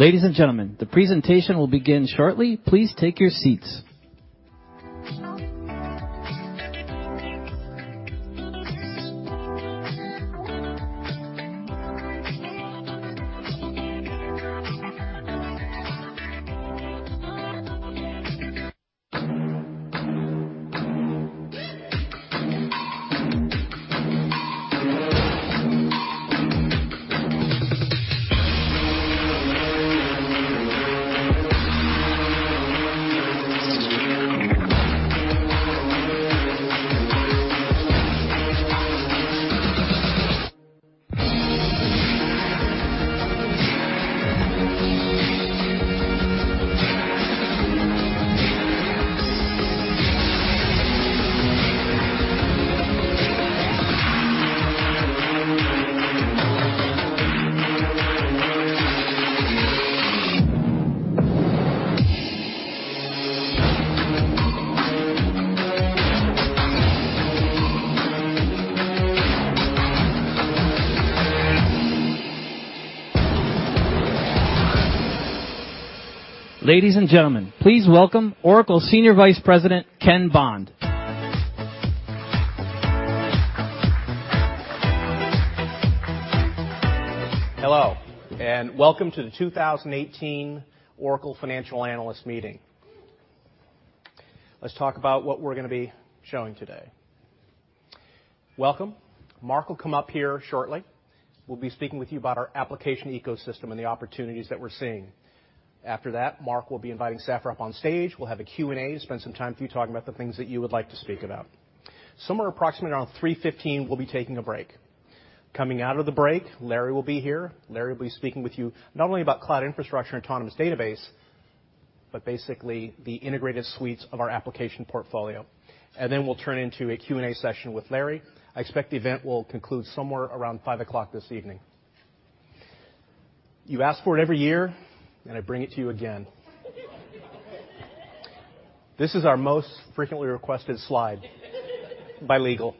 Ladies and gentlemen, the presentation will begin shortly. Please take your seats. Ladies and gentlemen, please welcome Oracle Senior Vice President, Ken Bond. Hello, welcome to the 2018 Oracle Financial Analyst Meeting. Let's talk about what we're going to be showing today. Welcome. Mark will come up here shortly. We'll be speaking with you about our application ecosystem and the opportunities that we're seeing. After that, Mark will be inviting Safra up on stage. We'll have a Q&A, spend some time with you talking about the things that you would like to speak about. Somewhere approximately around 3:15, we'll be taking a break. Coming out of the break, Larry will be here. Larry will be speaking with you not only about cloud infrastructure and Autonomous Database, but basically the integrated suites of our application portfolio. Then we'll turn into a Q&A session with Larry. I expect the event will conclude somewhere around five o'clock this evening. You ask for it every year, I bring it to you again. This is our most frequently requested slide by legal.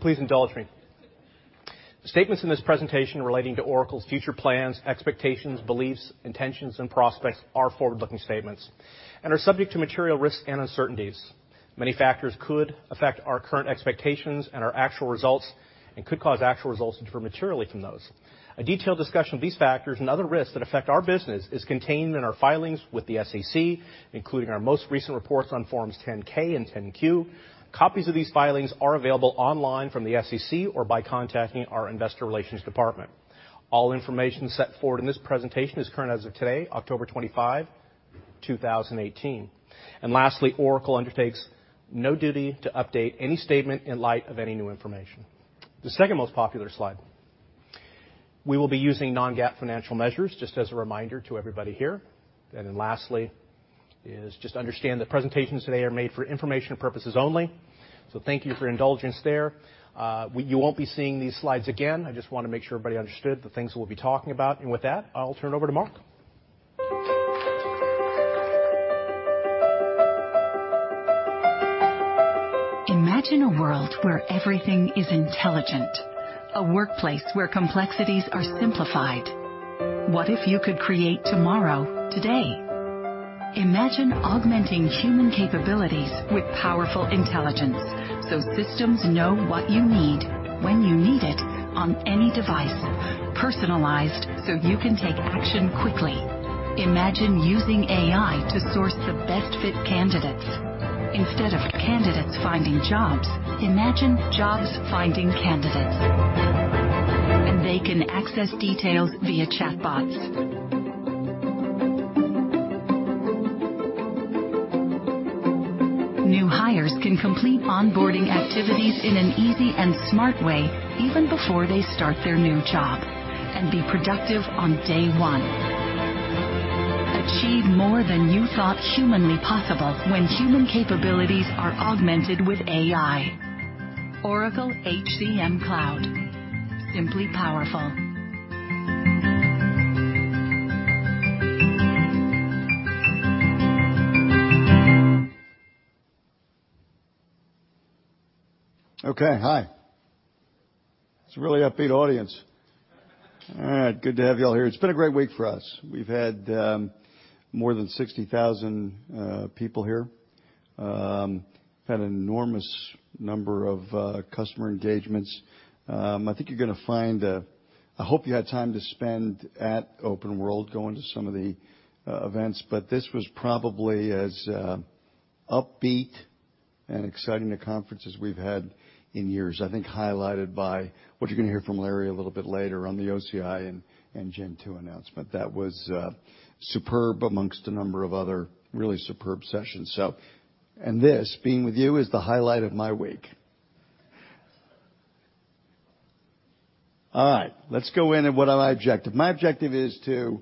Please indulge me. Statements in this presentation relating to Oracle's future plans, expectations, beliefs, intentions, and prospects are forward-looking statements and are subject to material risks and uncertainties. Many factors could affect our current expectations and our actual results and could cause actual results to differ materially from those. A detailed discussion of these factors and other risks that affect our business is contained in our filings with the SEC, including our most recent reports on Forms 10-K and 10-Q. Copies of these filings are available online from the SEC or by contacting our investor relations department. All information set forward in this presentation is current as of today, October 25, 2018. Lastly, Oracle undertakes no duty to update any statement in light of any new information. The second most popular slide. We will be using non-GAAP financial measures, just as a reminder to everybody here. Lastly is just understand the presentations today are made for information purposes only. Thank you for your indulgence there. You won't be seeing these slides again. I just want to make sure everybody understood the things we'll be talking about. With that, I'll turn it over to Mark. Imagine a world where everything is intelligent. A workplace where complexities are simplified. What if you could create tomorrow, today? Imagine augmenting human capabilities with powerful intelligence so systems know what you need, when you need it, on any device, personalized so you can take action quickly. Imagine using AI to source the best fit candidates. Instead of candidates finding jobs, imagine jobs finding candidates. They can access details via chatbots. New hires can complete onboarding activities in an easy and smart way, even before they start their new job, and be productive on day one. Achieve more than you thought humanly possible when human capabilities are augmented with AI. Oracle HCM Cloud, simply powerful. Hi. It's a really upbeat audience. Good to have you all here. It's been a great week for us. We've had more than 60,000 people here. We've had an enormous number of customer engagements. I think you're gonna find I hope you had time to spend at OpenWorld going to some of the events, but this was probably as upbeat and exciting a conference as we've had in years. I think highlighted by what you're gonna hear from Larry a little bit later on the OCI and Gen 2 announcement. That was superb amongst a number of other really superb sessions. This, being with you, is the highlight of my week. What are my objective? My objective is to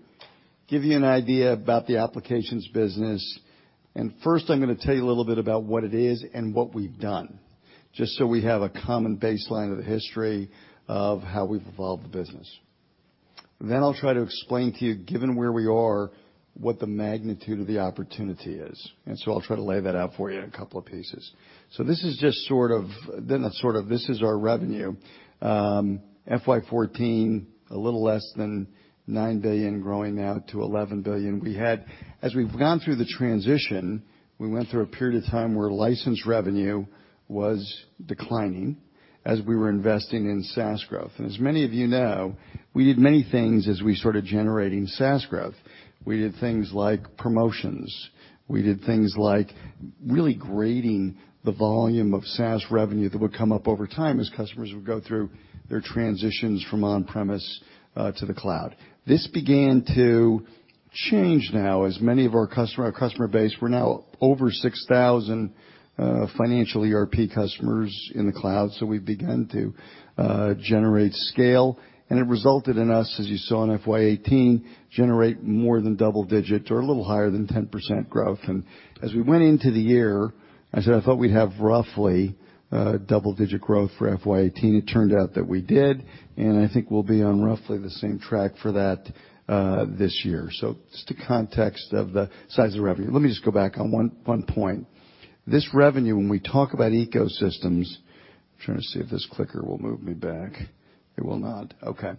give you an idea about the applications business. First, I'm gonna tell you a little bit about what it is and what we've done, just so we have a common baseline of the history of how we've evolved the business. Then I'll try to explain to you, given where we are, what the magnitude of the opportunity is. I'll try to lay that out for you in a couple of pieces. So this is just sort of, this is our revenue. FY 2014, a little less than $9 billion growing out to $11 billion. As we've gone through the transition, we went through a period of time where licensed revenue was declining as we were investing in SaaS growth. As many of you know, we did many things as we started generating SaaS growth. We did things like promotions. We did things like really grading the volume of SaaS revenue that would come up over time as customers would go through their transitions from on-premise to the cloud. This began to change now as many of our customer base, we're now over 6,000 financial ERP customers in the cloud. So we've begun to generate scale, and it resulted in us, as you saw in FY 2018, generate more than double digits or a little higher than 10% growth. As we went into the year, I said I thought we'd have roughly double-digit growth for FY 2018. It turned out that we did, and I think we'll be on roughly the same track for that this year. So just a context of the size of the revenue. Let me just go back on one point. This revenue, when we talk about ecosystems I'm trying to see if this clicker will move me back. It will not. Okay.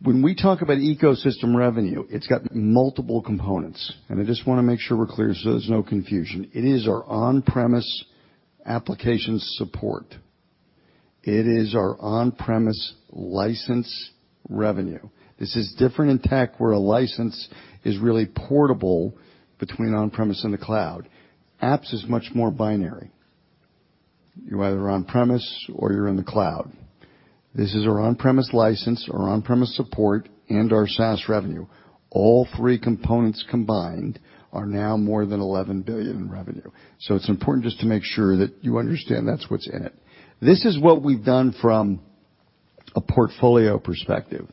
When we talk about ecosystem revenue, it's got multiple components, and I just want to make sure we're clear so there's no confusion. It is our on-premise application support. It is our on-premise license revenue. This is different in tech, where a license is really portable between on-premise and the cloud. Apps is much more binary. You're either on-premise or you're in the cloud. This is our on-premise license, our on-premise support, and our SaaS revenue. All three components combined are now more than $11 billion in revenue. It's important just to make sure that you understand that's what's in it. This is what we've done from a portfolio perspective.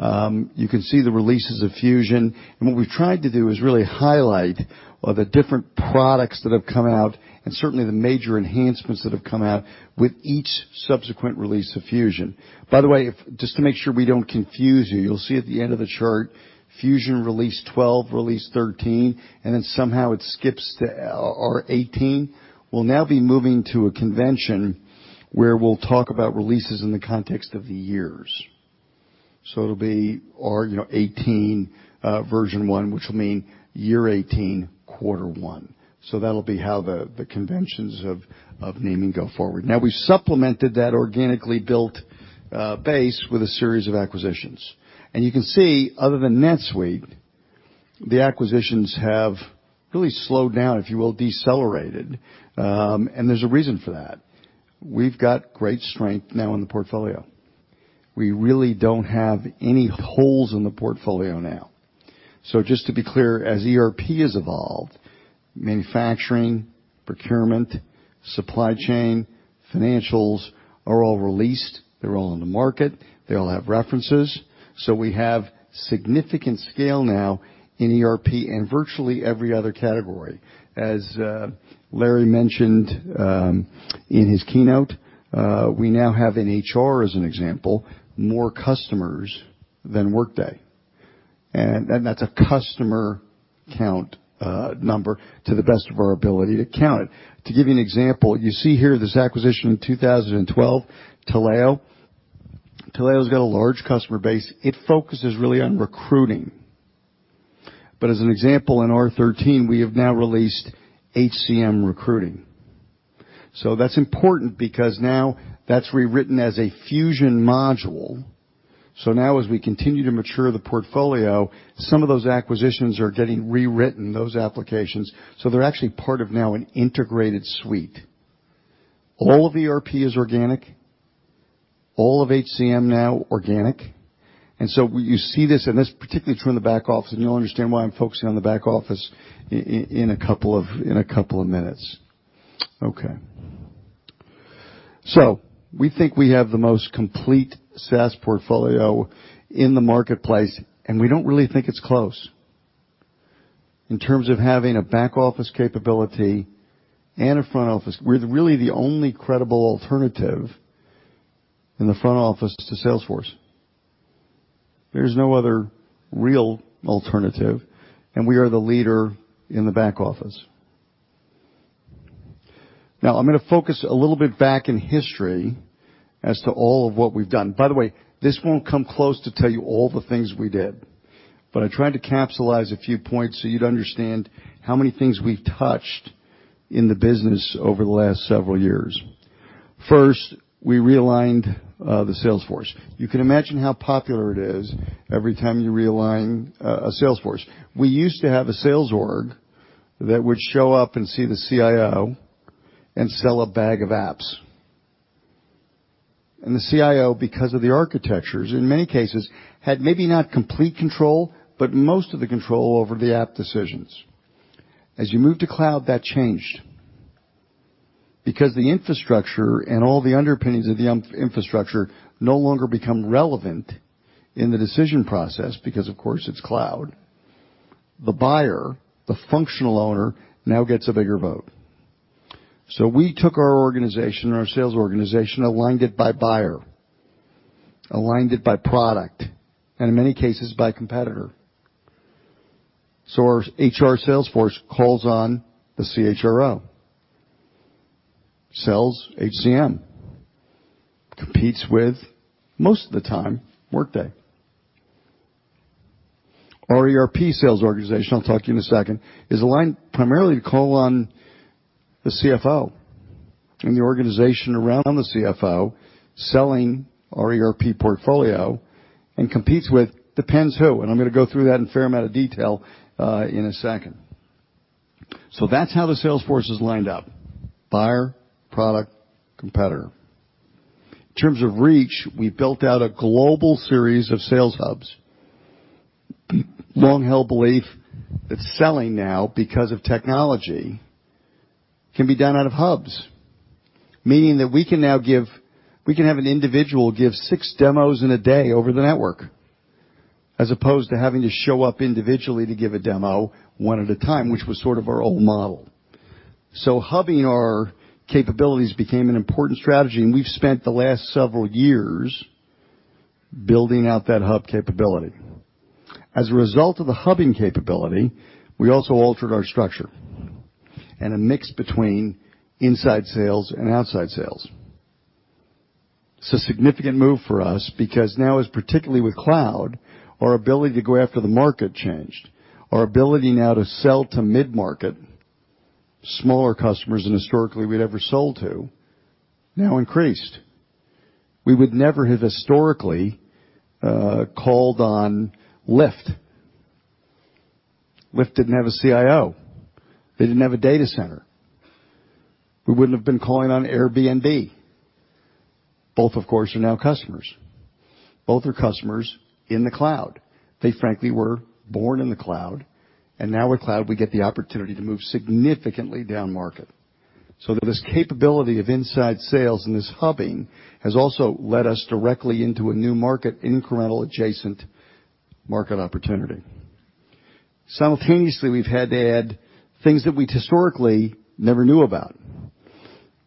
You can see the releases of Fusion, what we've tried to do is really highlight the different products that have come out, and certainly the major enhancements that have come out with each subsequent release of Fusion. By the way, just to make sure we don't confuse you'll see at the end of the chart, Fusion release 12, release 13, and then somehow it skips to R18. We'll now be moving to a convention where we'll talk about releases in the context of the years. It'll be R18 version one, which will mean year 18, quarter one. That'll be how the conventions of naming go forward. We've supplemented that organically built base with a series of acquisitions. You can see, other than NetSuite, the acquisitions have really slowed down, if you will, decelerated, and there's a reason for that. We've got great strength now in the portfolio. We really don't have any holes in the portfolio now. Just to be clear, as ERP has evolved, manufacturing, procurement, supply chain, financials are all released. They're all on the market. They all have references. We have significant scale now in ERP and virtually every other category. As Larry mentioned in his keynote, we now have in HR, as an example, more customers than Workday. That's a customer count number to the best of our ability to count it. To give you an example, you see here this acquisition in 2012, Taleo. Taleo's got a large customer base. It focuses really on recruiting. As an example, in R13, we have now released HCM Recruiting. That's important because now that's rewritten as a Fusion module. Now as we continue to mature the portfolio, some of those acquisitions are getting rewritten, those applications, so they're actually part of now an integrated suite. All of ERP is organic, all of HCM now organic. You see this, and this is particularly true in the back office, and you'll understand why I'm focusing on the back office in a couple of minutes. Okay. We think we have the most complete SaaS portfolio in the marketplace, and we don't really think it's close. In terms of having a back-office capability and a front office, we're really the only credible alternative in the front office to Salesforce. There's no other real alternative, and we are the leader in the back office. I'm going to focus a little bit back in history as to all of what we've done. By the way, this won't come close to tell you all the things we did. I tried to capsulize a few points so you'd understand how many things we've touched in the business over the last several years. First, we realigned the sales force. You can imagine how popular it is every time you realign a sales force. We used to have a sales org that would show up and see the CIO and sell a bag of apps. The CIO, because of the architectures, in many cases, had maybe not complete control, but most of the control over the app decisions. As you move to cloud, that changed. Because the infrastructure and all the underpinnings of the infrastructure no longer become relevant in the decision process, because of course, it's cloud. The buyer, the functional owner, now gets a bigger vote. We took our organization, our sales organization, aligned it by buyer, aligned it by product, and in many cases, by competitor. Our HR sales force calls on the CHRO. Sales, HCM. Competes with, most of the time, Workday. Our ERP sales organization, I'll talk to you in a second, is aligned primarily to call on the CFO and the organization around the CFO, selling our ERP portfolio, and competes with, depends who, I'm going to go through that in a fair amount of detail in a second. That's how the sales force is lined up, buyer, product, competitor. In terms of reach, we built out a global series of sales hubs. Long-held belief that selling now, because of technology, can be done out of hubs, meaning that we can have an individual give six demos in a day over the network, as opposed to having to show up individually to give a demo one at a time, which was sort of our old model. Hubbing our capabilities became an important strategy, and we've spent the last several years building out that hub capability. As a result of the hubbing capability, we also altered our structure in a mix between inside sales and outside sales. It's a significant move for us because now, particularly with cloud, our ability to go after the market changed. Our ability now to sell to mid-market, smaller customers than historically we'd ever sold to, now increased. We would never have historically, called on Lyft. Lyft didn't have a CIO. They didn't have a data center. We wouldn't have been calling on Airbnb. Both, of course, are now customers. Both are customers in the cloud. They frankly were born in the cloud, now with cloud, we get the opportunity to move significantly down market, so that this capability of inside sales and this hubbing has also led us directly into a new market, incremental adjacent market opportunity. Simultaneously, we've had to add things that we historically never knew about.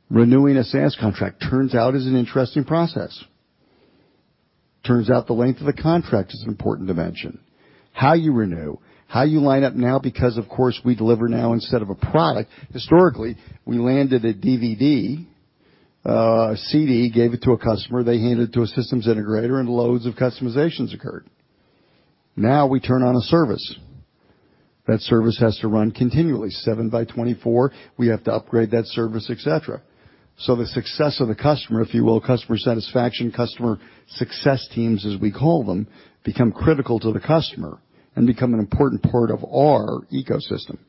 Renewing a sales contract turns out is an interesting process. Turns out the length of a contract is an important dimension. How you renew, how you line up now because, of course, we deliver now instead of a product. Historically, we landed a DVD, a CD, gave it to a customer, they hand it to a systems integrator, loads of customizations occurred. Now we turn on a service. That service has to run continually, 7 by 24. We have to upgrade that service, et cetera. The success of the customer, if you will, customer satisfaction, customer success teams, as we call them, become critical to the customer and become an important part of our ecosystem.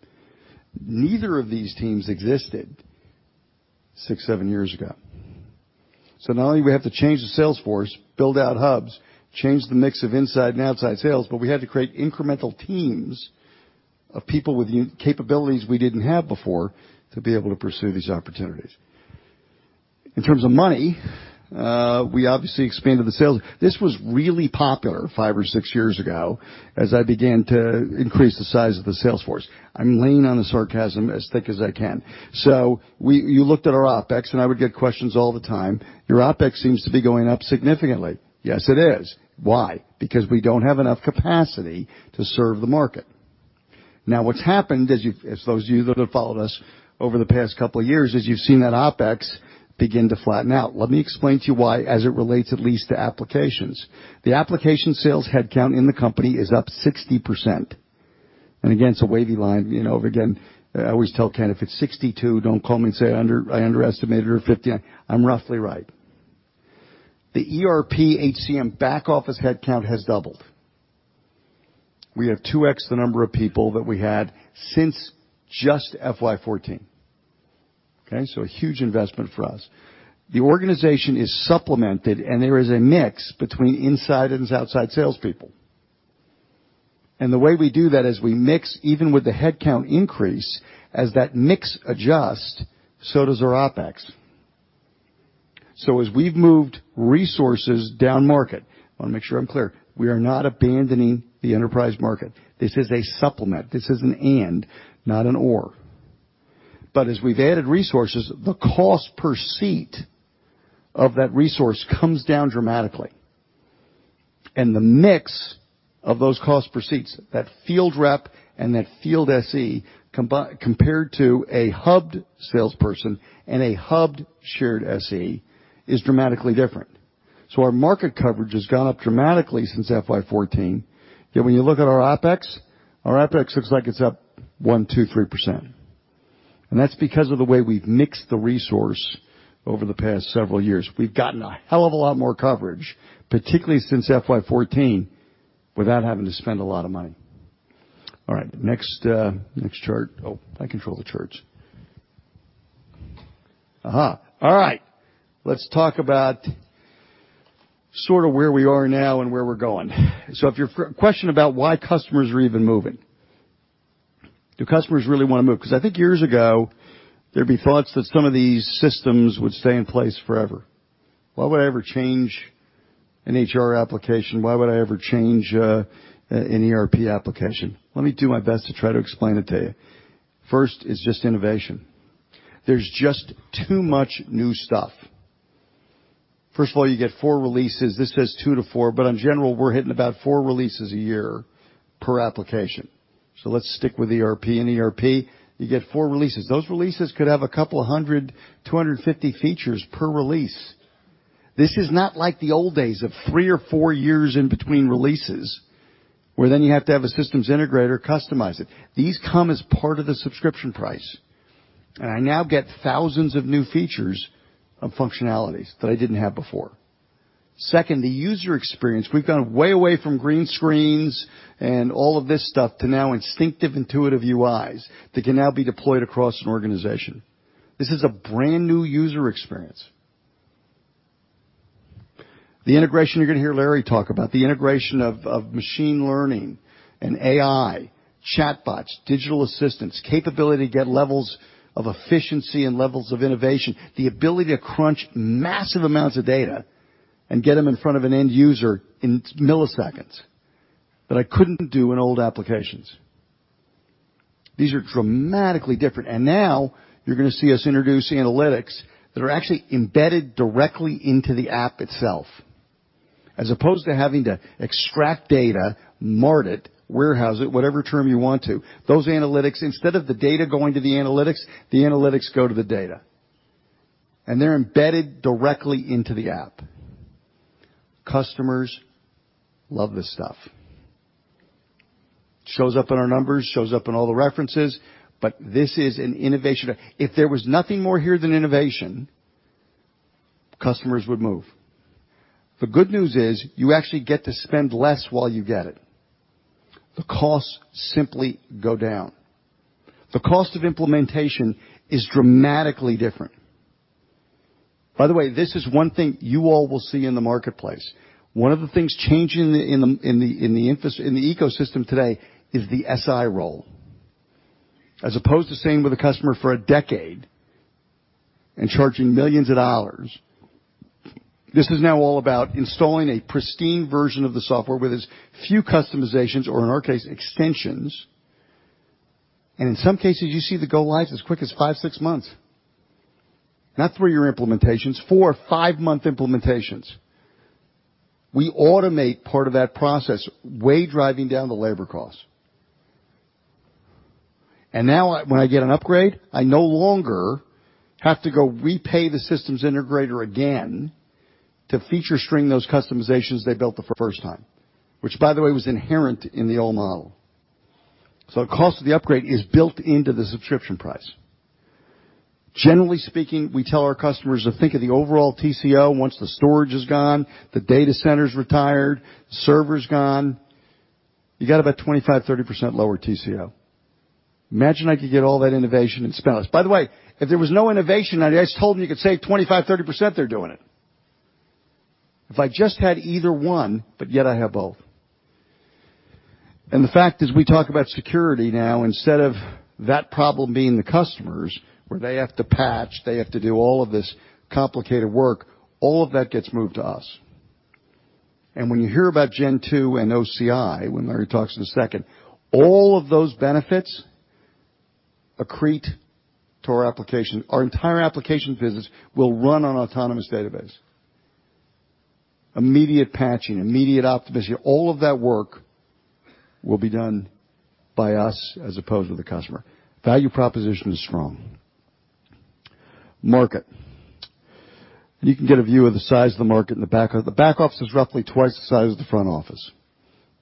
Neither of these teams existed six, seven years ago. Not only do we have to change the sales force, build out hubs, change the mix of inside and outside sales, but we had to create incremental teams of people with capabilities we didn't have before to be able to pursue these opportunities. In terms of money, we obviously expanded the sales. This was really popular five or six years ago as I began to increase the size of the sales force. I'm laying on the sarcasm as thick as I can. You looked at our OpEx, and I would get questions all the time. "Your OpEx seems to be going up significantly." Yes, it is. Why? Because we don't have enough capacity to serve the market. Now, what's happened as those of you that have followed us over the past couple of years is you've seen that OpEx begin to flatten out. Let me explain to you why, as it relates at least to applications. The application sales headcount in the company is up 60%. Again, it's a wavy line. I always tell Ken, if it's 62, don't call me and say I underestimated, or 59. I'm roughly right. The ERP HCM back office headcount has doubled. We have 2X the number of people that we had since just FY 2014. Okay. A huge investment for us. The organization is supplemented, and there is a mix between inside and outside salespeople. The way we do that is we mix even with the headcount increase, as that mix adjusts, so does our OpEx. As we've moved resources down market, I want to make sure I'm clear, we are not abandoning the enterprise market. This is a supplement. This is an and, not an or. As we've added resources, the cost per seat of that resource comes down dramatically. The mix of those cost per seats, that field rep and that field SE compared to a hubbed salesperson and a hubbed shared SE, is dramatically different. Our market coverage has gone up dramatically since FY 2014. Yet when you look at our OpEx, our OpEx looks like it's up 1%, 2%, 3%. That's because of the way we've mixed the resource over the past several years. We've gotten a hell of a lot more coverage, particularly since FY 2014, without having to spend a lot of money. All right. Next chart. Oh, I control the charts. A-ha. All right. Let's talk about sort of where we are now and where we're going. If your question about why customers are even moving. Do customers really want to move? Because I think years ago, there'd be thoughts that some of these systems would stay in place forever. Why would I ever change an HR application, why would I ever change an ERP application? Let me do my best to try to explain it to you. First, it's just innovation. There's just too much new stuff. First of all, you get four releases. This says two to four, but in general, we are hitting about four releases a year per application. Let's stick with ERP. In ERP, you get four releases. Those releases could have a couple of hundred, 250 features per release. This is not like the old days of three or four years in between releases, where you have to have a systems integrator customize it. These come as part of the subscription price. I now get thousands of new features of functionalities that I didn't have before. Second, the user experience. We have gone way away from green screens and all of this stuff to now instinctive, intuitive UIs that can now be deployed across an organization. This is a brand-new user experience. The integration, you are going to hear Larry talk about. The integration of machine learning and AI, chatbots, digital assistants, capability to get levels of efficiency and levels of innovation, the ability to crunch massive amounts of data and get them in front of an end user in milliseconds that I couldn't do in old applications. These are dramatically different. Now you are going to see us introduce analytics that are actually embedded directly into the app itself, as opposed to having to extract data, mart it, warehouse it, whatever term you want to. Those analytics, instead of the data going to the analytics, the analytics go to the data. They are embedded directly into the app. Customers love this stuff. Shows up in our numbers, shows up in all the references, this is an innovation. If there was nothing more here than innovation, customers would move. The good news is you actually get to spend less while you get it. The costs simply go down. The cost of implementation is dramatically different. By the way, this is one thing you all will see in the marketplace. One of the things changing in the ecosystem today is the SI role. As opposed to staying with a customer for a decade and charging millions of dollars, this is now all about installing a pristine version of the software with as few customizations, or in our case, extensions. In some cases, you see the go-lives as quick as five, six months. Not three-year implementations, four- or five-month implementations. We automate part of that process, way driving down the labor cost. Now when I get an upgrade, I no longer have to go repay the systems integrator again to feature string those customizations they built the first time, which by the way, was inherent in the old model. The cost of the upgrade is built into the subscription price. Generally speaking, we tell our customers to think of the overall TCO once the storage is gone, the data center's retired, server's gone. You got about 25%, 30% lower TCO. Imagine I could get all that innovation and spend less. By the way, if there was no innovation, I just told them you could save 25%, 30%, they are doing it. If I just had either one, I have both. The fact is, we talk about security now, instead of that problem being the customers, where they have to patch, they have to do all of this complicated work, all of that gets moved to us. When you hear about Gen 2 and OCI, when Larry talks in a second, all of those benefits accrete to our application. Our entire applications business will run on autonomous database. Immediate patching, immediate optimization. All of that work will be done by us as opposed to the customer. Value proposition is strong. Market. You can get a view of the size of the market and the back office. The back office is roughly twice the size of the front office.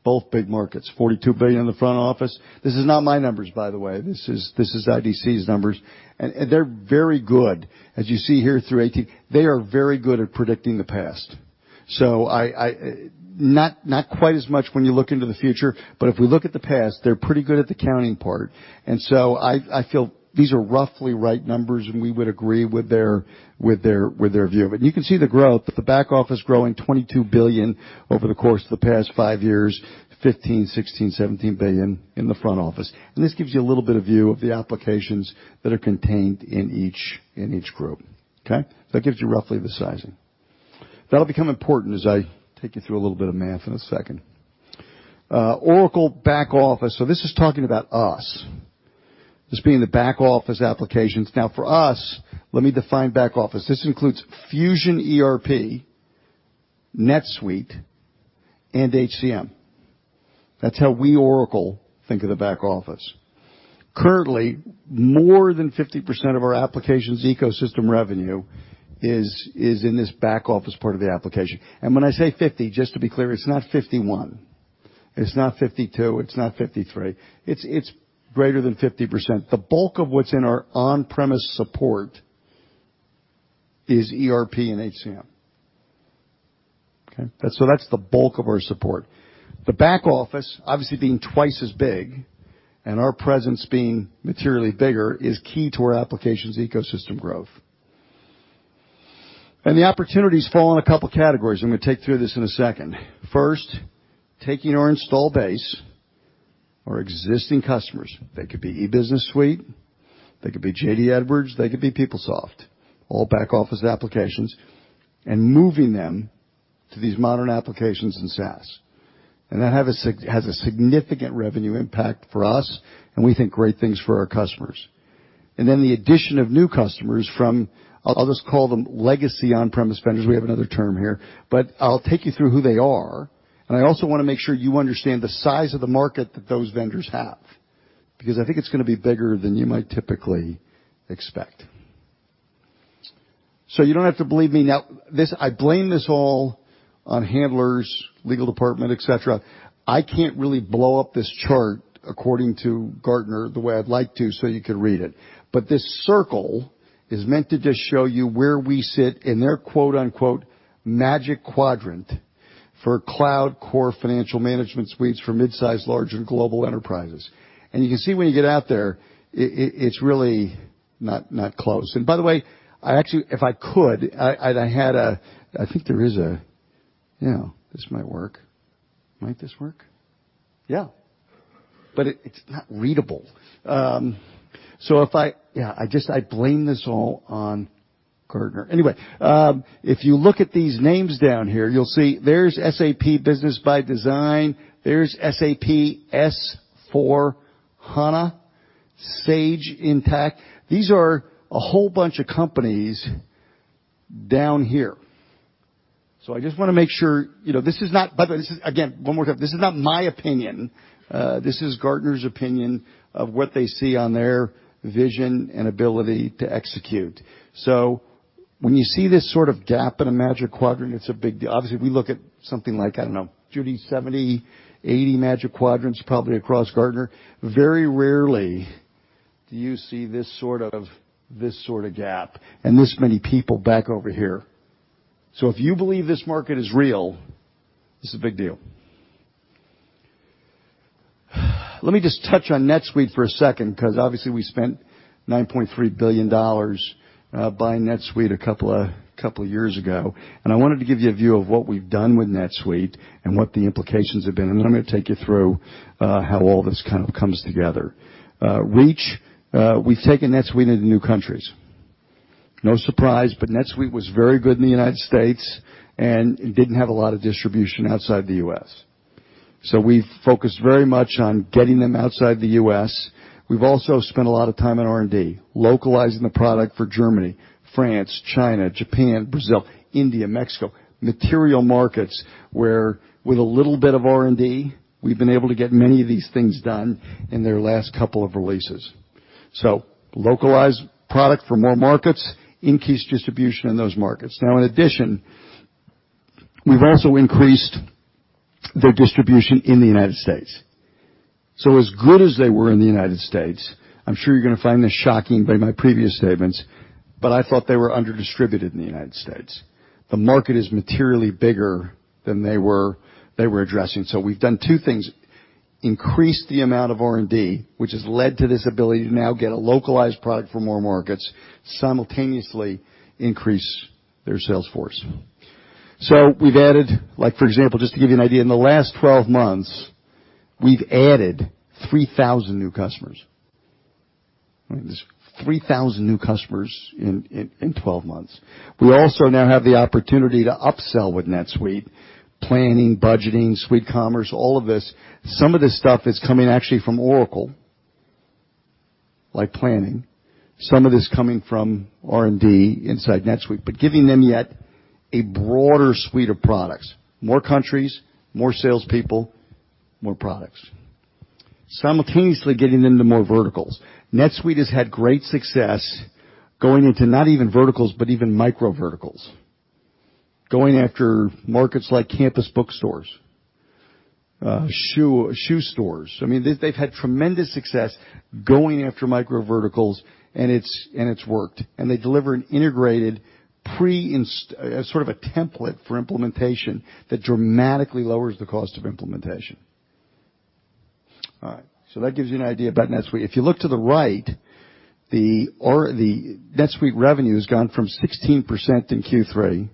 Both big markets, $42 billion in the front office. This is not my numbers, by the way. This is IDC's numbers. They're very good. As you see here through 2018, they are very good at predicting the past. Not quite as much when you look into the future, but if we look at the past, they're pretty good at the counting part. I feel these are roughly right numbers, and we would agree with their view of it. You can see the growth, with the back office growing $22 billion over the course of the past five years, $15 billion, $16 billion, $17 billion in the front office. This gives you a little bit of view of the applications that are contained in each group. Okay? That gives you roughly the sizing. That'll become important as I take you through a little bit of math in a second. Oracle back office. This is talking about us, this being the back-office applications. For us, let me define back office. This includes Fusion ERP, NetSuite, and HCM. That's how we, Oracle, think of the back office. Currently, more than 50% of our application's ecosystem revenue is in this back-office part of the application. When I say 50, just to be clear, it's not 51, it's not 52, it's not 53. It's greater than 50%. The bulk of what's in our on-premise support is ERP and HCM. Okay? That's the bulk of our support. The back office, obviously being twice as big, and our presence being materially bigger, is key to our application's ecosystem growth. The opportunities fall in a couple categories. I'm going to take through this in a second. First, taking our install base, our existing customers, they could be E-Business Suite, they could be J.D. Edwards, they could be PeopleSoft, all back-office applications, and moving them to these modern applications in SaaS. That has a significant revenue impact for us, and we think great things for our customers. The addition of new customers from, I'll just call them legacy on-premise vendors. We have another term here. I'll take you through who they are, and I also want to make sure you understand the size of the market that those vendors have, because I think it's going to be bigger than you might typically expect. You don't have to believe me. I blame this all on handlers, legal department, et cetera. I can't really blow up this chart according to Gartner the way I'd like to so you could read it. This circle is meant to just show you where we sit in their "Magic Quadrant" for cloud core financial management suites for midsize, large, and global enterprises. You can see when you get out there, it's really not close. By the way, if I could, I think there is a This might work. Might this work? Yeah. It's not readable. I blame this all on Gartner. If you look at these names down here, you'll see there's SAP Business ByDesign, there's SAP S/4HANA, Sage Intacct. These are a whole bunch of companies down here. I just want to make sure. Again, one more time, this is not my opinion. This is Gartner's opinion of what they see on their vision and ability to execute. When you see this sort of gap in a Magic Quadrant, it's a big deal. Obviously, we look at something like, I don't know, Judy, 70, 80 Magic Quadrants probably across Gartner. Very rarely do you see this sort of gap and this many people back over here. If you believe this market is real, this is a big deal. Let me just touch on NetSuite for a second, because obviously we spent $9.3 billion buying NetSuite a couple of years ago. I wanted to give you a view of what we've done with NetSuite and what the implications have been. Then I'm going to take you through how all this kind of comes together. Reach. We've taken NetSuite into new countries. No surprise, but NetSuite was very good in the United States and didn't have a lot of distribution outside the U.S. We focused very much on getting them outside the U.S. We've also spent a lot of time on R&D, localizing the product for Germany, France, China, Japan, Brazil, India, Mexico. Material markets, where with a little bit of R&D, we've been able to get many of these things done in their last couple of releases. Localized product for more markets, increased distribution in those markets. Now, in addition, we've also increased their distribution in the United States. As good as they were in the United States, I'm sure you're going to find this shocking by my previous statements, but I thought they were under-distributed in the United States. The market is materially bigger than they were addressing. We've done two things, increased the amount of R&D, which has led to this ability to now get a localized product for more markets, simultaneously increase their sales force. We've added, for example, just to give you an idea, in the last 12 months, we've added 3,000 new customers. There's 3,000 new customers in 12 months. We also now have the opportunity to upsell with NetSuite, planning, budgeting, SuiteCommerce, all of this. Some of this stuff is coming actually from Oracle, like planning. Some of it is coming from R&D inside NetSuite. Giving them yet a broader suite of products, more countries, more salespeople, more products. Simultaneously getting into more verticals. NetSuite has had great success going into not even verticals, but even micro verticals. Going after markets like campus bookstores, shoe stores. They've had tremendous success going after micro verticals, it's worked. They deliver an integrated sort of a template for implementation that dramatically lowers the cost of implementation. All right. That gives you an idea about NetSuite. If you look to the right, the NetSuite revenue has gone from 16% in Q3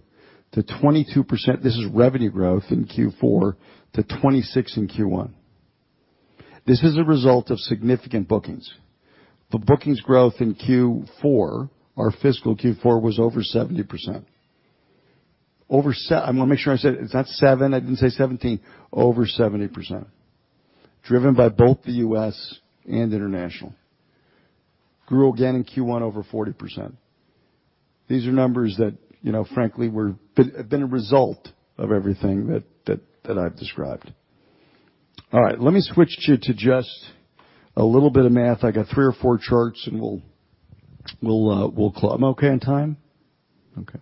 to 22%, this is revenue growth, in Q4, to 26% in Q1. This is a result of significant bookings. The bookings growth in Q4, our fiscal Q4, was over 70%. I want to make sure I said, it's not seven, I didn't say 17. Over 70%, driven by both the U.S. and international. Grew again in Q1 over 40%. These are numbers that, frankly, have been a result of everything that I've described. All right. Let me switch you to just a little bit of math. I got three or four charts, and we'll close. I'm okay on time? Okay.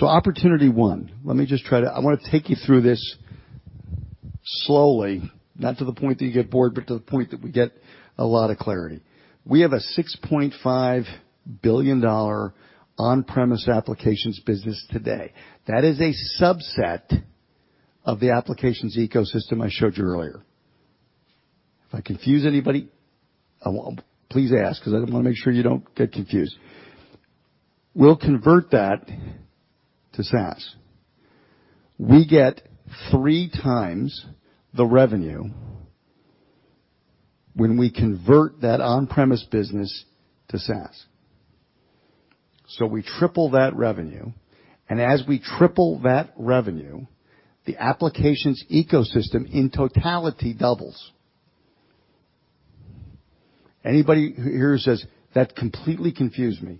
Opportunity 1. I want to take you through this slowly, not to the point that you get bored, but to the point that we get a lot of clarity. We have a $6.5 billion on-premise applications business today. That is a subset of the applications ecosystem I showed you earlier. If I confuse anybody, please ask, because I want to make sure you don't get confused. We'll convert that to SaaS. We get three times the revenue when we convert that on-premise business to SaaS. We triple that revenue, and as we triple that revenue, the applications ecosystem in totality doubles. Anybody here who says, "That completely confused me.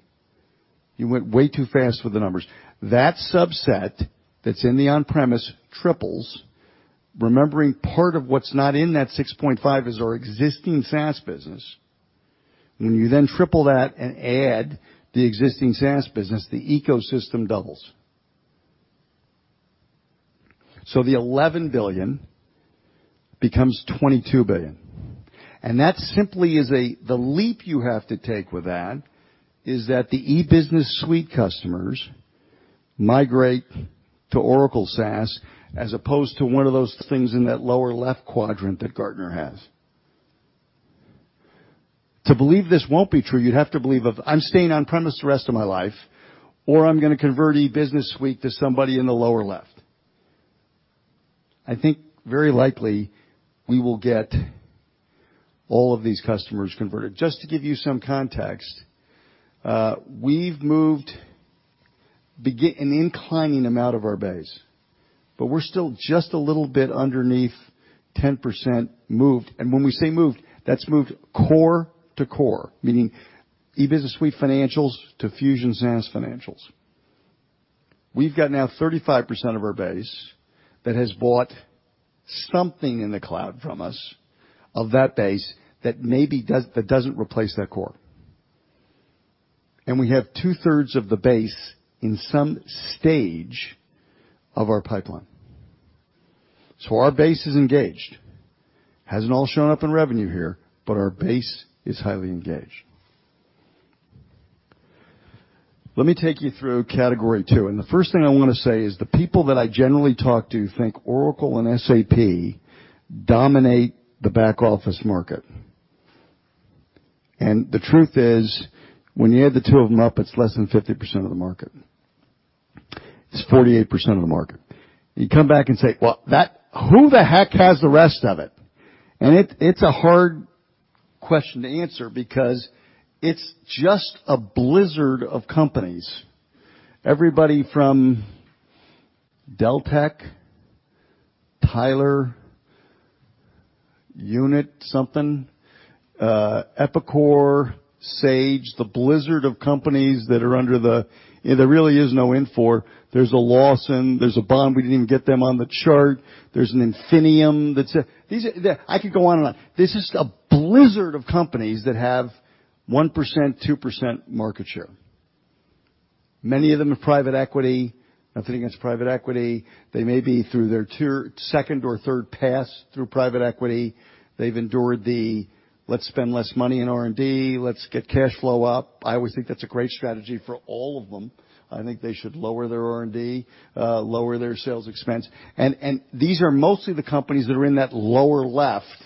You went way too fast with the numbers." That subset that's in the on-premise triples, remembering part of what's not in that $6.5 is our existing SaaS business. When you then triple that and add the existing SaaS business, the ecosystem doubles. So the $11 billion becomes $22 billion. That simply is, the leap you have to take with that is that the E-Business Suite customers migrate to Oracle SaaS as opposed to one of those things in that lower left quadrant that Gartner has. To believe this won't be true, you'd have to believe, "I'm staying on-premise the rest of my life," or, "I'm going to convert E-Business Suite to somebody in the lower left." I think very likely we will get all of these customers converted. Just to give you some context, we've moved, an inclining amount of our base. We're still just a little bit underneath 10% moved. When we say moved, that's moved core to core, meaning E-Business Suite financials to Fusion SaaS financials. We've got now 35% of our base that has bought something in the cloud from us of that base that doesn't replace that core. We have two-thirds of the base in some stage of our pipeline. Our base is engaged. Hasn't all shown up in revenue here, but our base is highly engaged. Let me take you through category 2. The first thing I want to say is the people that I generally talk to think Oracle and SAP dominate the back-office market. The truth is, when you add the two of them up, it's less than 50% of the market. It's 48% of the market. You come back and say, "Well, who the heck has the rest of it?" It's a hard question to answer because it's just a blizzard of companies. Everybody from Deltek, Tyler, Unit4, Epicor, Sage, the blizzard of companies that are under the There really is no Infor. There's a Lawson, there's a Baan we didn't even get them on the chart. There's an Infinium. I could go on and on. This is a blizzard of companies that have 1%, 2% market share. Many of them are private equity. Nothing against private equity. They may be through their second or third pass through private equity. They've endured the, "Let's spend less money in R&D. Let's get cash flow up." I always think that's a great strategy for all of them. I think they should lower their R&D, lower their sales expense. These are mostly the companies that are in that lower left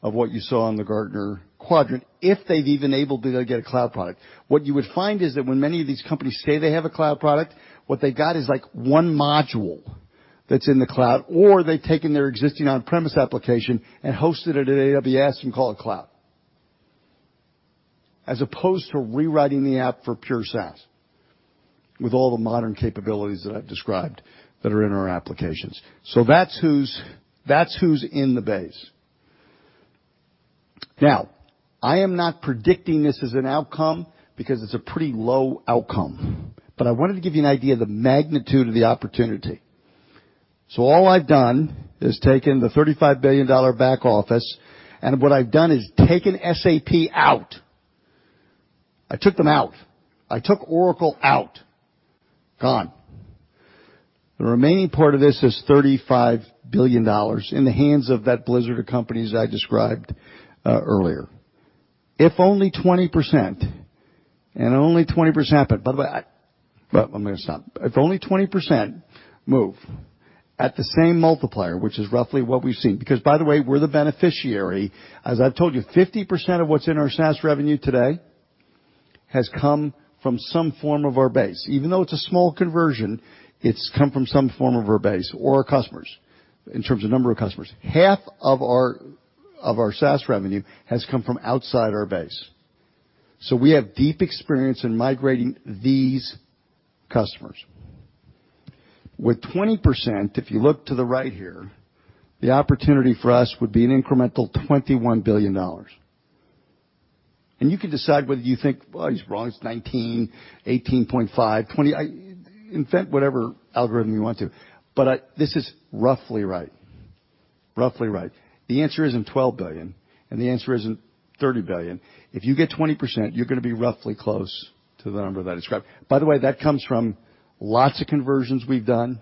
of what you saw on the Gartner quadrant, if they've even able to go get a cloud product. What you would find is that when many of these companies say they have a cloud product, what they got is like one module that's in the cloud, or they've taken their existing on-premise application and hosted it at AWS and call it cloud. As opposed to rewriting the app for pure SaaS with all the modern capabilities that I've described that are in our applications. That's who's in the base. I am not predicting this as an outcome because it's a pretty low outcome. I wanted to give you an idea of the magnitude of the opportunity. All I've done is taken the $35 billion back office, and what I've done is taken SAP out. I took them out. I took Oracle out, gone. The remaining part of this is $35 billion in the hands of that blizzard of companies I described earlier. If only 20%, and only 20% happen. By the way, I'm going to stop. If only 20% move at the same multiplier, which is roughly what we've seen. By the way, we're the beneficiary. As I've told you, 50% of what's in our SaaS revenue today has come from some form of our base. Even though it's a small conversion, it's come from some form of our base or our customers, in terms of number of customers. Half of our SaaS revenue has come from outside our base. We have deep experience in migrating these customers. With 20%, if you look to the right here, the opportunity for us would be an incremental $21 billion. You can decide whether you think, "Well, he's wrong, it's 19, 18.5, 20." Invent whatever algorithm you want to. This is roughly right. The answer isn't $12 billion, and the answer isn't $30 billion. If you get 20%, you're going to be roughly close to the number that I described. By the way, that comes from lots of conversions we've done,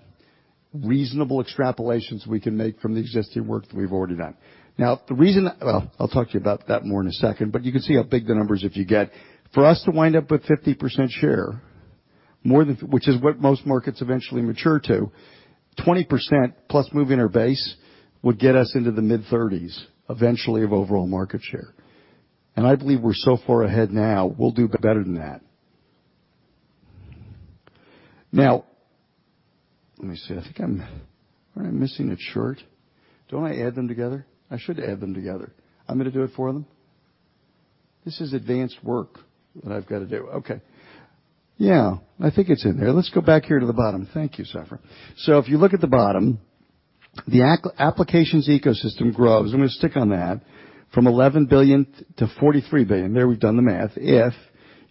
reasonable extrapolations we can make from the existing work that we've already done. The reason-- Well, I'll talk to you about that more in a second, but you can see how big the numbers if you get. For us to wind up with 50% share More than-- which is what most markets eventually mature to, 20% plus moving our base would get us into the mid-30s eventually of overall market share. I believe we're so far ahead now, we'll do better than that. Let me see. I think I'm Am I missing a chart? Don't I add them together? I should add them together. I'm going to do it for them. This is advanced work that I've got to do. Okay. Yeah, I think it's in there. Let's go back here to the bottom. Thank you, Safra. If you look at the bottom, the applications ecosystem grows, I'm going to stick on that, from $11 billion to $43 billion, there we've done the math, if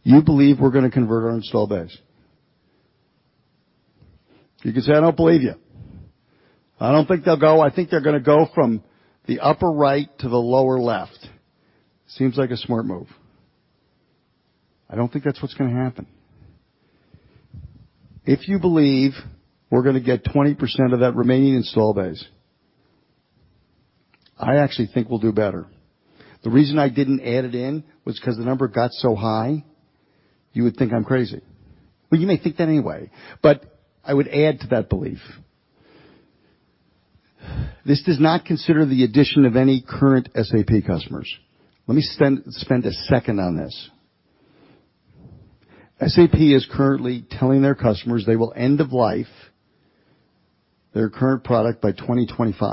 you believe we're going to convert our install base. You can say, "I don't believe you. I don't think they'll go. I think they're going to go from the upper right to the lower left." Seems like a smart move. I don't think that's what's going to happen. If you believe we're going to get 20% of that remaining install base, I actually think we'll do better. The reason I didn't add it in was because the number got so high you would think I'm crazy. Well, you may think that anyway, but I would add to that belief. This does not consider the addition of any current SAP customers. Let me spend a second on this. SAP is currently telling their customers they will end of life their current product by 2025.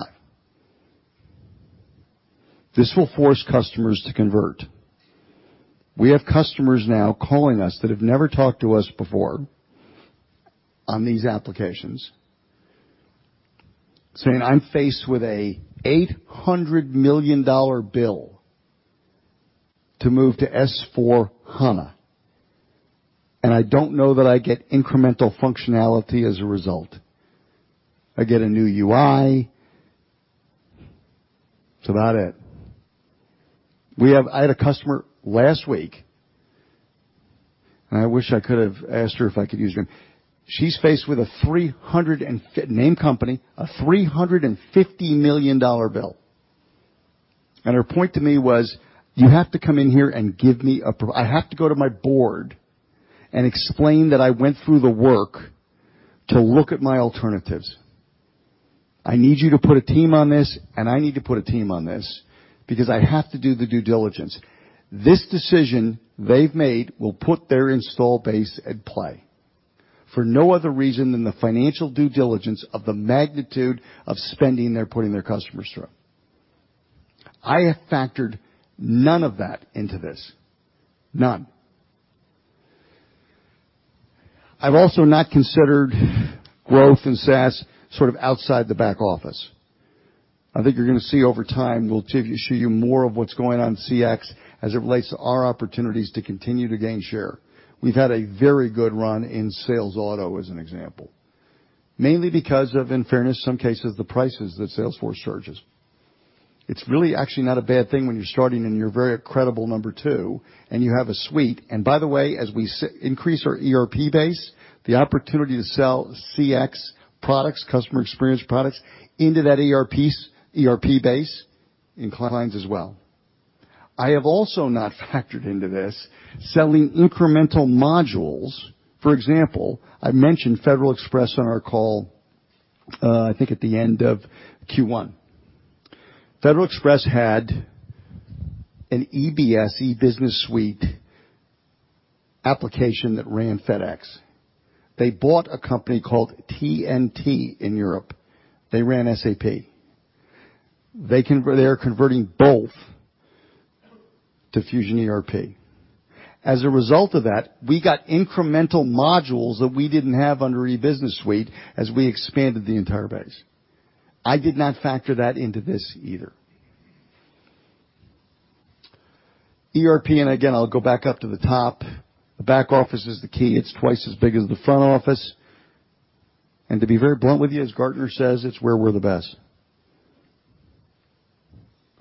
This will force customers to convert. We have customers now calling us that have never talked to us before on these applications, saying, "I'm faced with an $800 million bill to move to S/4HANA, and I don't know that I get incremental functionality as a result. I get a new UI. That's about it." I had a customer last week, and I wish I could have asked her if I could use her. She's faced with a name company, a $350 million bill. Her point to me was, "You have to come in here and give me. I have to go to my board and explain that I went through the work to look at my alternatives. I need you to put a team on this, and I need to put a team on this because I have to do the due diligence." This decision they've made will put their install base at play for no other reason than the financial due diligence of the magnitude of spending they're putting their customers through. I have factored none of that into this, none. I've also not considered growth in SaaS sort of outside the back office. I think you're going to see over time, we'll show you more of what's going on in CX as it relates to our opportunities to continue to gain share. We've had a very good run in sales auto, as an example. Mainly because of, in fairness, some cases, the prices that Salesforce charges. It's really actually not a bad thing when you're starting and you're a very credible number two, and you have a suite. By the way, as we increase our ERP base, the opportunity to sell CX products, customer experience products, into that ERP base inclines as well. I have also not factored into this selling incremental modules. For example, I mentioned Federal Express on our call, I think at the end of Q1. Federal Express had an EBS, E-Business Suite application that ran FedEx. They bought a company called TNT in Europe. They ran SAP. They're converting both to Fusion ERP. As a result of that, we got incremental modules that we didn't have under E-Business Suite as we expanded the entire base. I did not factor that into this either. ERP, again, I'll go back up to the top. The back office is the key. It's twice as big as the front office. To be very blunt with you, as Gartner says, it's where we're the best.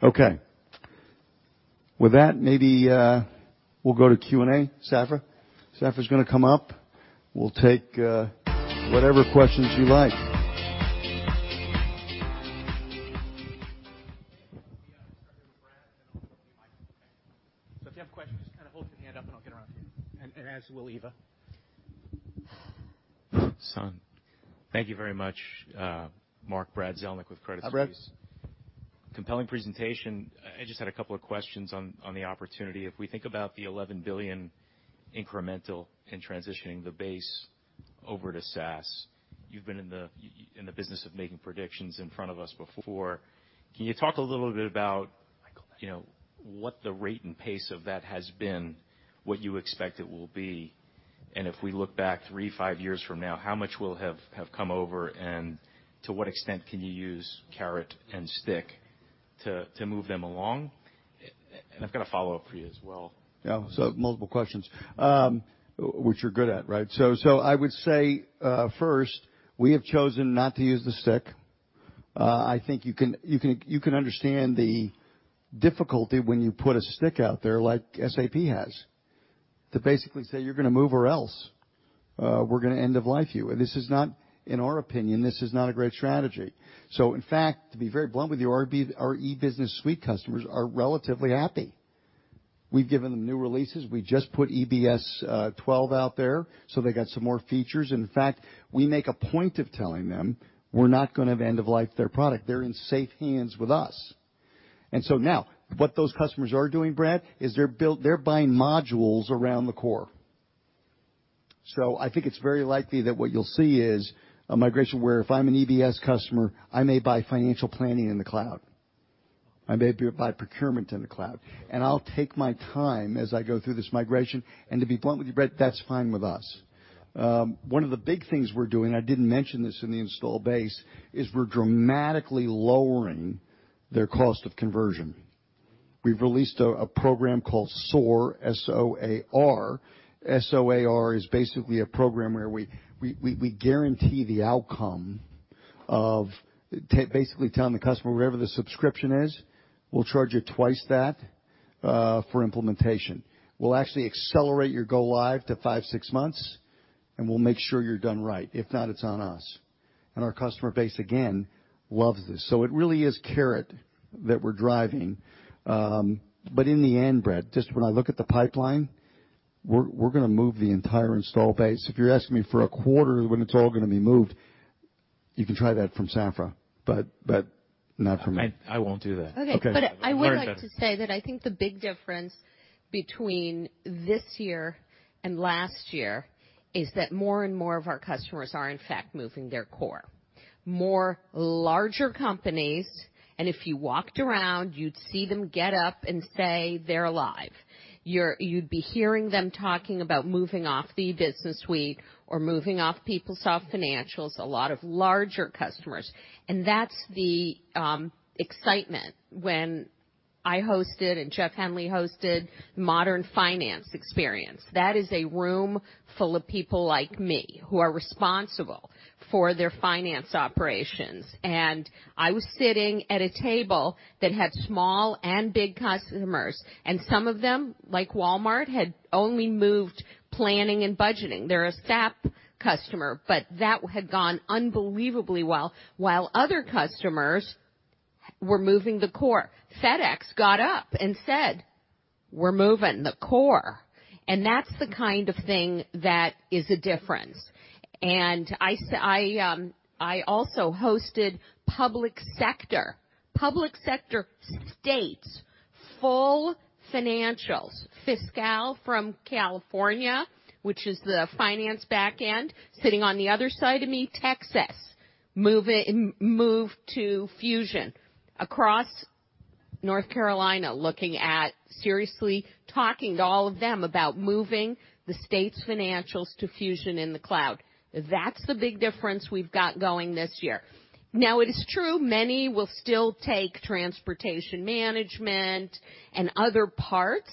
Okay. With that, maybe we'll go to Q&A. Safra? Safra's going to come up. We'll take whatever questions you like. We'll be starting with Brad, I'll go to the mics at the back. If you have a question, just kind of hold your hand up and I'll get around to you. As will Eva. Son, thank you very much, Mark. Brad Zelnick with Credit Suisse. Hi, Brad. Compelling presentation. I just had a couple of questions on the opportunity. If we think about the $11 billion incremental in transitioning the base over to SaaS, you've been in the business of making predictions in front of us before. Can you talk a little bit about what the rate and pace of that has been, what you expect it will be? If we look back three, five years from now, how much will have come over, and to what extent can you use carrot and stick to move them along? I've got a follow-up for you as well. Yeah, multiple questions, which you're good at, right? I would say, first, we have chosen not to use the stick. I think you can understand the difficulty when you put a stick out there like SAP has, to basically say, "You're going to move or else. We're going to end of life you." In our opinion, this is not a great strategy. In fact, to be very blunt with you, our Oracle E-Business Suite customers are relatively happy. We've given them new releases. We just put E-Business Suite 12 out there, so they got some more features. In fact, we make a point of telling them we're not going to end of life their product. They're in safe hands with us. Now, what those customers are doing, Brad, is they're buying modules around the core. I think it's very likely that what you'll see is a migration where if I'm an EBS customer, I may buy financial planning in the cloud. I may buy procurement in the cloud. I'll take my time as I go through this migration, and to be blunt with you, Brad, that's fine with us. One of the big things we're doing, I didn't mention this in the install base, is we're dramatically lowering their cost of conversion. We've released a program called SOAR, S-O-A-R. SOAR is basically a program where we guarantee the outcome of basically telling the customer whatever the subscription is, we'll charge you twice that for implementation. We'll actually accelerate your go live to five, six months, and we'll make sure you're done right. If not, it's on us. Our customer base, again, loves this. It really is carrot that we're driving. In the end, Brad, just when I look at the pipeline, we're going to move the entire install base. If you're asking me for a quarter when it's all going to be moved, you can try that from Safra, but not from me. I won't do that. Okay. Okay. I would like to say that I think the big difference between this year and last year is that more and more of our customers are in fact moving their core. More larger companies, if you walked around, you'd see them get up and say they're live. You'd be hearing them talking about moving off the E-Business Suite or moving off PeopleSoft Financials, a lot of larger customers. That's the excitement when I hosted and Jeff Henley hosted Modern Finance Experience. That is a room full of people like me, who are responsible for their finance operations. I was sitting at a table that had small and big customers, some of them, like Walmart, had only moved planning and budgeting. They're a SAP customer, but that had gone unbelievably well, while other customers were moving the core. FedEx got up and said, "We're moving the core." That's the kind of thing that is a difference. I also hosted public sector. Public sector states, full financials, FI$Cal from California, which is the finance back end, sitting on the other side of me, Texas, moved to Fusion. Across North Carolina, looking at seriously talking to all of them about moving the state's financials to Fusion in the cloud. That's the big difference we've got going this year. It is true many will still take transportation management and other parts,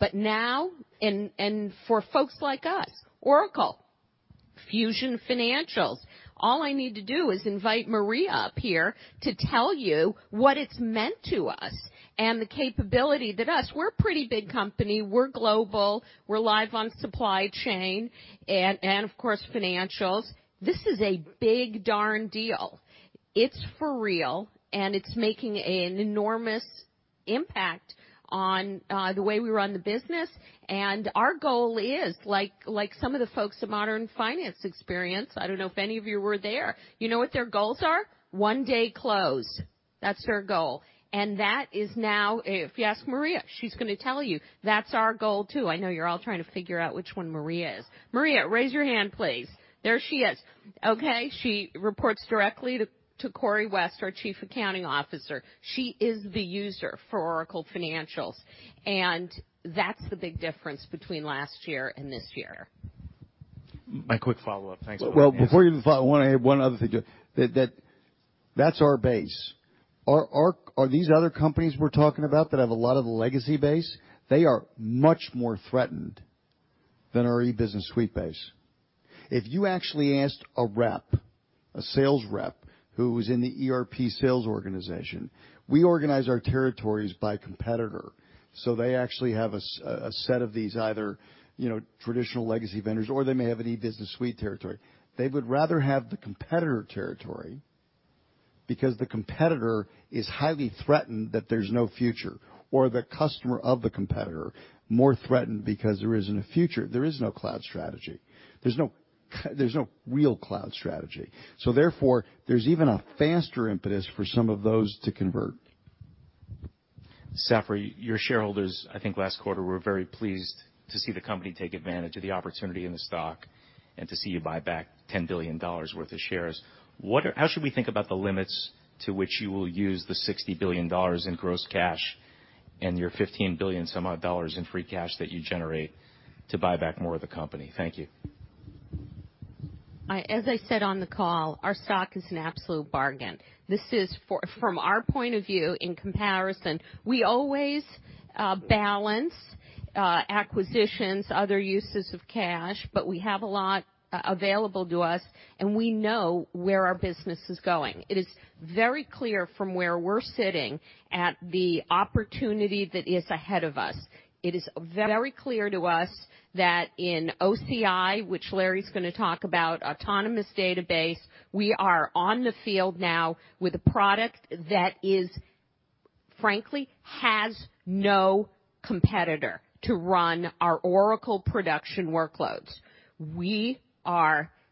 for folks like us, Oracle, Fusion Financials, all I need to do is invite Maria up here to tell you what it's meant to us and the capability that us, we're a pretty big company. We're global. We're live on supply chain and of course, financials. This is a big darn deal. It's for real, it's making an enormous impact on the way we run the business, our goal is, like some of the folks at Modern Finance Experience, I don't know if any of you were there. You know what their goals are? One day close. That's their goal. That is now, if you ask Maria, she's going to tell you that's our goal, too. I know you're all trying to figure out which one Maria is. Maria, raise your hand, please. There she is. Okay. She reports directly to Corie West, our Chief Accounting Officer. She is the user for Oracle Financials. That's the big difference between last year and this year. My quick follow-up. Thanks. Before you follow up, I have one other thing. That's our base. These other companies we're talking about that have a lot of the legacy base, they are much more threatened than our E-Business Suite base. If you actually asked a rep, a sales rep, who's in the ERP sales organization, we organize our territories by competitor, so they actually have a set of these either traditional legacy vendors, or they may have an E-Business Suite territory. They would rather have the competitor territory because the competitor is highly threatened that there's no future, or the customer of the competitor, more threatened because there isn't a future. There is no cloud strategy. There is no real cloud strategy. Therefore, there's even a faster impetus for some of those to convert. Safra, your shareholders, I think last quarter, were very pleased to see the company take advantage of the opportunity in the stock and to see you buy back $10 billion worth of shares. How should we think about the limits to which you will use the $60 billion in gross cash and your $15 billion some odd dollars in free cash that you generate to buy back more of the company? Thank you. As I said on the call, our stock is an absolute bargain. This is from our point of view, in comparison. We always balance acquisitions, other uses of cash, but we have a lot available to us, and we know where our business is going. It is very clear from where we're sitting at the opportunity that is ahead of us. It is very clear to us that in OCI, which Larry's going to talk about, Autonomous Database, we are on the field now with a product that, frankly, has no competitor to run our Oracle production workloads.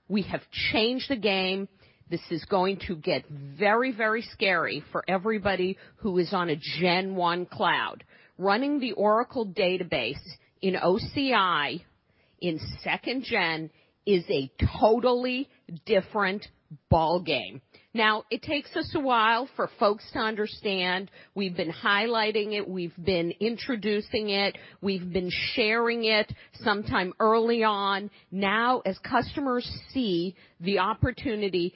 We have changed the game. This is going to get very, very scary for everybody who is on a Gen 1 Cloud. Running the Oracle Database in OCI in second gen is a totally different ballgame. It takes us a while for folks to understand. We've been highlighting it. We've been introducing it. We've been sharing it sometime early on. As customers see the opportunity,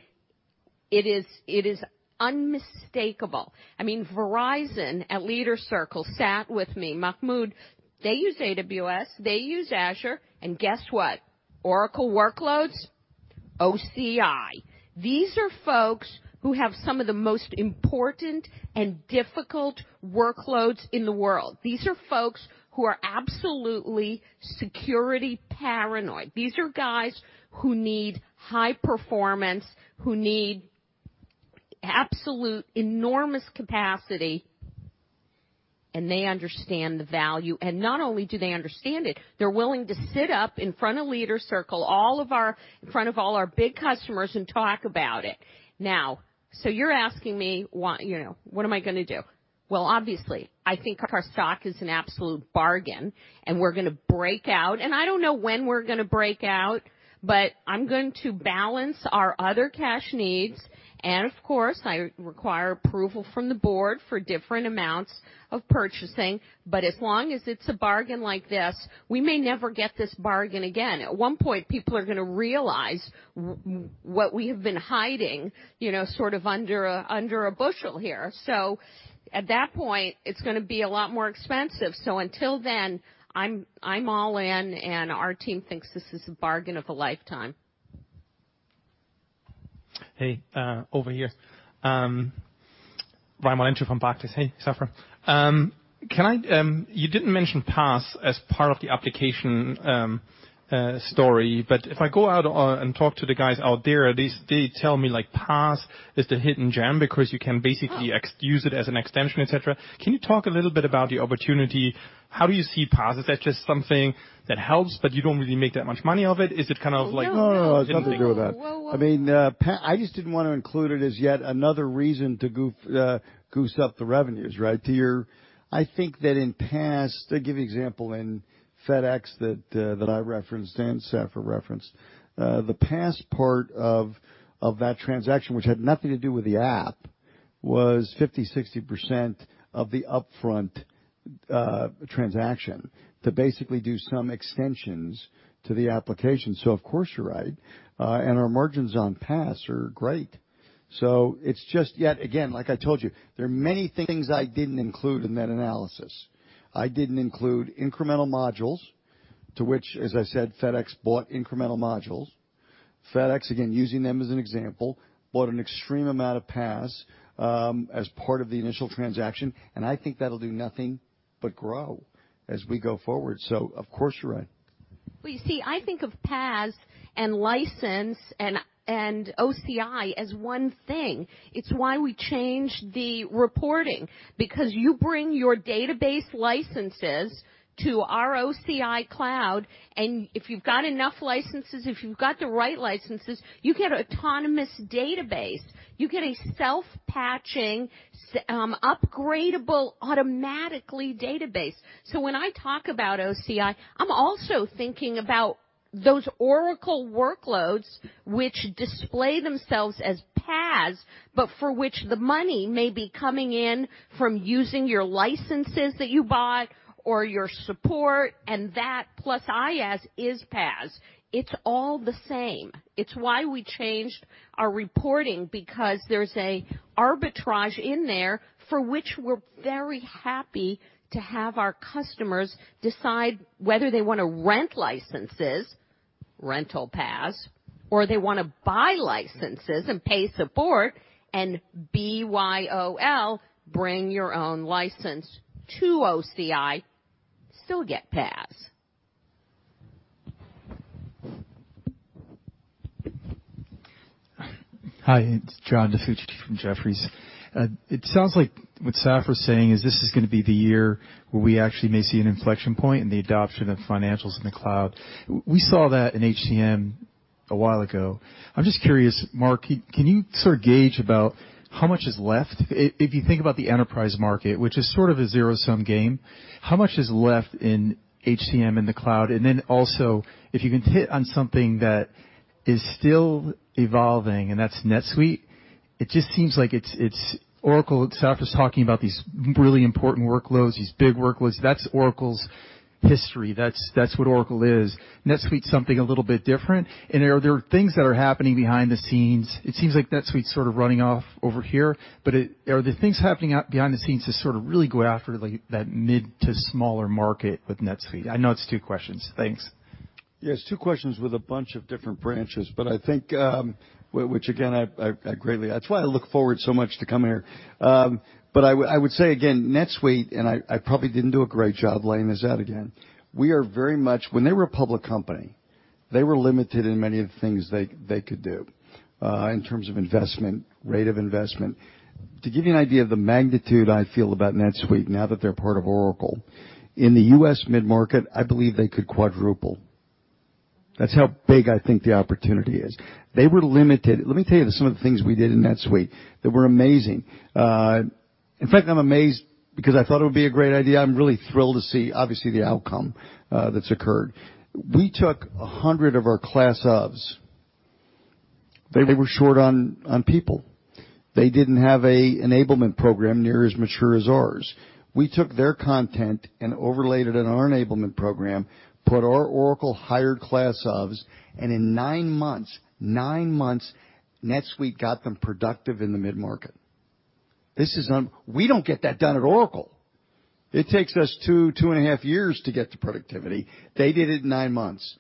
it is unmistakable. Verizon at Leader Circle sat with me, Mahmoud. They use AWS, they use Azure. Oracle workloads, OCI. These are folks who have some of the most important and difficult workloads in the world. These are folks who are absolutely security paranoid. These are guys who need high performance, who need absolute enormous capacity, they understand the value. Not only do they understand it, they're willing to sit up in front of Leader Circle, in front of all our big customers, talk about it. You're asking me, what am I going to do? I think our stock is an absolute bargain, we're going to break out, I don't know when we're going to break out, I'm going to balance our other cash needs, of course, I require approval from the board for different amounts of purchasing. As long as it's a bargain like this, we may never get this bargain again. At one point, people are going to realize what we have been hiding, sort of under a bushel here. At that point, it's going to be a lot more expensive. Until then, I'm all in, our team thinks this is a bargain of a lifetime. Hey, over here. Ryan Walens from Practice. Hey, Safra. You didn't mention PaaS as part of the application story, if I go out and talk to the guys out there, they tell me PaaS is the hidden gem because you can basically use it as an extension, et cetera. Can you talk a little bit about the opportunity? How do you see PaaS? Is that just something that helps you don't really make that much money off it? No. No, nothing to do with that. I just didn't want to include it as yet another reason to goose up the revenues, right? I think that in PaaS, to give you example, in FedEx that I referenced and Safra referenced, the PaaS part of that transaction, which had nothing to do with the app, was 50%, 60% of the upfront transaction to basically do some extensions to the application. Of course, you're right. Our margins on PaaS are great. It's just yet again, like I told you, there are many things I didn't include in that analysis. I didn't include incremental modules to which, as I said, FedEx bought incremental modules. FedEx, again, using them as an example, bought an extreme amount of PaaS, as part of the initial transaction, I think that'll do nothing but grow as we go forward. Of course, you're right. I think of PaaS and license and OCI as one thing. It is why we changed the reporting, because you bring your database licenses to our OCI cloud, and if you have got enough licenses, if you have got the right licenses, you get Oracle Autonomous Database, you get a self-patching, upgradable automatically database. When I talk about OCI, I am also thinking about those Oracle workloads which display themselves as PaaS, but for which the money may be coming in from using your licenses that you buy or your support, and that plus IaaS is PaaS. It is all the same. It is why we changed our reporting, because there is an arbitrage in there for which we are very happy to have our customers decide whether they want to rent licenses, rental PaaS, or they want to buy licenses and pay support and BYOL, bring your own license to OCI, still get PaaS. Hi, it is John DiFucci from Jefferies. It sounds like what Safra is saying is this is going to be the year where we actually may see an inflection point in the adoption of financials in the cloud. We saw that in HCM a while ago. I am just curious, Mark, can you sort of gauge about how much is left? If you think about the enterprise market, which is sort of a zero-sum game, how much is left in HCM in the cloud? Also, if you can hit on something that is still evolving, and that is NetSuite, it just seems like Oracle, Safra is talking about these really important workloads, these big workloads. That is Oracle's history. That is what Oracle is. NetSuite is something a little bit different. Are there things that are happening behind the scenes? It seems like NetSuite is sort of running off over here, are there things happening behind the scenes to sort of really go after that mid to smaller market with NetSuite? I know it is two questions. Thanks. Yes, two questions with a bunch of different branches, I think, which again, I look forward so much to coming here. I would say again, NetSuite, and I probably did not do a great job laying this out again. When they were a public company, they were limited in many of the things they could do in terms of investment, rate of investment. To give you an idea of the magnitude I feel about NetSuite now that they are part of Oracle, in the U.S. mid-market, I believe they could quadruple. That is how big I think the opportunity is. They were limited. Let me tell you some of the things we did in NetSuite that were amazing. In fact, I am amazed because I thought it would be a great idea. I am really thrilled to see, obviously, the outcome that has occurred. We took 100 of our class ofs. They were short on people. They didn't have a enablement program near as mature as ours. We took their content and overlaid it in our enablement program, put our Oracle hired class ofs, and in nine months, NetSuite got them productive in the mid-market. We don't get that done at Oracle. It takes us two and a half years to get to productivity. They did it in nine months.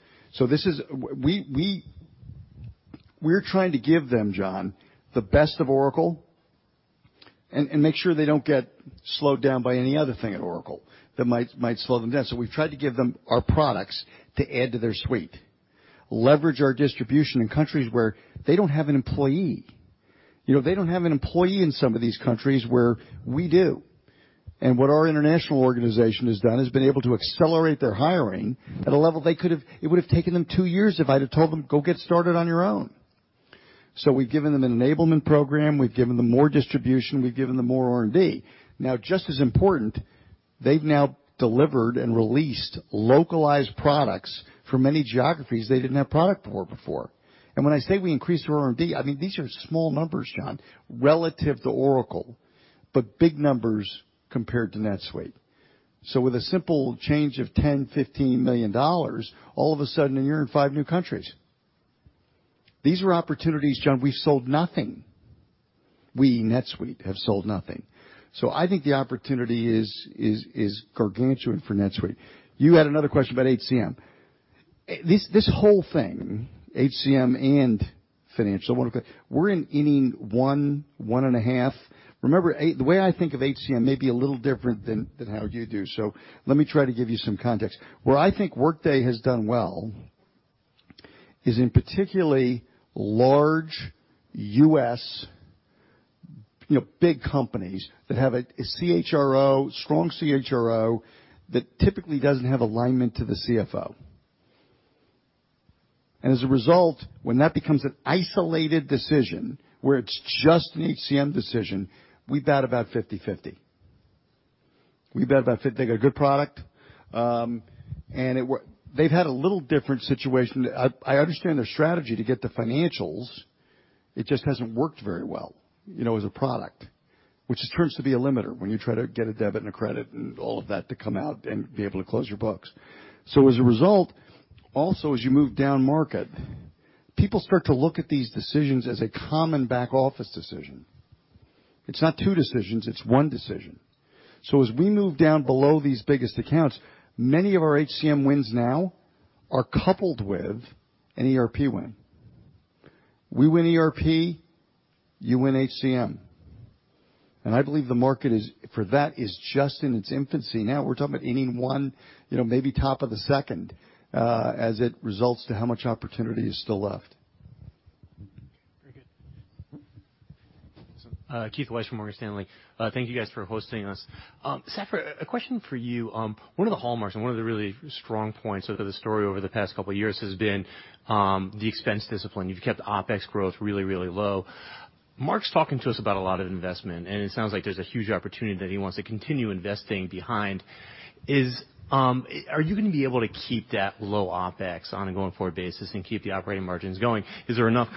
We're trying to give them, John, the best of Oracle and make sure they don't get slowed down by any other thing at Oracle that might slow them down. We've tried to give them our products to add to their suite, leverage our distribution in countries where they don't have an employee. They don't have an employee in some of these countries where we do. What our international organization has done, has been able to accelerate their hiring at a level it would have taken them two years if I'd have told them, "Go get started on your own." We've given them an enablement program. We've given them more distribution. We've given them more R&D. Just as important, they've now delivered and released localized products for many geographies they didn't have product for before. When I say we increased our R&D, these are small numbers, John, relative to Oracle, but big numbers compared to NetSuite. With a simple change of $10 million, $15 million, all of a sudden, and you're in five new countries. These were opportunities, John. We've sold nothing. We, NetSuite, have sold nothing. I think the opportunity is gargantuan for NetSuite. You had another question about HCM. This whole thing, HCM and financial, we're in inning one and a half. Remember, the way I think of HCM may be a little different than how you do. Let me try to give you some context. Where I think Workday has done well is in particularly large U.S. big companies that have a strong CHRO that typically doesn't have alignment to the CFO. As a result, when that becomes an isolated decision, where it's just an HCM decision, we bat about 50/50. They got a good product, and they've had a little different situation. I understand their strategy to get to financials. It just hasn't worked very well, as a product, which turns to be a limiter when you try to get a debit and a credit and all of that to come out and be able to close your books. As a result, also, as you move down market, people start to look at these decisions as a common back-office decision. It's not two decisions, it's one decision. As we move down below these biggest accounts, many of our HCM wins now are coupled with an ERP win. We win ERP, you win HCM. I believe the market for that is just in its infancy now. We're talking about inning one, maybe top of the second, as it results to how much opportunity is still left. Very good. Keith Weiss from Morgan Stanley. Thank you guys for hosting us. Safra, a question for you. One of the hallmarks and one of the really strong points of the story over the past couple of years has been the expense discipline. You've kept OpEx growth really low. Mark's talking to us about a lot of investment, and it sounds like there's a huge opportunity that he wants to continue investing behind. Are you going to be able to keep that low OpEx on a going-forward basis and keep the operating margins going? Is there enough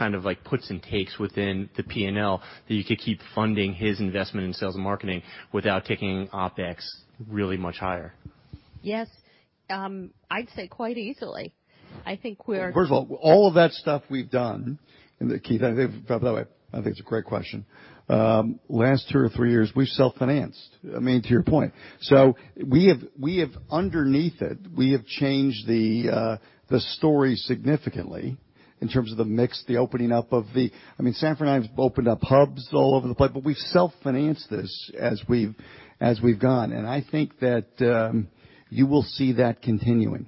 puts and takes within the P&L that you could keep funding his investment in sales and marketing without taking OpEx really much higher? Yes. I'd say quite easily. First of all of that stuff we've done, and Keith, by the way, I think it's a great question. Last two or three years, we've self-financed, to your point. Underneath it, we have changed the story significantly in terms of the mix, the opening up of the Safra and I have opened up hubs all over the place, but we've self-financed this as we've gone, and I think that you will see that continuing.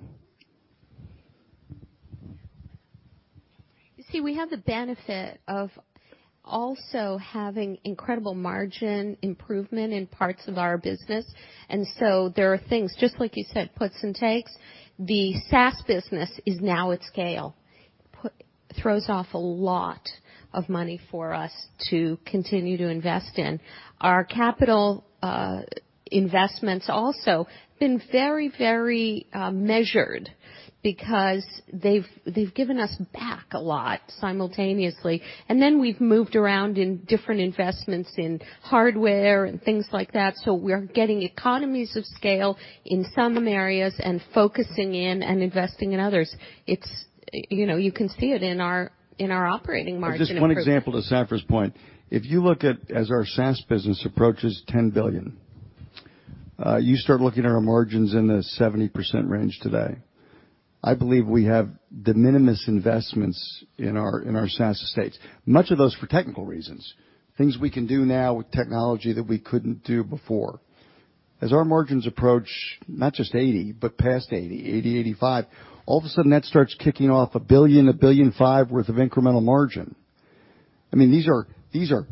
You see, we have the benefit of also having incredible margin improvement in parts of our business. There are things, just like you said, puts and takes. The SaaS business is now at scale. Throws off a lot of money for us to continue to invest in. Our capital investments also been very measured because they've given us back a lot simultaneously. We've moved around in different investments in hardware and things like that. We are getting economies of scale in some areas and focusing in and investing in others. You can see it in our operating margin improvement. Just one example to Safra's point. If you look at as our SaaS business approaches $10 billion, you start looking at our margins in the 70% range today. I believe we have de minimis investments in our SaaS estates, much of those for technical reasons, things we can do now with technology that we couldn't do before. As our margins approach not just 80%, but past 80%, 80%, 85%, all of a sudden that starts kicking off $1 billion, $1.5 billion worth of incremental margin. These are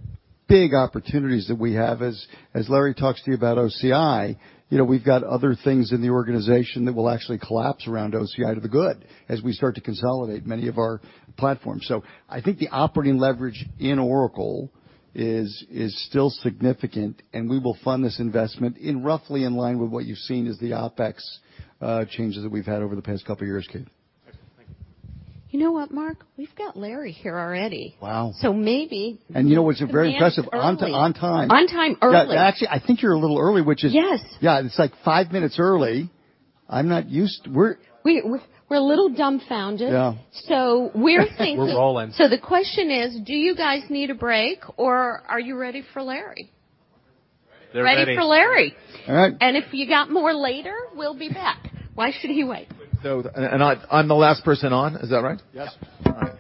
big opportunities that we have. As Larry talks to you about OCI, we've got other things in the organization that will actually collapse around OCI to the good as we start to consolidate many of our platforms. I think the operating leverage in Oracle is still significant, and we will fund this investment in roughly in line with what you've seen as the OpEx changes that we've had over the past couple of years, Keith. Okay. Thank you. You know what, Mark? We've got Larry here already. Wow. Maybe- You know what's very impressive, on time on time early. Actually, I think you're a little early, which is. Yes. Yeah, it's like five minutes early. I'm not used. We're a little dumbfounded. Yeah. We're thinking. We're rolling. The question is, do you guys need a break, or are you ready for Larry? They're ready. Ready for Larry. All right. If you got more later, we'll be back. Why should he wait? I'm the last person on, is that right? Yes. All right.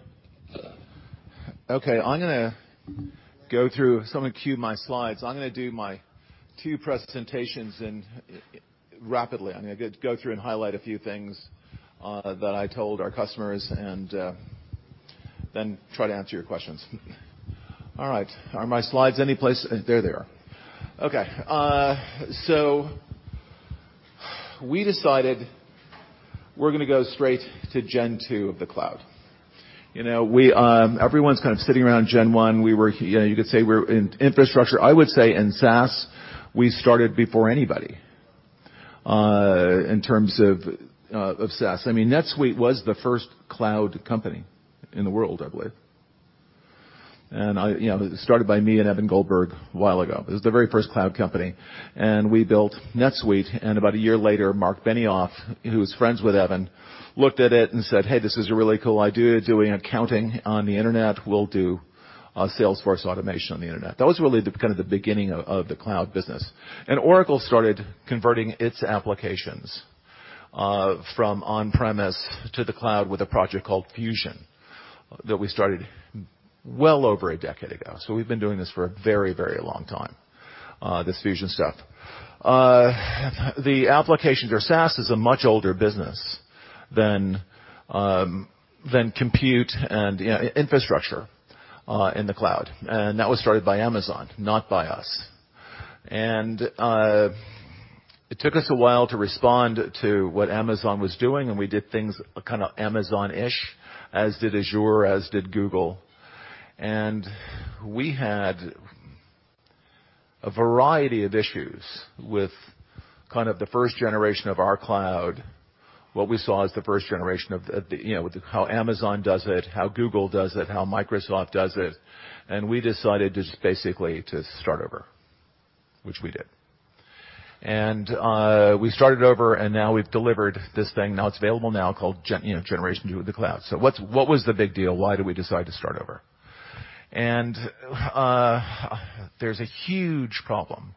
Okay, I'm going to go through. Someone cue my slides. I'm going to do my two presentations rapidly. I'm going to go through and highlight a few things that I told our customers and then try to answer your questions. All right. Are my slides any place? There they are. Okay. We decided we're going to go straight to Gen 2 Cloud. Everyone's kind of sitting around gen-1. You could say we're in infrastructure. I would say in SaaS, we started before anybody, in terms of SaaS. NetSuite was the first cloud company in the world, I believe. It was started by me and Evan Goldberg a while ago. It was the very first cloud company. We built NetSuite, about a year later, Marc Benioff, who was friends with Evan, looked at it and said, "Hey, this is a really cool idea, doing accounting on the internet. We'll do Salesforce automation on the internet." That was really the beginning of the cloud business. Oracle started converting its applications from on-premise to the cloud with a project called Fusion that we started well over a decade ago. We've been doing this for a very, very long time, this Fusion stuff. The applications or SaaS is a much older business than compute and infrastructure in the cloud. That was started by Amazon, not by us. It took us a while to respond to what Amazon was doing, and we did things Amazon-ish, as did Azure, as did Google. We had a variety of issues with the first generation of our cloud, what we saw as the first generation of how Amazon does it, how Google does it, how Microsoft does it. We decided just basically to start over, which we did. We started over, and now we've delivered this thing, now it's available now, called Generation 2 of the Cloud. What was the big deal? Why did we decide to start over? There's a huge problem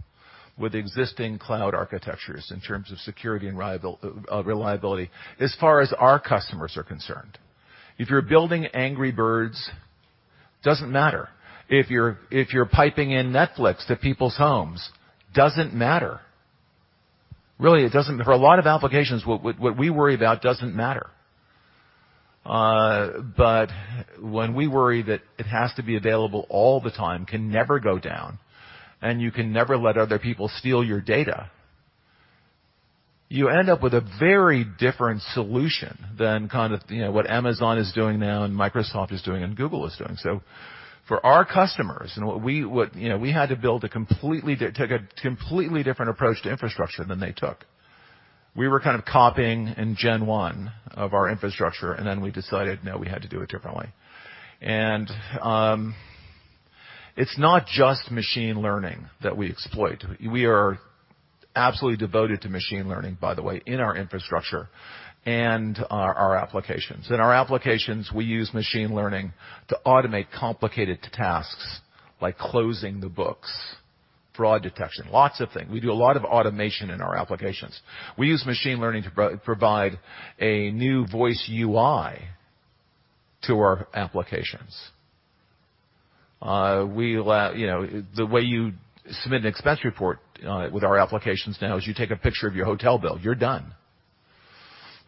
with existing cloud architectures in terms of security and reliability as far as our customers are concerned. If you're building Angry Birds, doesn't matter. If you're piping in Netflix to people's homes, doesn't matter. Really, for a lot of applications, what we worry about doesn't matter. When we worry that it has to be available all the time, can never go down, and you can never let other people steal your data, you end up with a very different solution than what Amazon is doing now and Microsoft is doing and Google is doing. For our customers, we had to build a completely different approach to infrastructure than they took. We were copying in Gen 1 of our infrastructure, then we decided, no, we had to do it differently. It's not just machine learning that we exploit. We are absolutely devoted to machine learning, by the way, in our infrastructure and our applications. In our applications, we use machine learning to automate complicated tasks like closing the books, fraud detection, lots of things. We do a lot of automation in our applications. We use machine learning to provide a new voice UI to our applications. The way you submit an expense report with our applications now is you take a picture of your hotel bill, you're done.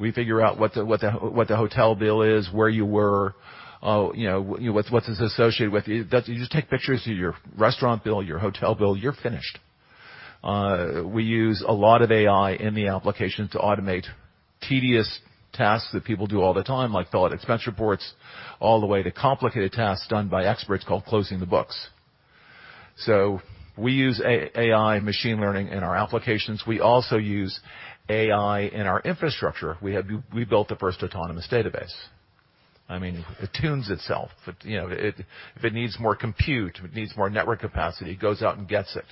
We figure out what the hotel bill is, where you were, what is associated with it. You just take pictures of your restaurant bill, your hotel bill, you're finished. We use a lot of AI in the application to automate tedious tasks that people do all the time, like fill out expense reports, all the way to complicated tasks done by experts called closing the books. We use AI machine learning in our applications. We also use AI in our infrastructure. We built the first Autonomous Database. It tunes itself. If it needs more compute, if it needs more network capacity, it goes out and gets it.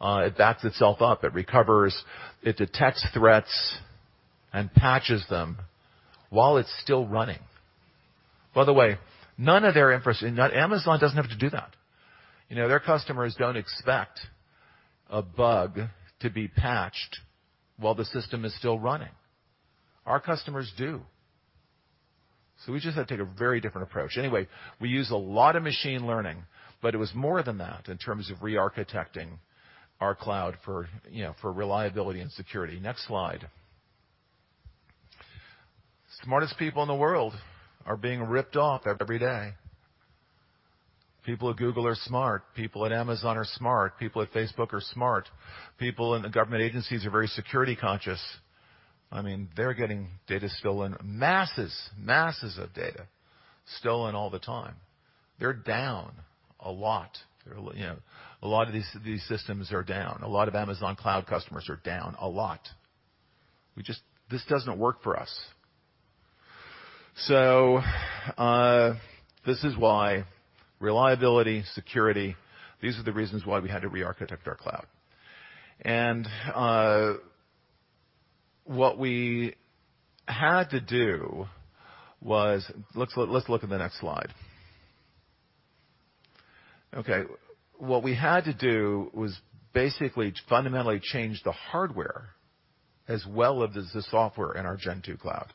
It backs itself up. It recovers. It detects threats and patches them while it's still running. Amazon doesn't have to do that. Their customers don't expect a bug to be patched while the system is still running. Our customers do. We just had to take a very different approach. We use a lot of machine learning, but it was more than that in terms of re-architecting our cloud for reliability and security. Next slide. Smartest people in the world are being ripped off every day. People at Google are smart. People at Amazon are smart. People at Facebook are smart. People in the government agencies are very security conscious. They're getting data stolen, masses of data stolen all the time. They're down a lot. A lot of these systems are down. A lot of Amazon cloud customers are down a lot. This doesn't work for us. This is why reliability, security, these are the reasons why we had to re-architect our cloud. What we had to do was Let's look at the next slide. What we had to do was basically fundamentally change the hardware as well as the software in our Gen 2 Cloud.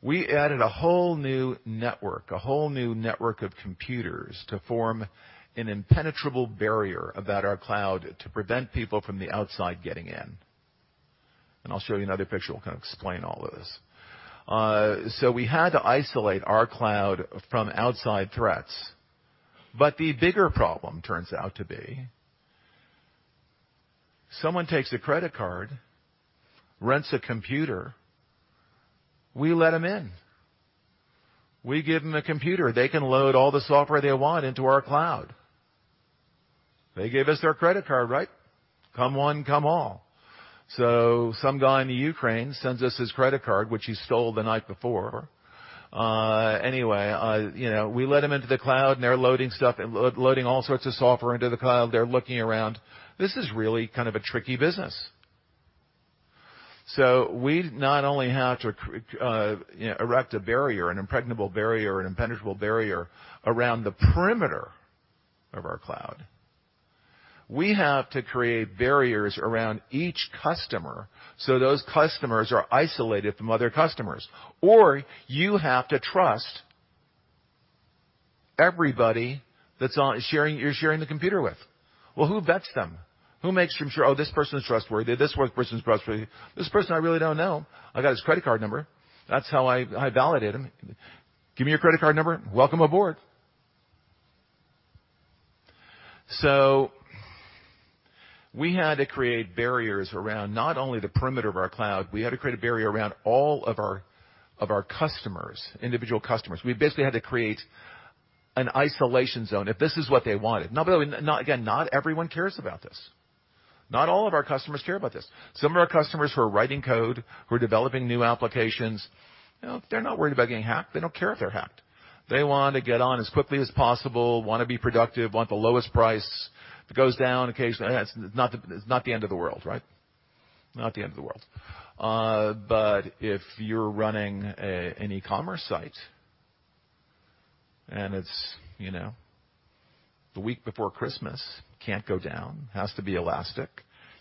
We added a whole new network, a whole new network of computers to form an impenetrable barrier about our cloud to prevent people from the outside getting in. I'll show you another picture that will kind of explain all of this. We had to isolate our cloud from outside threats. The bigger problem turns out to be, someone takes a credit card, rents a computer, we let them in. We give them a computer. They can load all the software they want into our cloud. They gave us their credit card, right? Come one, come all. Some guy in the Ukraine sends us his credit card, which he stole the night before. We let him into the cloud, they're loading stuff, loading all sorts of software into the cloud. They're looking around. This is really kind of a tricky business. We not only have to erect a barrier, an impregnable barrier, an impenetrable barrier around the perimeter of our cloud. We have to create barriers around each customer, so those customers are isolated from other customers. You have to trust everybody that you're sharing the computer with. Who vets them? Who makes sure, oh, this person is trustworthy, this person's trustworthy. This person I really don't know. I got his credit card number. That's how I validate him. Give me your credit card number. Welcome aboard. We had to create barriers around not only the perimeter of our cloud, we had to create a barrier around all of our customers, individual customers. We basically had to create an isolation zone if this is what they wanted. Not everyone cares about this. Not all of our customers care about this. Some of our customers who are writing code, who are developing new applications, they're not worried about getting hacked. They don't care if they're hacked. They want to get on as quickly as possible, want to be productive, want the lowest price. If it goes down occasionally, it's not the end of the world, right? Not the end of the world. If you're running an e-commerce site and it's the week before Christmas, can't go down, has to be elastic.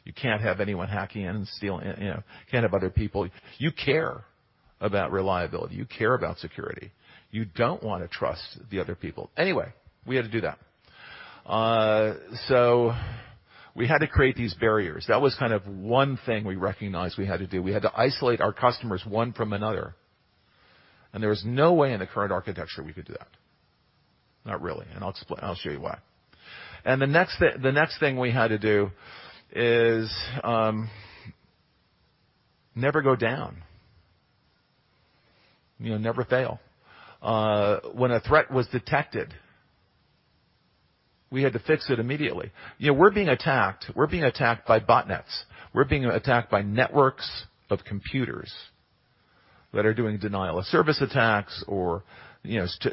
You can't have anyone hacking in and stealing. You can't have other people. You care about reliability. You care about security. You don't want to trust the other people. We had to do that. We had to create these barriers. That was kind of one thing we recognized we had to do. We had to isolate our customers one from another, and there was no way in the current architecture we could do that. Not really. I'll show you why. The next thing we had to do is never go down, never fail. When a threat was detected, we had to fix it immediately. We're being attacked. We're being attacked by botnets. We're being attacked by networks of computers that are doing denial-of-service attacks or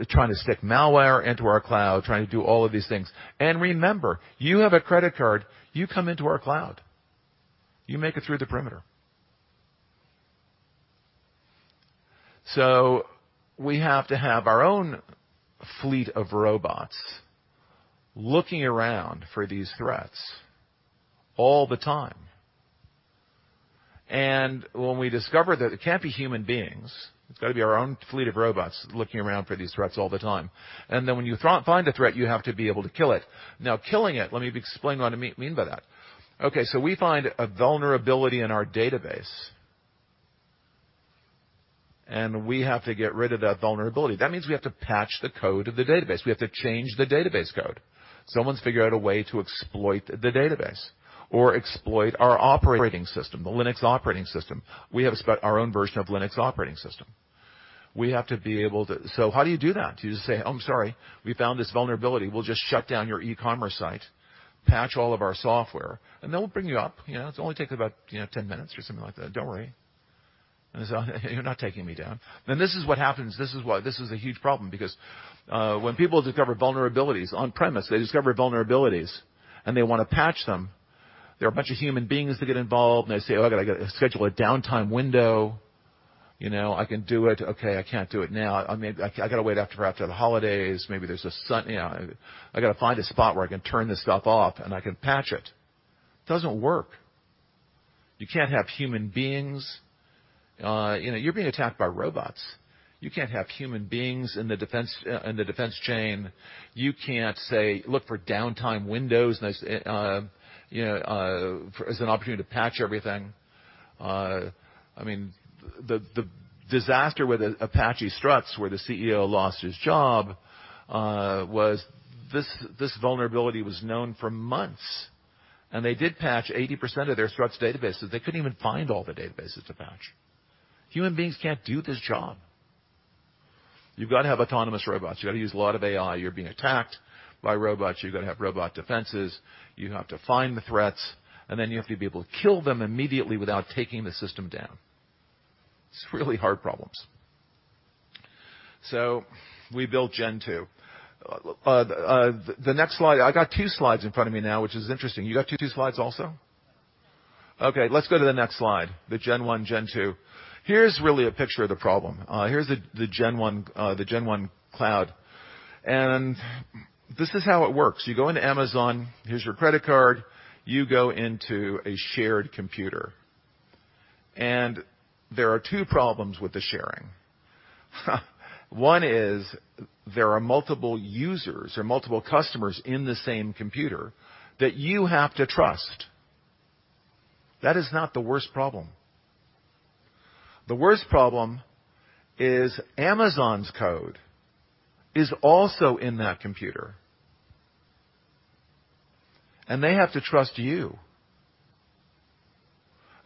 trying to stick malware into our cloud, trying to do all of these things. Remember, you have a credit card, you come into our cloud. You make it through the perimeter. We have to have our own fleet of robots looking around for these threats all the time. When we discover that it can't be human beings, it's got to be our own fleet of robots looking around for these threats all the time. When you find a threat, you have to be able to kill it. Now, killing it, let me explain what I mean by that. We find a vulnerability in our database, and we have to get rid of that vulnerability. That means we have to patch the code of the database. We have to change the database code. Someone's figured out a way to exploit the database or exploit our operating system, the Linux operating system. We have our own version of Linux operating system. How do you do that? Do you just say, "I'm sorry, we found this vulnerability. We'll just shut down your e-commerce site, patch all of our software, and then we'll bring you up. It'll only take about 10 minutes or something like that. Don't worry." They say, "You're not taking me down." This is what happens. This is why this is a huge problem, because when people discover vulnerabilities on premise, they discover vulnerabilities and they want to patch them, there are a bunch of human beings that get involved, and they say, "Oh, I got to schedule a downtime window. I can do it. I can't do it now. I got to wait after the holidays. I got to find a spot where I can turn this stuff off, and I can patch it." Doesn't work. You can't have human beings. You're being attacked by robots. You can't have human beings in the defense chain. You can't say, look for downtime windows as an opportunity to patch everything. The disaster with Apache Struts, where the CEO lost his job, was this vulnerability was known for months, and they did patch 80% of their Struts databases. They couldn't even find all the databases to patch. Human beings can't do this job. You've got to have autonomous robots. You've got to use a lot of AI. You're being attacked by robots. You've got to have robot defenses. You have to find the threats, and then you have to be able to kill them immediately without taking the system down. It's really hard problems. We built Gen 2. The next slide. I got two slides in front of me now, which is interesting. You got two slides also? Let's go to the next slide. The Gen 1, Gen 2. Here's really a picture of the problem. Here's the Gen 1 Cloud. This is how it works. You go into Amazon, here's your credit card. You go into a shared computer. There are two problems with the sharing. One is there are multiple users or multiple customers in the same computer that you have to trust. That is not the worst problem. The worst problem is Amazon's code is also in that computer, and they have to trust you.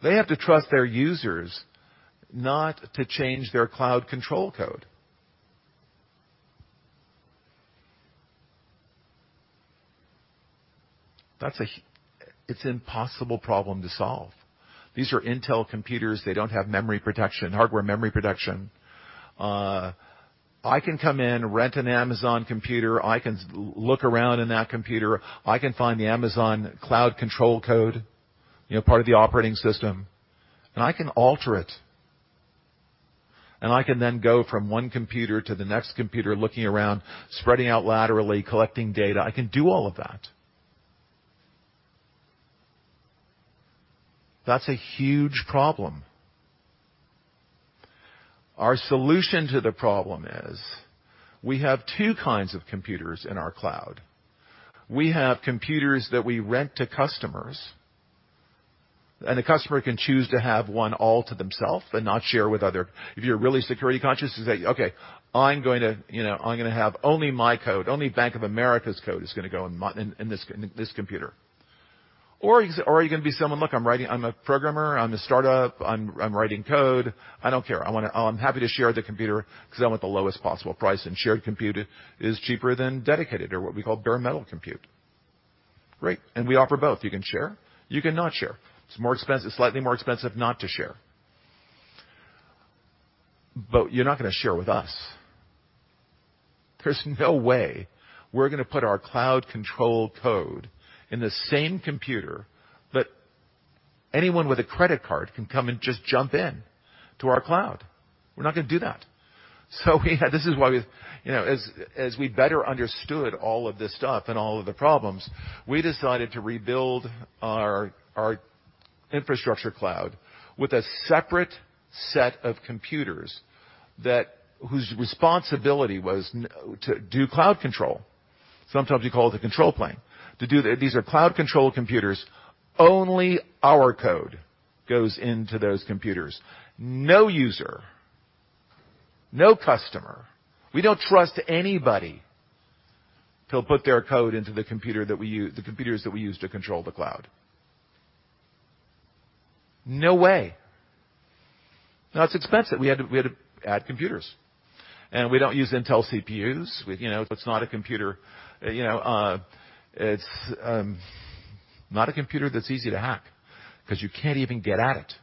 They have to trust their users not to change their cloud control code. It's an impossible problem to solve. These are Intel computers. They don't have memory protection, hardware memory protection. I can come in, rent an Amazon computer. I can look around in that computer. I can find the Amazon cloud control code, part of the operating system, and I can alter it. I can then go from one computer to the next computer, looking around, spreading out laterally, collecting data. I can do all of that. That's a huge problem. Our solution to the problem is we have two kinds of computers in our cloud. We have computers that we rent to customers, and the customer can choose to have one all to themself and not share with others. If you're really security conscious and say, "Okay, I'm going to have only my code. Only Bank of America's code is going to go in this computer." Are you going to be someone, look, I'm a programmer, I'm a startup, I'm writing code. I don't care. I'm happy to share the computer because I want the lowest possible price, and shared compute is cheaper than dedicated or what we call bare metal compute. Great. We offer both. You can share. You can not share. It's slightly more expensive not to share. You're not going to share with us. There's no way we're going to put our cloud control code in the same computer that anyone with a credit card can come and just jump in to our cloud. We're not going to do that. This is why as we better understood all of this stuff and all of the problems, we decided to rebuild our infrastructure cloud with a separate set of computers whose responsibility was to do cloud control. Sometimes you call it the control plane. These are cloud control computers. Only our code goes into those computers. No user, no customer. We don't trust anybody to put their code into the computers that we use to control the cloud. No way. Now it's expensive. We had to add computers. We don't use Intel CPUs. It's not a computer that's easy to hack because you can't even get at it.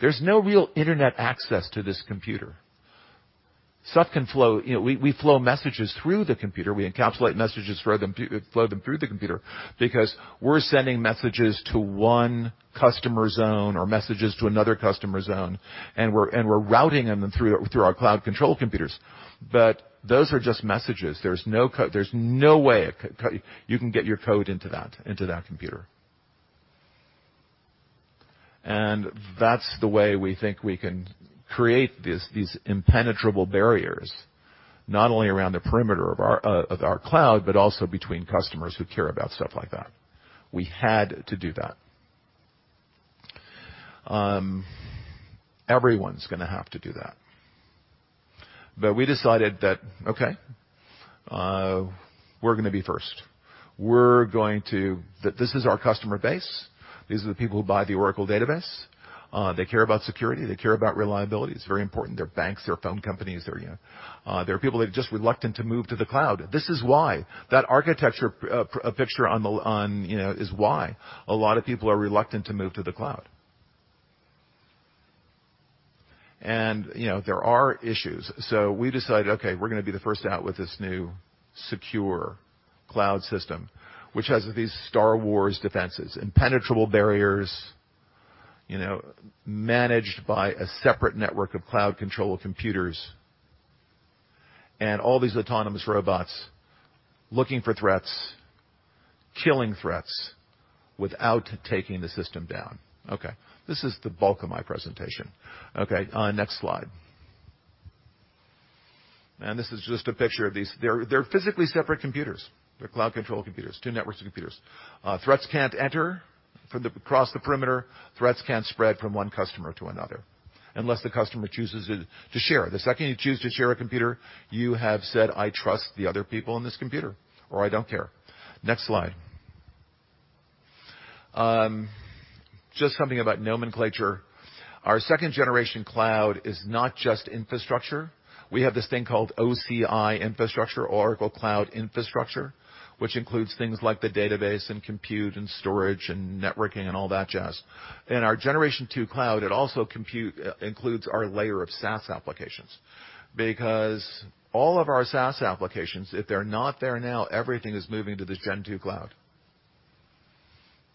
There's no real internet access to this computer. Stuff can flow. We flow messages through the computer. We encapsulate messages, flow them through the computer because we're sending messages to one customer zone or messages to another customer zone, and we're routing them through our cloud control computers. Those are just messages. There's no way you can get your code into that computer. That's the way we think we can create these impenetrable barriers, not only around the perimeter of our cloud, but also between customers who care about stuff like that. We had to do that. Everyone's going to have to do that. We decided that, okay, we're going to be first. This is our customer base. These are the people who buy the Oracle Database. They care about security. They care about reliability. It's very important. They're banks, they're phone companies. They are people that are just reluctant to move to the cloud. This is why. That architecture picture is why a lot of people are reluctant to move to the cloud. There are issues. We decided, okay, we're going to be the first out with this new secure cloud system, which has these Star Wars defenses, impenetrable barriers, managed by a separate network of cloud control computers. All these autonomous robots looking for threats, killing threats without taking the system down. This is the bulk of my presentation. Next slide. This is just a picture of these. They're physically separate computers. They're cloud control computers, two networks of computers. Threats can't enter from across the perimeter. Threats can't spread from one customer to another unless the customer chooses to share. The second you choose to share a computer, you have said, "I trust the other people in this computer," or, "I don't care." Next slide. Just something about nomenclature. Our second-generation cloud is not just infrastructure. We have this thing called OCI Infrastructure, Oracle Cloud Infrastructure, which includes things like the database and compute and storage and networking and all that jazz. In our generation two cloud, it also includes our layer of SaaS applications. All of our SaaS applications, if they're not there now, everything is moving to this Gen 2 Cloud.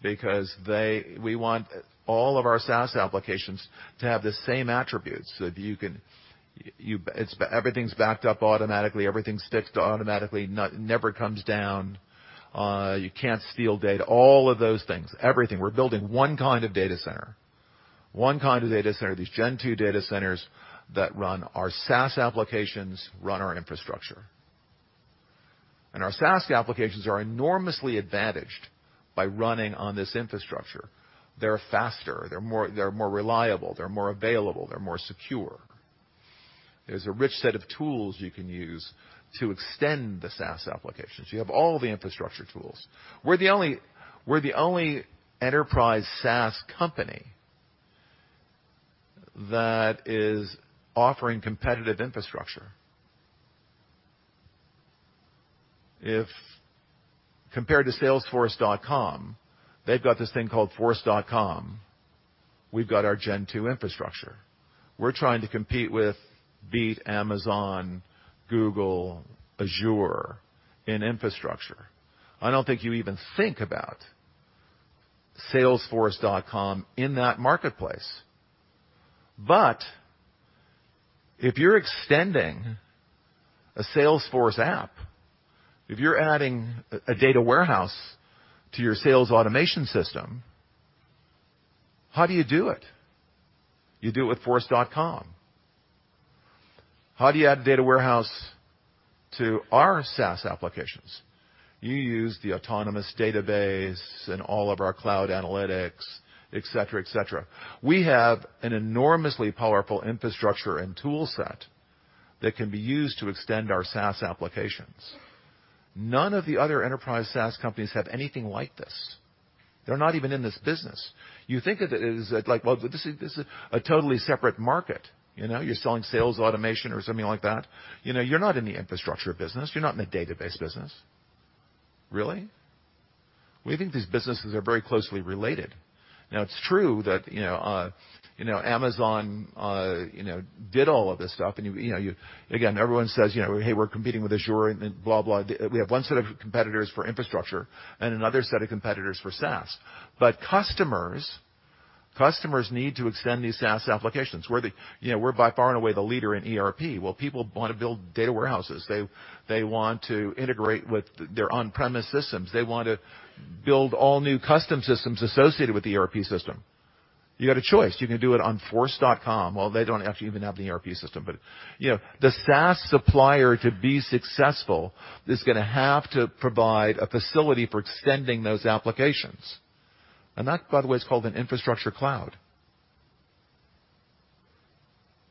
We want all of our SaaS applications to have the same attributes. Everything's backed up automatically. Everything sticks to automatically, never comes down. You can't steal data, all of those things, everything. We're building one kind of data center, these Gen 2 data centers that run our SaaS applications, run our infrastructure. Our SaaS applications are enormously advantaged by running on this infrastructure. They're faster, they're more reliable, they're more available, they're more secure. There's a rich set of tools you can use to extend the SaaS applications. You have all the infrastructure tools. We're the only enterprise SaaS company that is offering competitive infrastructure. If compared to Salesforce.com, they've got this thing called Force.com. We've got our Gen 2 infrastructure. We're trying to compete with, beat Amazon, Google, Azure in infrastructure. I don't think you even think about Salesforce.com in that marketplace. If you're extending a Salesforce app, if you're adding a data warehouse to your sales automation system, how do you do it? You do it with Force.com. How do you add a data warehouse to our SaaS applications? You use the Autonomous Database and all of our cloud analytics, et cetera. We have an enormously powerful infrastructure and tool set that can be used to extend our SaaS applications. None of the other enterprise SaaS companies have anything like this. They're not even in this business. You think of it as like, well, this is a totally separate market. You're selling sales automation or something like that. You're not in the infrastructure business. You're not in the database business. Really? We think these businesses are very closely related. It's true that Amazon did all of this stuff, and again, everyone says, "Hey, we're competing with Azure," and blah. We have one set of competitors for infrastructure and another set of competitors for SaaS. Customers need to extend these SaaS applications. We're by far and away the leader in ERP. People want to build data warehouses. They want to integrate with their on-premise systems. They want to build all new custom systems associated with the ERP system. You got a choice. You can do it on Force.com. Well, they don't actually even have the ERP system, but the SaaS supplier, to be successful, is going to have to provide a facility for extending those applications. That, by the way, is called an infrastructure cloud.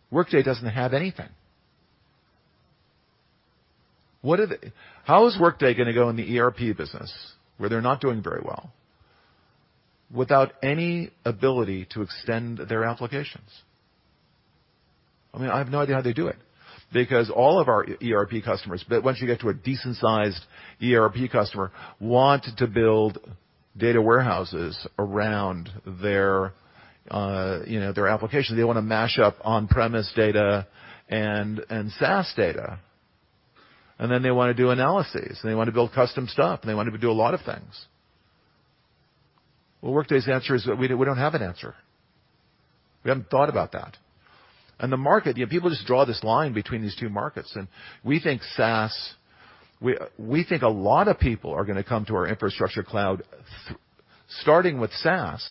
Workday doesn't have anything. How is Workday going to go in the ERP business, where they're not doing very well, without any ability to extend their applications? I have no idea how they do it because all of our ERP customers, once you get to a decent-sized ERP customer, want to build data warehouses around their applications. They want to mash up on-premise data and SaaS data, then they want to do analyses, and they want to build custom stuff, and they want to do a lot of things. Well, Workday's answer is that we don't have an answer. We haven't thought about that. The market, people just draw this line between these two markets. We think a lot of people are going to come to our infrastructure cloud starting with SaaS,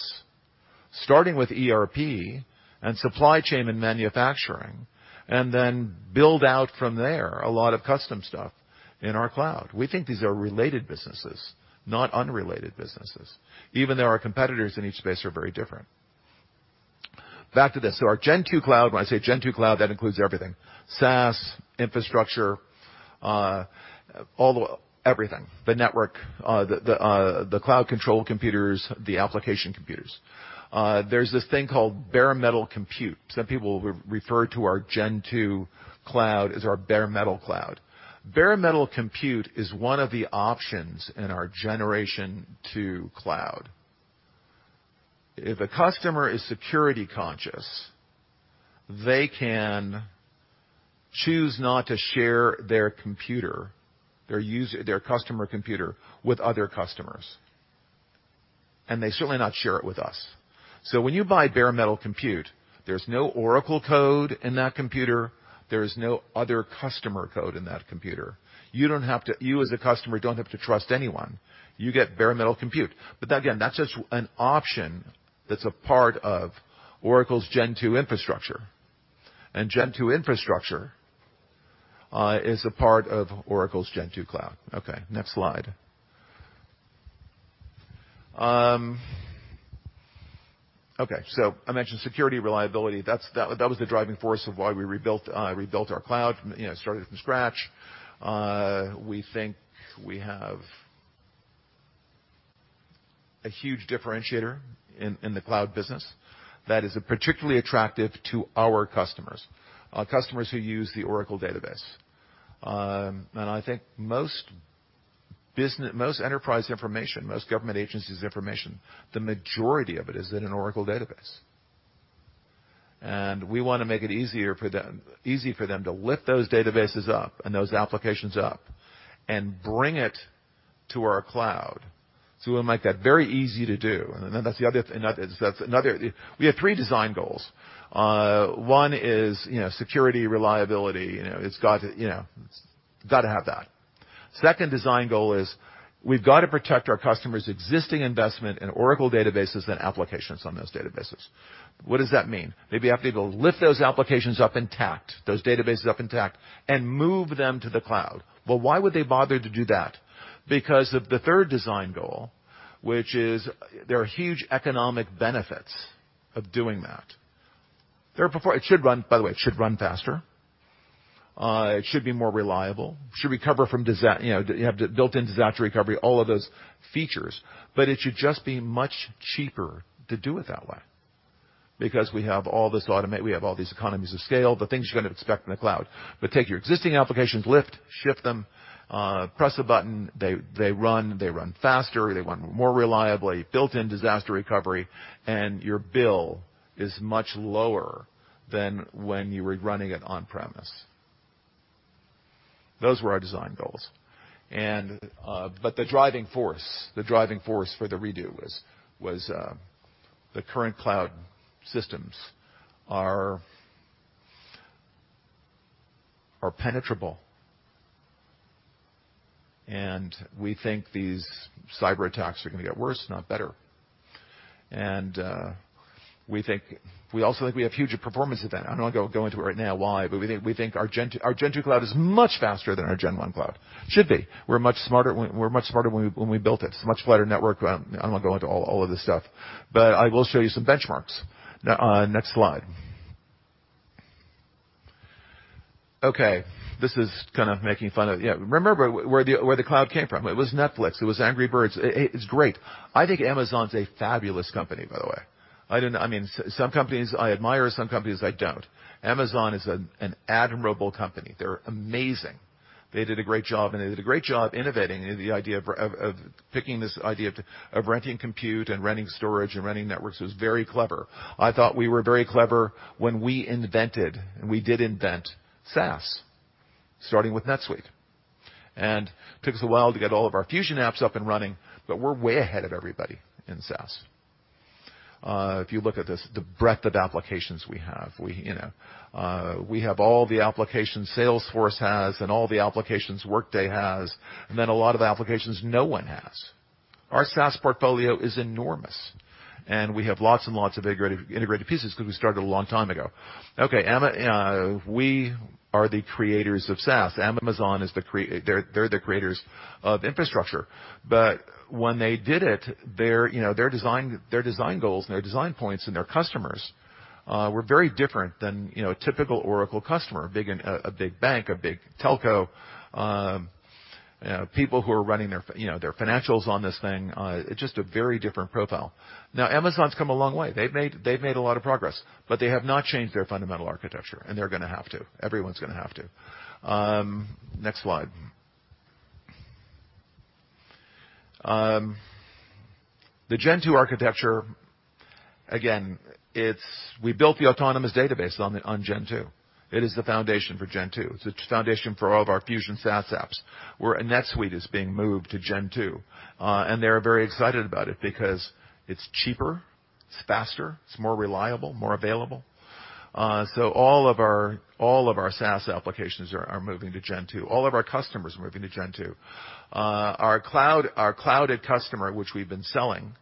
starting with ERP and supply chain and manufacturing, then build out from there a lot of custom stuff in our cloud. We think these are related businesses, not unrelated businesses, even though our competitors in each space are very different. Back to this. Our Gen 2 Cloud, when I say Gen 2 Cloud, that includes everything, SaaS, infrastructure everything. The network, the cloud control computers, the application computers. There's this thing called bare metal compute. Some people refer to our Gen 2 Cloud as our bare metal cloud. bare metal compute is one of the options in our Gen 2 Cloud. If a customer is security conscious, they can choose not to share their computer, their customer computer with other customers, and they certainly not share it with us. When you buy bare metal compute, there's no Oracle code in that computer. There is no other customer code in that computer. You as a customer, don't have to trust anyone. You get bare metal compute. Again, that's just an option that's a part of Oracle's Gen 2 infrastructure. Gen 2 infrastructure is a part of Oracle's Gen 2 Cloud. Next slide. I mentioned security, reliability. That was the driving force of why we rebuilt our cloud, started from scratch. We think we have a huge differentiator in the cloud business that is particularly attractive to our customers who use the Oracle Database. I think most enterprise information, most government agencies' information, the majority of it is in an Oracle Database. We want to make it easy for them to lift those databases up and those applications up and bring it to our cloud. We want to make that very easy to do. We have three design goals. One is security, reliability. It's got to have that. Second design goal is we've got to protect our customers' existing investment in Oracle Databases and applications on those databases. What does that mean? They have to be able to lift those applications up intact, those databases up intact, and move them to the cloud. Well, why would they bother to do that? Because of the third design goal, which is there are huge economic benefits of doing that. By the way, it should run faster. It should be more reliable. It should have built-in disaster recovery, all of those features. It should just be much cheaper to do it that way because we have all these economies of scale, the things you're going to expect from the cloud. Take your existing applications, lift, shift them, press a button. They run faster, they run more reliably, built-in disaster recovery, and your bill is much lower than when you were running it on-premise. Those were our design goals. The driving force for the redo was the current cloud systems are penetrable. We think these cyber attacks are going to get worse, not better. We also think we have huge performance advantage. I'm not going to go into it right now why, we think our Gen 2 Cloud is much faster than our Gen 1 Cloud. Should be. We're much smarter when we built it. It's a much flatter network. I'm not going to go into all of this stuff. I will show you some benchmarks. Next slide. This is kind of making fun of Remember where the cloud came from. It was Netflix. It was Angry Birds. It's great. I think Amazon's a fabulous company, by the way. Some companies I admire, some companies I don't. Amazon is an admirable company. They're amazing. They did a great job, and they did a great job innovating. The idea of picking this idea of renting compute and renting storage and renting networks was very clever. I thought we were very clever when we invented, and we did invent SaaS, starting with NetSuite. Took us a while to get all of our Fusion apps up and running, but we're way ahead of everybody in SaaS. If you look at the breadth of applications we have. We have all the applications Salesforce has and all the applications Workday has, and then a lot of the applications no one has. Our SaaS portfolio is enormous, and we have lots and lots of integrated pieces because we started a long time ago. We are the creators of SaaS. Amazon, they're the creators of infrastructure. When they did it, their design goals and their design points and their customers were very different than a typical Oracle customer, a big bank, a big telco, people who are running their financials on this thing. It's just a very different profile. Amazon's come a long way. They've made a lot of progress, but they have not changed their fundamental architecture, and they're going to have to. Everyone's going to have to. Next slide. The Gen 2 Cloud architecture, again, we built the Autonomous Database on Gen 2 Cloud. It is the foundation for Gen 2 Cloud. It's the foundation for all of our Fusion SaaS apps. NetSuite is being moved to Gen 2 Cloud. They're very excited about it because it's cheaper, it's faster, it's more reliable, more available. All of our SaaS applications are moving to Gen 2 Cloud. All of our customers are moving to Gen 2 Cloud. Our Cloud@Customer, which we've been selling,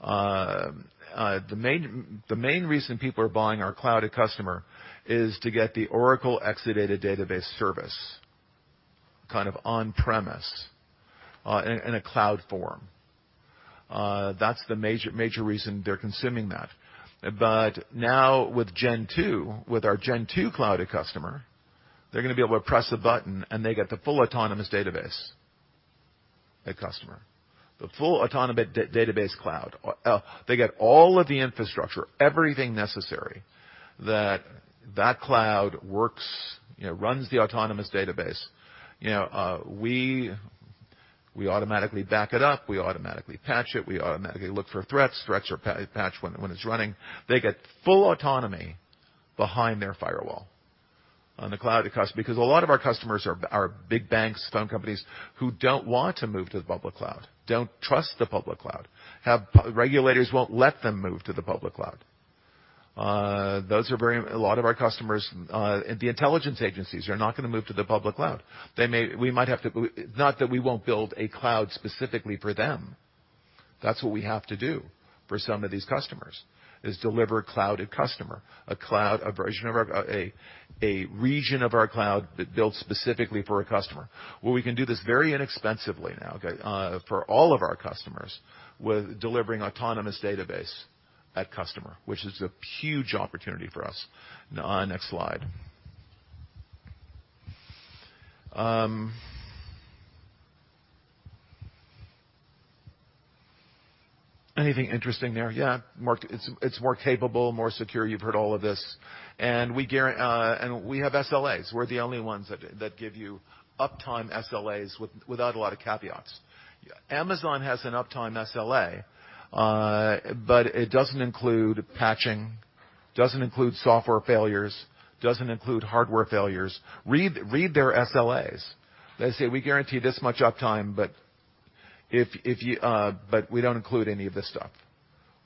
the main reason people are buying our Cloud@Customer is to get the Oracle Exadata Database Service kind of on-premise in a cloud form. That's the major reason they're consuming that. Now with our Gen 2 Cloud@Customer, they're going to be able to press a button, and they get the full Autonomous Database@Customer. The full Autonomous Database cloud. They get all of the infrastructure, everything necessary that that cloud works, runs the Autonomous Database. We automatically back it up. We automatically patch it. We automatically look for threats. Threats are patch when it's running. They get full autonomy behind their firewall. On the cloud, because a lot of our customers are big banks, phone companies, who don't want to move to the public cloud, don't trust the public cloud. Regulators won't let them move to the public cloud. A lot of our customers, the intelligence agencies, are not going to move to the public cloud. Not that we won't build a cloud specifically for them. That's what we have to do for some of these customers, is deliver Cloud@Customer, a region of our cloud built specifically for a customer. We can do this very inexpensively now for all of our customers with delivering Autonomous Database at Customer, which is a huge opportunity for us. Next slide. Anything interesting there? Yeah. It's more capable, more secure. You've heard all of this. We have SLAs. We're the only ones that give you uptime SLAs without a lot of caveats. Amazon has an uptime SLA, but it doesn't include patching, doesn't include software failures, doesn't include hardware failures. Read their SLAs. They say, "We guarantee this much uptime, but we don't include any of this stuff."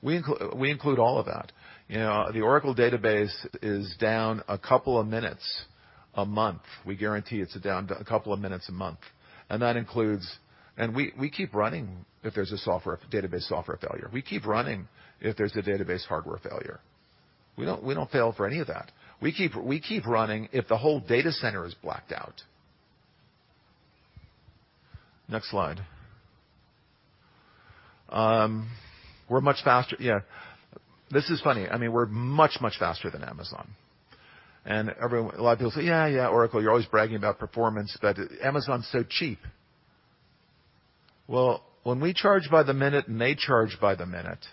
We include all of that. The Oracle Database is down a couple of minutes a month. We guarantee it's down a couple of minutes a month. We keep running if there's a database software failure. We keep running if there's a database hardware failure. We don't fail for any of that. We keep running if the whole data center is blacked out. Next slide. We're much faster. Yeah. This is funny. We're much faster than Amazon. A lot of people say, "Yeah, Oracle, you're always bragging about performance, but Amazon's so cheap." When we charge by the minute and they charge by the minute,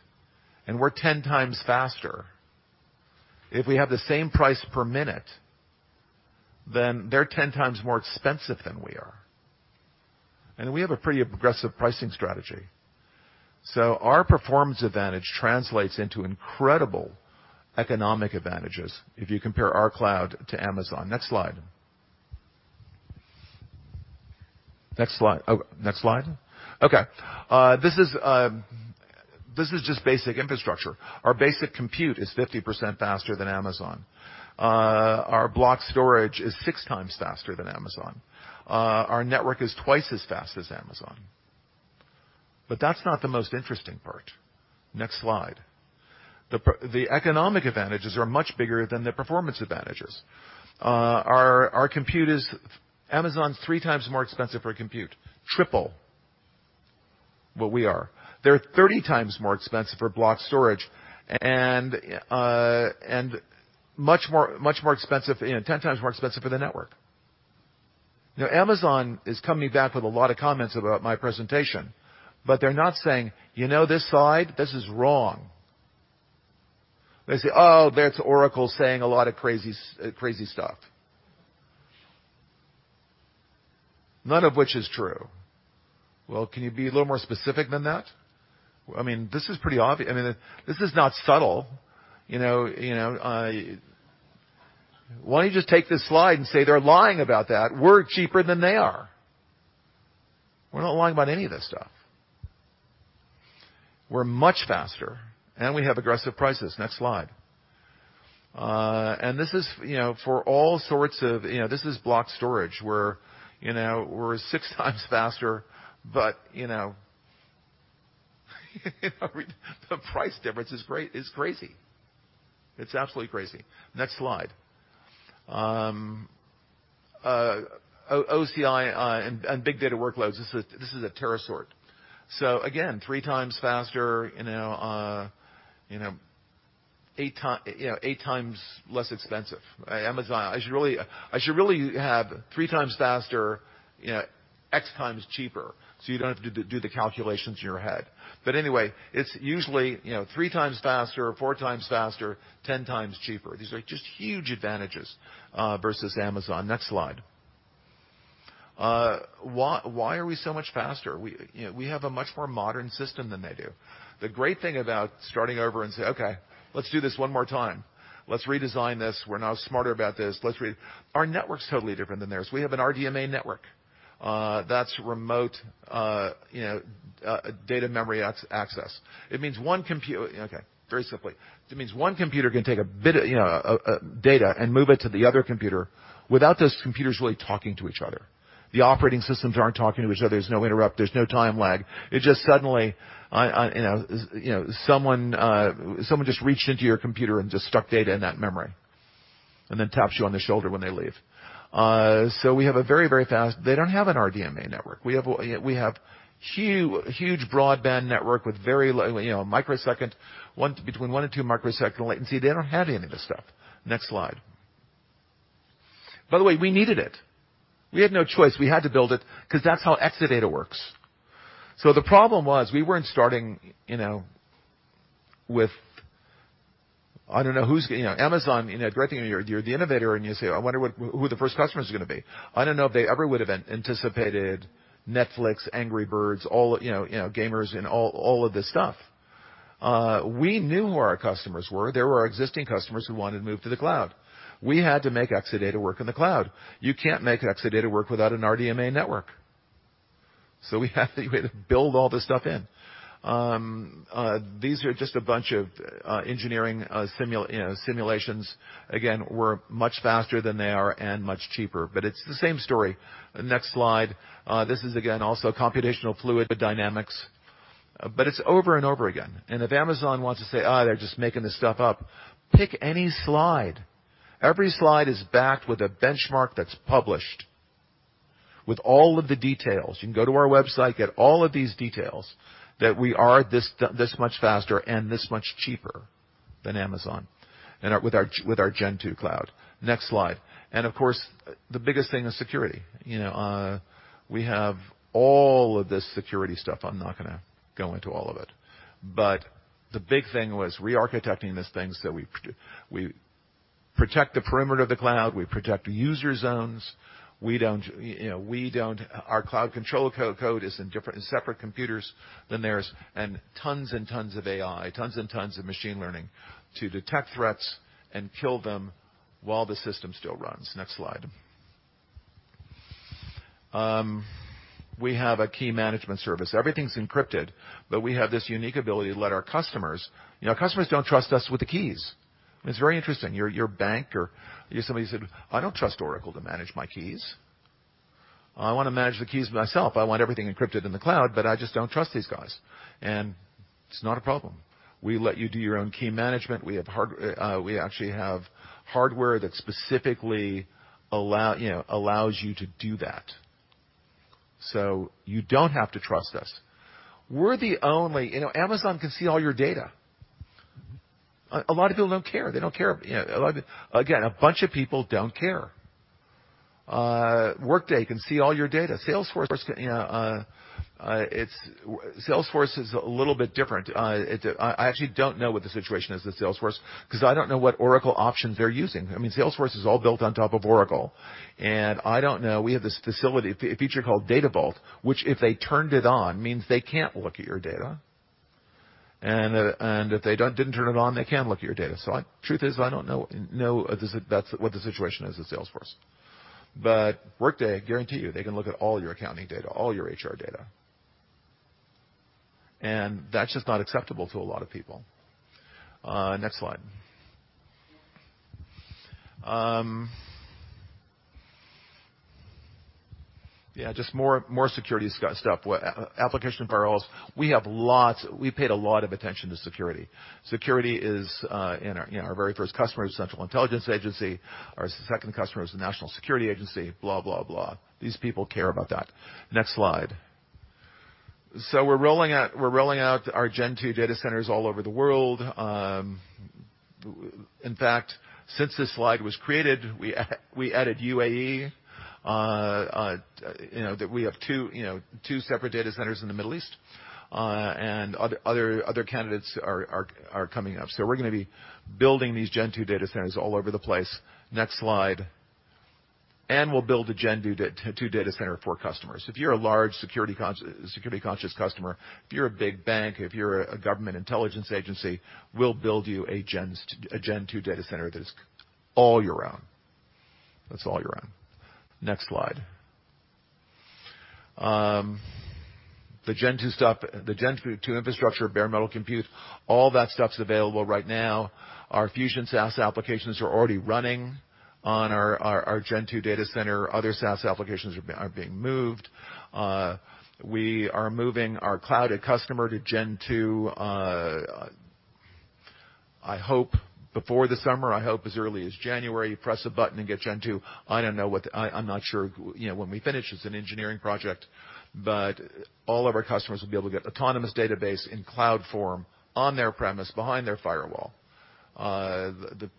and we're 10 times faster, if we have the same price per minute, then they're 10 times more expensive than we are. We have a pretty aggressive pricing strategy. Our performance advantage translates into incredible economic advantages if you compare our cloud to Amazon. Next slide. Next slide. Okay. This is just basic infrastructure. Our basic compute is 50% faster than Amazon. Our block storage is six times faster than Amazon. Our network is twice as fast as Amazon. That's not the most interesting part. Next slide. The economic advantages are much bigger than the performance advantages. Amazon is three times more expensive for compute, triple what we are. They're 30 times more expensive for block storage and 10 times more expensive for the network. Amazon is coming back with a lot of comments about my presentation, but they're not saying, "You know this slide? This is wrong." They say, "Oh, that's Oracle saying a lot of crazy stuff." None of which is true. Can you be a little more specific than that? This is not subtle. Why don't you just take this slide and say, "They're lying about that. We're cheaper than they are"? We're not lying about any of this stuff. We're much faster, and we have aggressive prices. Next slide. This is block storage, where we're 6 times faster, but the price difference is crazy. It's absolutely crazy. Next slide. OCI and big data workloads. This is a TeraSort. Again, 3 times faster, 8 times less expensive. I should really have 3 times faster, X times cheaper, so you don't have to do the calculations in your head. Anyway, it's usually 3 times faster, 4 times faster, 10 times cheaper. These are just huge advantages versus Amazon. Next slide. Why are we so much faster? We have a much more modern system than they do. The great thing about starting over and saying, "Okay, let's do this one more time. Let's redesign this. We're now smarter about this" our network's totally different than theirs. We have an RDMA network. That's remote data memory access. Very simply, it means one computer can take a bit of data and move it to the other computer without those computers really talking to each other. The operating systems aren't talking to each other. There's no interrupt. There's no time lag. It's just suddenly someone just reached into your computer and just stuck data in that memory, and then taps you on the shoulder when they leave. They don't have an RDMA network. We have huge broadband network with very low, microsecond, between one and two microsecond latency. They don't have any of this stuff. Next slide. By the way, we needed it. We had no choice. We had to build it because that's how Exadata works. The problem was we weren't starting with, I don't know. Amazon, great thing, you're the innovator, and you say, "I wonder who the first customer is going to be." I don't know if they ever would've anticipated Netflix, Angry Birds, gamers, and all of this stuff. We knew who our customers were. They were our existing customers who wanted to move to the cloud. We had to make Exadata work in the cloud. You can't make Exadata work without an RDMA network. We have to build all this stuff in. These are just a bunch of engineering simulations. Again, we're much faster than they are and much cheaper, it's the same story. Next slide. This is, again, also computational fluid dynamics, it's over and over again. If Amazon wants to say, "Ah, they're just making this stuff up," pick any slide. Every slide is backed with a benchmark that's published with all of the details. You can go to our website, get all of these details that we are this much faster and this much cheaper than Amazon and with our Gen 2 Cloud. Next slide. Of course, the biggest thing is security. We have all of this security stuff. I'm not going to go into all of it. The big thing was re-architecting these things that we protect the perimeter of the cloud, we protect user zones. Our cloud control code is in separate computers than theirs, and tons and tons of AI, tons and tons of machine learning to detect threats and kill them while the system still runs. Next slide. We have a key management service. Everything's encrypted, we have this unique ability. Our customers don't trust us with the keys. It's very interesting. Your bank or somebody said, "I don't trust Oracle to manage my keys. I want to manage the keys myself. I want everything encrypted in the cloud, but I just don't trust these guys." It's not a problem. We let you do your own key management. We actually have hardware that specifically allows you to do that. You don't have to trust us. Amazon can see all your data. A lot of people don't care. Again, a bunch of people don't care. Workday can see all your data. Salesforce is a little bit different. I actually don't know what the situation is with Salesforce because I don't know what Oracle options they're using. Salesforce is all built on top of Oracle, and I don't know, we have this facility feature called Data Vault, which if they turned it on, means they can't look at your data. If they didn't turn it on, they can look at your data. The truth is, I don't know if that's what the situation is with Salesforce. Workday, guarantee you, they can look at all your accounting data, all your HR data. That's just not acceptable to a lot of people. Next slide. Yeah, just more security stuff. Application firewalls. We paid a lot of attention to security. Security is in our very first customer is the Central Intelligence Agency. Our second customer is the National Security Agency, blah, blah. These people care about that. Next slide. We're rolling out our Gen 2 data centers all over the world. In fact, since this slide was created, we added UAE. We have two separate data centers in the Middle East. Other candidates are coming up. We're going to be building these Gen 2 data centers all over the place. Next slide. We'll build a Gen 2 data center for customers. If you're a large security-conscious customer, if you're a big bank, if you're a government intelligence agency, we'll build you a Gen 2 data center that is all your own. That's all your own. Next slide. The Gen 2 stuff, the Gen 2 infrastructure, bare metal compute, all that stuff's available right now. Our Fusion SaaS applications are already running on our Gen 2 data center. Other SaaS applications are being moved. We are moving our Cloud@Customer to Gen 2, I hope before the summer, I hope as early as January. Press a button and get Gen 2. I'm not sure when we finish. It's an engineering project. All of our customers will be able to get Autonomous Database in cloud form on their premise behind their firewall. The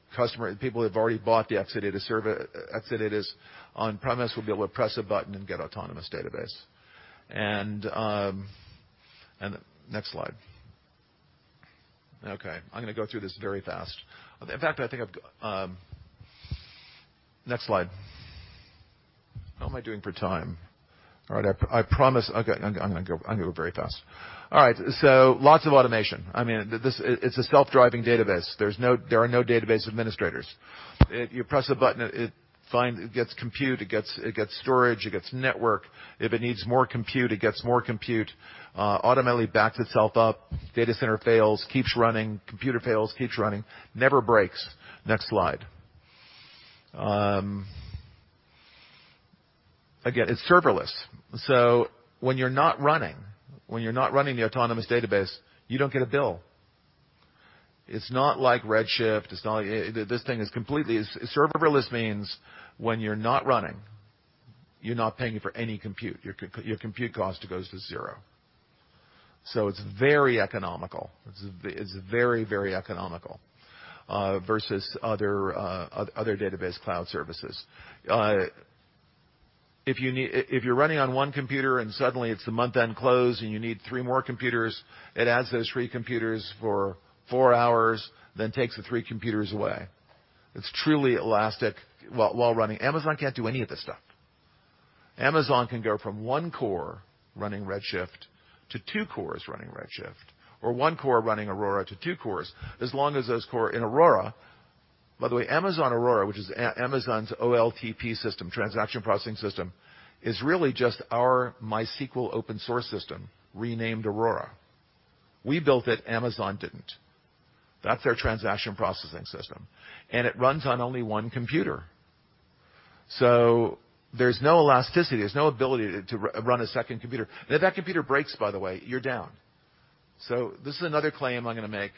people who have already bought the Exadata on-premise will be able to press a button and get Autonomous Database. Next slide. Okay, I'm going to go through this very fast. In fact, I think I've Next slide. How am I doing for time? All right, I promise I'm going to go very fast. All right, lots of automation. It's a self-driving database. There are no database administrators. You press a button, it gets compute, it gets storage, it gets network. If it needs more compute, it gets more compute. Automatically backs itself up. Data center fails, keeps running. Computer fails, keeps running. Never breaks. Next slide. Again, it's serverless. When you're not running the Autonomous Database, you don't get a bill. It's not like Redshift. Serverless means when you're not running, you're not paying for any compute. Your compute cost goes to zero. It's very economical. It's very, very economical versus other database cloud services. If you're running on one computer and suddenly it's the month-end close and you need three more computers, it adds those three computers for four hours, then takes the three computers away. It's truly elastic while running. Amazon can't do any of this stuff. Amazon can go from one core running Redshift to two cores running Redshift, or one core running Aurora to two cores, as long as those cores in Aurora. By the way, Amazon Aurora, which is Amazon's OLTP system, transaction processing system, is really just our MySQL open-source system, renamed Aurora. We built it, Amazon didn't. That's their transaction processing system, and it runs on only one computer. There's no elasticity. There's no ability to run a second computer. If that computer breaks, by the way, you're down. This is another claim I'm going to make.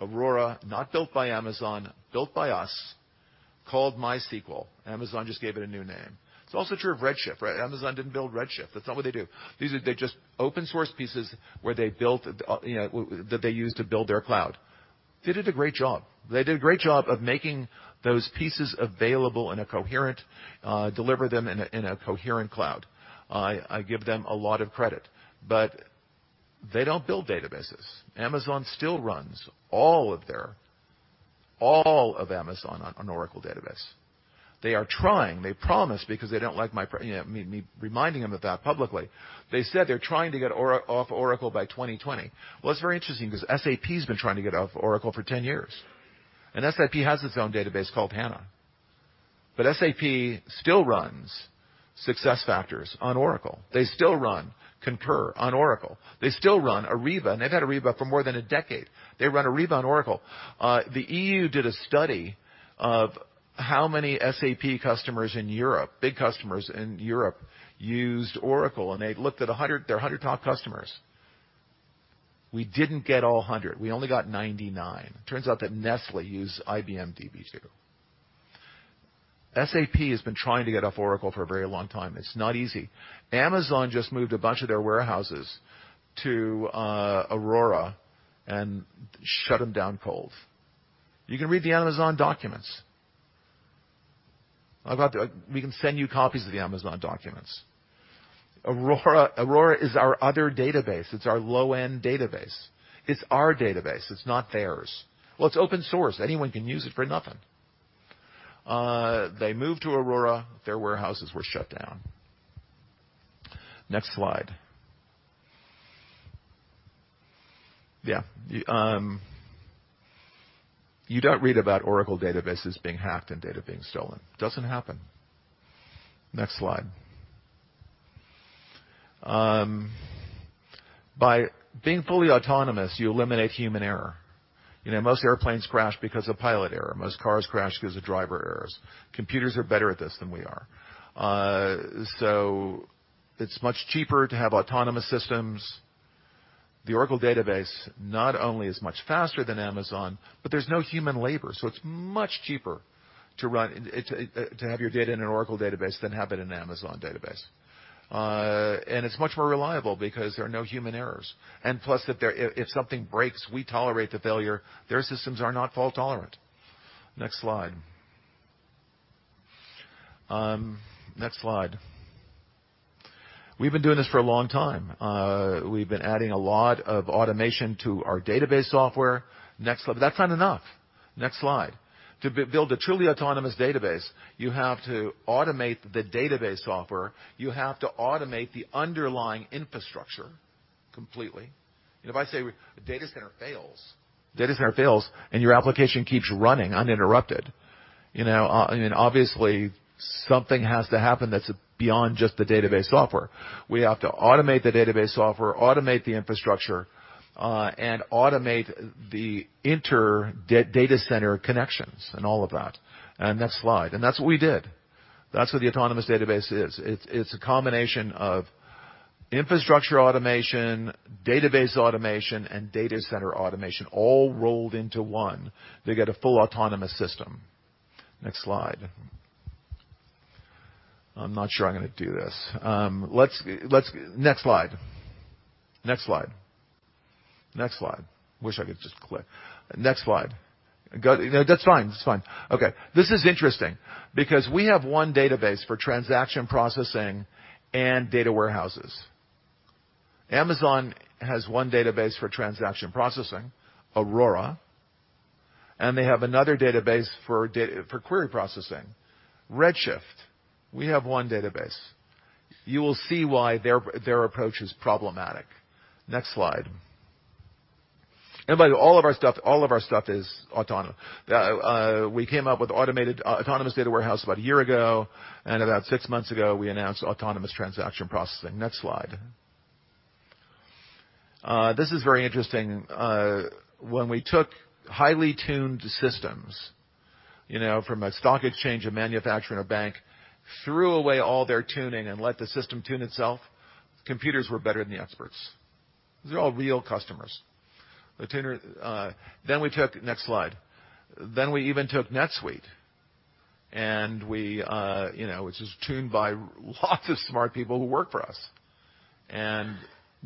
Aurora, not built by Amazon, built by us, called MySQL. Amazon just gave it a new name. It's also true of Redshift, right? Amazon didn't build Redshift. That's not what they do. These are just open-source pieces that they use to build their cloud. They did a great job. They did a great job of making those pieces available in a coherent, deliver them in a coherent cloud. I give them a lot of credit. They don't build databases. Amazon still runs all of Amazon on Oracle Database. They are trying, they promise, because they don't like me reminding them of that publicly. They said they're trying to get off Oracle by 2020. That's very interesting because SAP's been trying to get off Oracle for 10 years, and SAP has its own database called HANA. SAP still runs SuccessFactors on Oracle. They still run Concur on Oracle. They still run Ariba, and they've had Ariba for more than a decade. They run Ariba on Oracle. The EU did a study of how many SAP customers in Europe, big customers in Europe, used Oracle, and they looked at their 100 top customers. We didn't get all 100. We only got 99. Turns out that Nestlé used IBM Db2. SAP has been trying to get off Oracle for a very long time. It's not easy. Amazon just moved a bunch of their warehouses to Aurora and shut them down cold. You can read the Amazon documents. We can send you copies of the Amazon documents. Aurora is our other database. It's our low-end database. It's our database. It's not theirs. It's open source. Anyone can use it for nothing. They moved to Aurora. Their warehouses were shut down. Next slide. You don't read about Oracle Database being hacked and data being stolen. Doesn't happen. Next slide. By being fully autonomous, you eliminate human error. Most airplanes crash because of pilot error. Most cars crash because of driver errors. Computers are better at this than we are. It's much cheaper to have autonomous systems. The Oracle Database not only is much faster than Amazon, but there's no human labor, it's much cheaper to have your data in an Oracle Database than have it in an Amazon database. It's much more reliable because there are no human errors. Plus, if something breaks, we tolerate the failure. Their systems are not fault-tolerant. Next slide. Next slide. We've been doing this for a long time. We've been adding a lot of automation to our database software. Next slide. That's not enough. Next slide. To build a truly Oracle Autonomous Database, you have to automate the database software. You have to automate the underlying infrastructure completely. If I say a data center fails, and your application keeps running uninterrupted, obviously, something has to happen that's beyond just the database software. We have to automate the database software, automate the infrastructure, and automate the inter-data center connections and all of that. Next slide. That's what we did. That's what the Oracle Autonomous Database is. It's a combination of infrastructure automation, database automation, and data center automation all rolled into one to get a full autonomous system. Next slide. I'm not sure I'm going to do this. Next slide. Next slide. Next slide. Wish I could just click. Next slide. That's fine. Okay. This is interesting because we have one database for transaction processing and data warehouses. Amazon has one database for transaction processing, Amazon Aurora, and they have another database for query processing, Amazon Redshift. We have one database. You will see why their approach is problematic. Next slide. By the way, all of our stuff is autonomous. We came up with Autonomous Data Warehouse about a year ago, and about six months ago, we announced Autonomous Transaction Processing. Next slide. This is very interesting. When we took highly tuned systems, from a stock exchange, a manufacturer, and a bank, threw away all their tuning and let the system tune itself, computers were better than the experts. These are all real customers. Next slide. We even took NetSuite, which is tuned by lots of smart people who work for us, and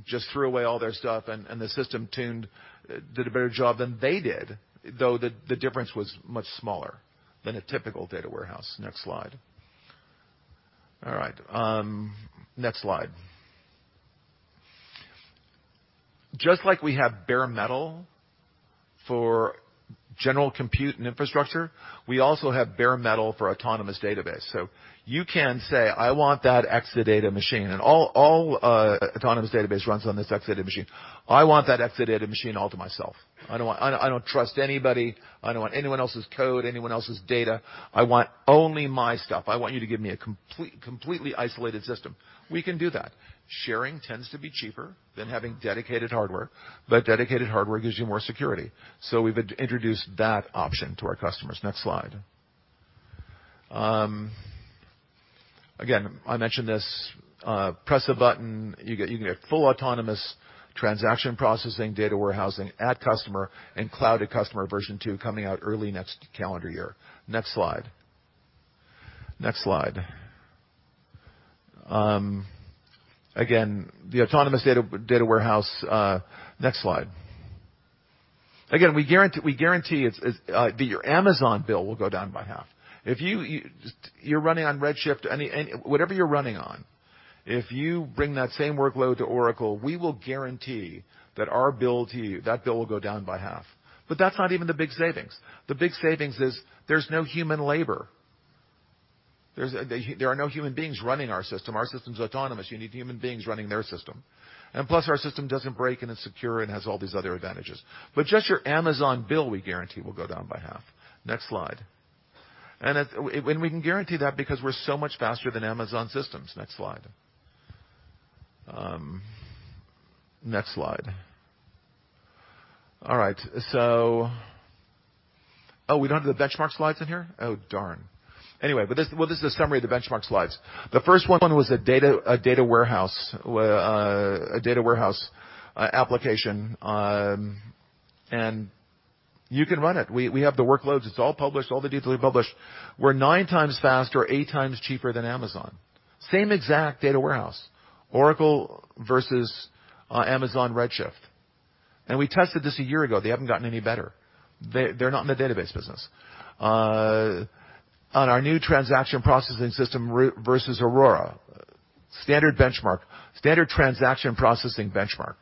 just threw away all their stuff, and the system tuned, did a better job than they did, though the difference was much smaller than a typical data warehouse. Next slide. All right. Next slide. Just like we have bare metal for general compute and infrastructure, we also have bare metal for Oracle Autonomous Database. So you can say, "I want that Exadata machine," and all Oracle Autonomous Database runs on this Exadata machine. "I want that Exadata machine all to myself. I don't trust anybody. I don't want anyone else's code, anyone else's data. I want only my stuff. I want you to give me a completely isolated system." We can do that. Sharing tends to be cheaper than having dedicated hardware, but dedicated hardware gives you more security. We've introduced that option to our customers. Next slide. Again, I mentioned this. Press a button, you get full Autonomous Transaction Processing, data warehousing at customer, and Gen 2 Cloud@Customer coming out early next calendar year. Next slide. Next slide. Again, the Autonomous Data Warehouse. Next slide. Again, we guarantee that your Amazon bill will go down by half. If you're running on Amazon Redshift, whatever you're running on, if you bring that same workload to Oracle, we will guarantee that our bill to you, that bill will go down by half. That's not even the big savings. The big savings is there's no human labor. There are no human beings running our system. Our system's autonomous. You need human beings running their system. Plus, our system doesn't break, and it's secure and has all these other advantages. Just your Amazon bill, we guarantee, will go down by half. Next slide. We can guarantee that because we're so much faster than Amazon systems. Next slide. Next slide. All right. Oh, we don't have the benchmark slides in here? Oh, darn. This is a summary of the benchmark slides. The first one was a data warehouse application. You can run it. We have the workloads. It's all published, all the details are published. We're 9 times faster, 8 times cheaper than Amazon. Same exact data warehouse, Oracle versus Amazon Redshift. We tested this a year ago. They haven't gotten any better. They're not in the database business. On our new transaction processing system versus Amazon Aurora, standard benchmark, standard transaction processing benchmark.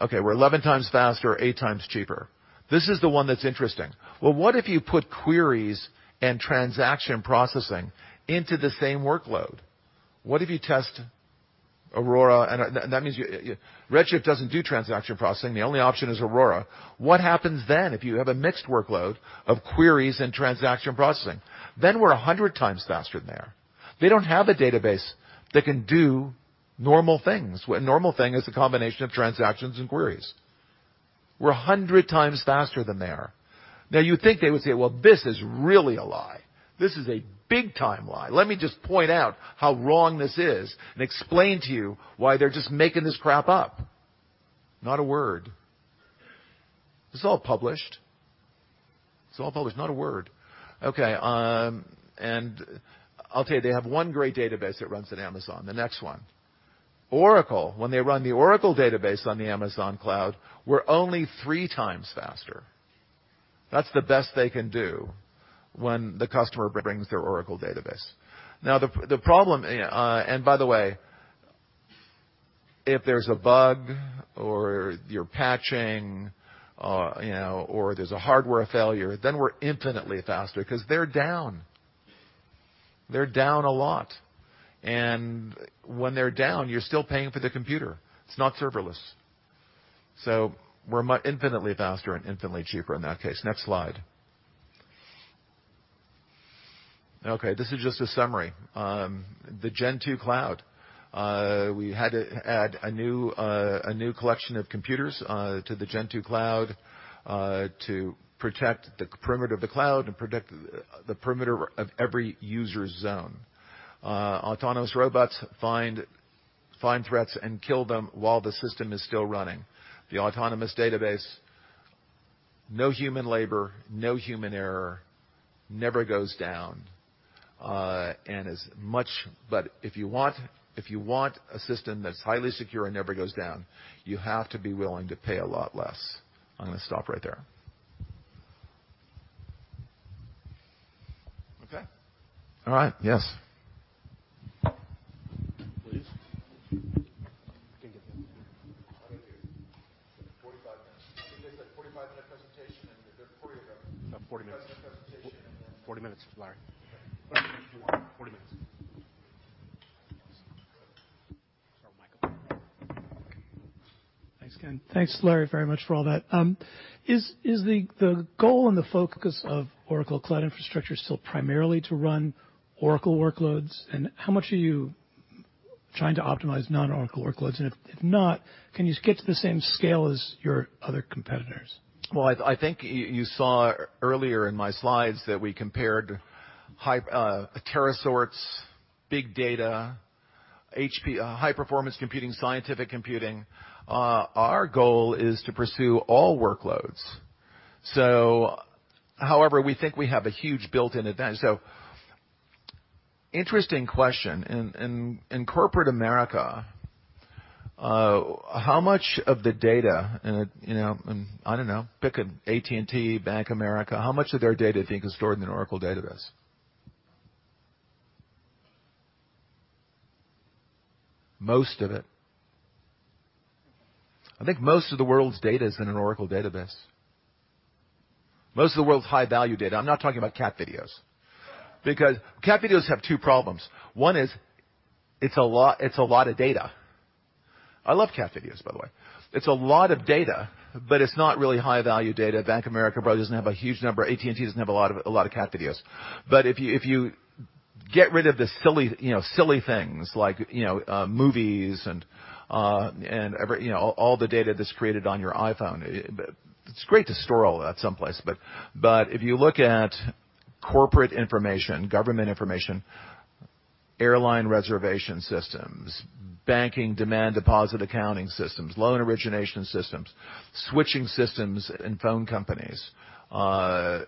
Okay, we're 11 times faster, 8 times cheaper. This is the one that's interesting. What if you put queries and transaction processing into the same workload? What if you test Amazon Aurora? That means Amazon Redshift doesn't do transaction processing. The only option is Amazon Aurora. What happens if you have a mixed workload of queries and transaction processing? We're 100 times faster than there. They don't have a database that can do normal things. A normal thing is the combination of transactions and queries. We're 100 times faster than there. You think they would say, "Well, this is really a lie. This is a big-time lie. Let me just point out how wrong this is and explain to you why they're just making this crap up." Not a word. This is all published. It's all published. Not a word. Okay. I'll tell you, they have one great database that runs on Amazon. The next one. Oracle, when they run the Oracle Database on the Amazon cloud, we're only 3 times faster. That's the best they can do when the customer brings their Oracle Database. By the way, if there's a bug or you're patching, or there's a hardware failure, then we're infinitely faster because they're down. They're down a lot. When they're down, you're still paying for the computer. It's not serverless. We're infinitely faster and infinitely cheaper in that case. Next slide. Okay, this is just a summary. The Gen 2 Cloud. We had to add a new collection of computers to the Gen 2 Cloud to protect the perimeter of the cloud and protect the perimeter of every user's zone. Autonomous robots find threats and kill them while the system is still running. The Oracle Autonomous Database, no human labor, no human error, never goes down. If you want a system that's highly secure and never goes down, you have to be willing to pay a lot less. I'm going to stop right there. Okay? All right. Yes. Please. 45 minutes. I think they said 45-minute presentation, They're 40 minutes into the presentation. 40 minutes, Larry. 40 minutes. Start with Michael. Thanks, Larry, very much for all that. Is the goal and the focus of Oracle Cloud Infrastructure still primarily to run Oracle workloads? How much are you trying to optimize non-Oracle workloads? If not, can you get to the same scale as your other competitors? Well, I think you saw earlier in my slides that we compared TeraSort, big data, high-performance computing, scientific computing. Our goal is to pursue all workloads. However, we think we have a huge built-in advantage. Interesting question. In corporate America, how much of the data in, I don't know, pick AT&T, Bank of America, how much of their data do you think is stored in an Oracle Database? Most of it. I think most of the world's data is in an Oracle Database. Most of the world's high-value data. I'm not talking about cat videos. Because cat videos have two problems. One is, it's a lot of data. I love cat videos, by the way. It's a lot of data, but it's not really high-value data. Bank of America probably doesn't have a huge number, AT&T doesn't have a lot of cat videos. If you get rid of the silly things like movies and all the data that's created on your iPhone, it's great to store all that someplace. If you look at corporate information, government information, airline reservation systems, banking demand deposit accounting systems, loan origination systems, switching systems in phone companies,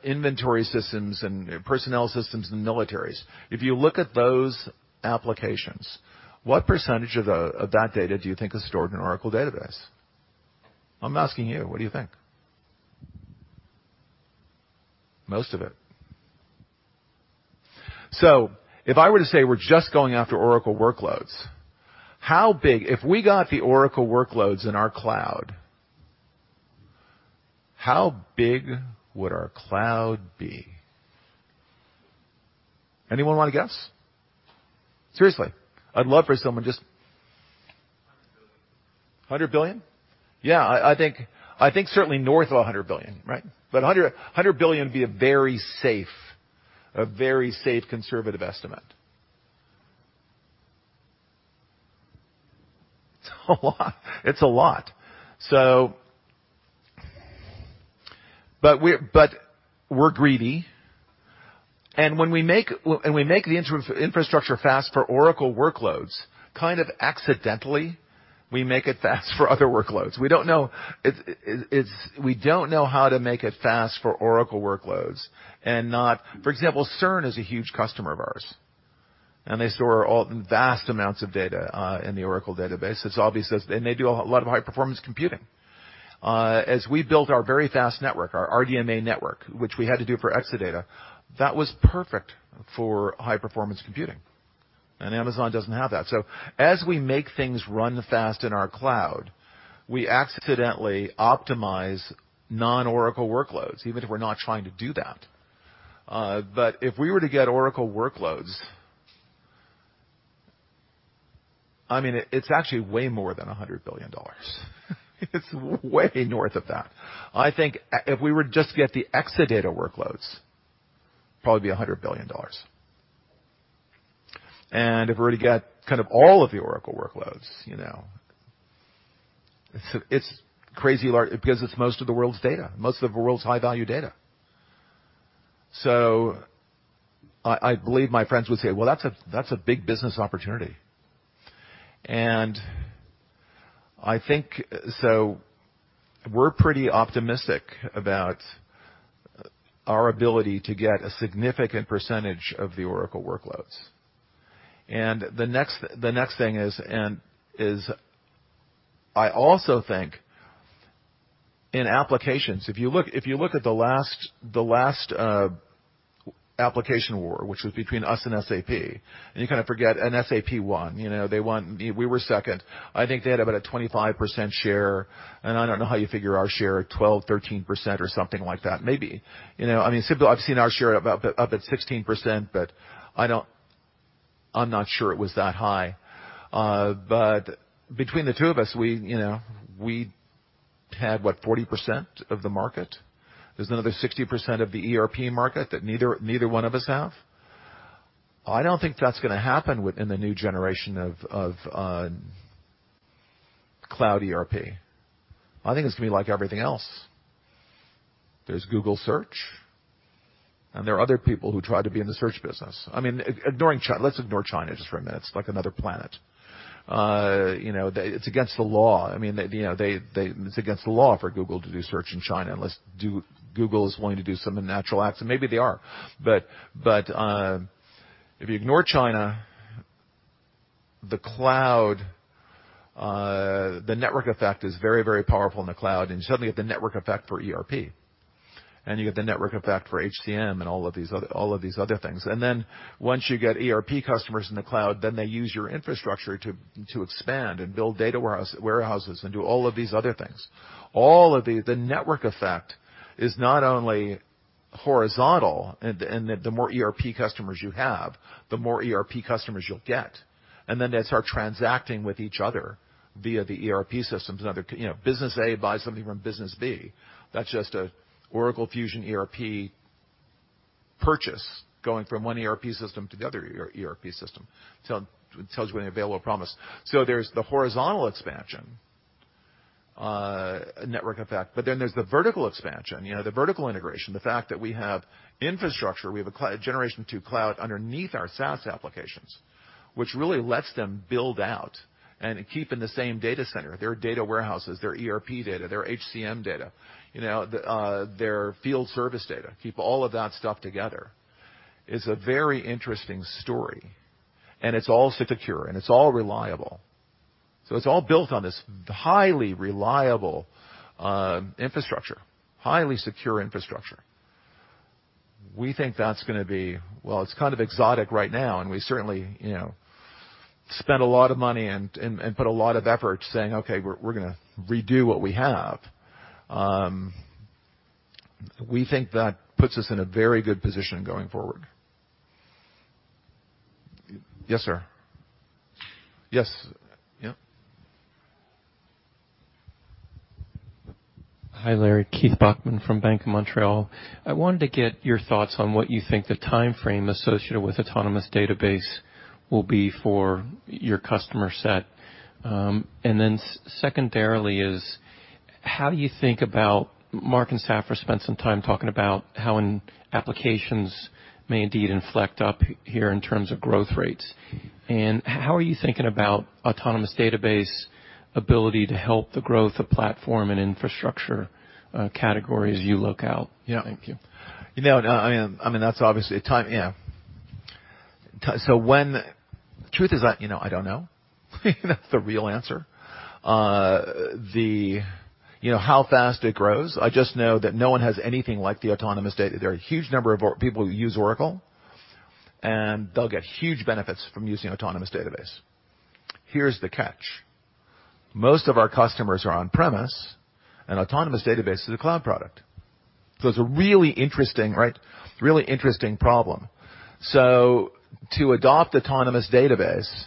inventory systems and personnel systems in militaries. If you look at those applications, what percentage of that data do you think is stored in an Oracle Database? I'm asking you, what do you think? Most of it. If I were to say we're just going after Oracle workloads, if we got the Oracle workloads in our cloud, how big would our cloud be? Anyone want to guess? Seriously, I'd love for someone just- $100 billion. $100 billion? Yeah, I think certainly north of $100 billion, right? $100 billion would be a very safe conservative estimate. It's a lot. We're greedy, and when we make the infrastructure fast for Oracle workloads, kind of accidentally, we make it fast for other workloads. We don't know how to make it fast for Oracle workloads. For example, CERN is a huge customer of ours, and they store vast amounts of data in the Oracle Database. It's obvious, and they do a lot of high-performance computing. As we built our very fast network, our RDMA network, which we had to do for Exadata, that was perfect for high-performance computing. Amazon doesn't have that. As we make things run fast in our cloud, we accidentally optimize non-Oracle workloads, even if we're not trying to do that. If we were to get Oracle workloads, it's actually way more than $100 billion. It's way north of that. I think if we were just to get the Exadata workloads, probably be $100 billion. If we were to get kind of all of the Oracle workloads, it's crazy large because it's most of the world's data, most of the world's high-value data. I believe my friends would say, "Well, that's a big business opportunity." We're pretty optimistic about our ability to get a significant percentage of the Oracle workloads. The next thing is I also think in applications, if you look at the last application war, which was between us and SAP, and you kind of forget, and SAP won. We were second. I think they had about a 25% share, and I don't know how you figure our share at 12%, 13% or something like that. Maybe. I've seen our share up at 16%, but I'm not sure it was that high. Between the two of us, we had, what, 40% of the market? There's another 60% of the ERP market that neither one of us have. I don't think that's going to happen within the new generation of cloud ERP. I think it's going to be like everything else. There's Google Search, and there are other people who try to be in the search business. Let's ignore China just for a minute. It's like another planet. It's against the law for Google to do search in China, unless Google is willing to do some unnatural acts, and maybe they are. If you ignore China, the network effect is very, very powerful in the cloud, and you suddenly get the network effect for ERP. You get the network effect for HCM and all of these other things. Once you get ERP customers in the cloud, they use your infrastructure to expand and build data warehouses and do all of these other things. The network effect is not only horizontal, the more ERP customers you have, the more ERP customers you'll get. They start transacting with each other via the ERP systems. Business A buys something from business B. That's just an Oracle Fusion ERP purchase going from one ERP system to the other ERP system. It tells you when available promise. There's the horizontal expansion network effect, there's the vertical expansion, the vertical integration, the fact that we have infrastructure, we have a Gen 2 Cloud underneath our SaaS applications, which really lets them build out and keep in the same data center their data warehouses, their ERP data, their HCM data, their field service data, keep all of that stuff together, is a very interesting story. It's all secure, it's all reliable. It's all built on this highly reliable infrastructure, highly secure infrastructure. We think that's going to be Well, it's kind of exotic right now, we certainly spent a lot of money and put a lot of effort saying, "Okay, we're going to redo what we have." We think that puts us in a very good position going forward. Yes, sir. Yes. Yep. Hi, Larry. Keith Bachman from Bank of Montreal. I wanted to get your thoughts on what you think the timeframe associated with autonomous database will be for your customer set. Secondarily is, how do you think about Mark and Safra spent some time talking about how applications may indeed inflect up here in terms of growth rates. How are you thinking about autonomous database ability to help the growth of platform and infrastructure category as you look out? Yeah. Thank you. Truth is, I don't know. That's the real answer. How fast it grows, I just know that no one has anything like the autonomous data. There are a huge number of people who use Oracle, and they'll get huge benefits from using Autonomous Database. Here's the catch. Most of our customers are on-premise, and Autonomous Database is a cloud product. It's a really interesting problem. To adopt Autonomous Database,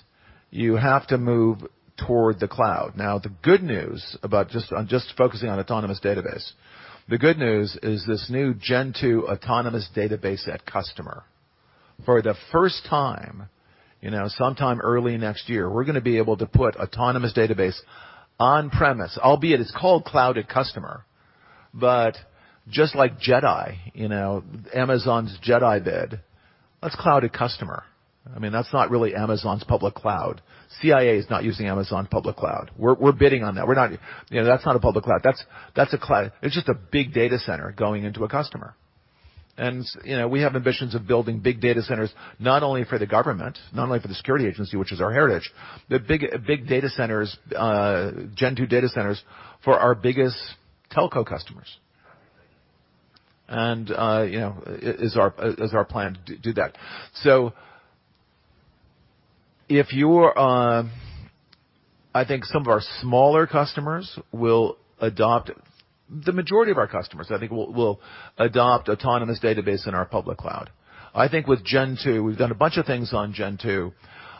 you have to move toward the cloud. The good news about just focusing on Autonomous Database, the good news is this new Gen 2 Autonomous Database Cloud@Customer. For the first time, sometime early next year, we're going to be able to put Autonomous Database on-premise, albeit it's called Cloud@Customer. Just like JEDI, Amazon's JEDI bid, that's Cloud@Customer. That's not really Amazon's public cloud. CIA is not using Amazon public cloud. We're bidding on that. That's not a public cloud. It's just a big data center going into a customer. We have ambitions of building big data centers, not only for the government, not only for the security agency, which is our heritage, but big data centers, Gen 2 data centers for our biggest telco customers. Is our plan to do that. I think some of our smaller customers will adopt. The majority of our customers, I think, will adopt Autonomous Database in our public cloud. I think with Gen 2, we've done a bunch of things on Gen 2.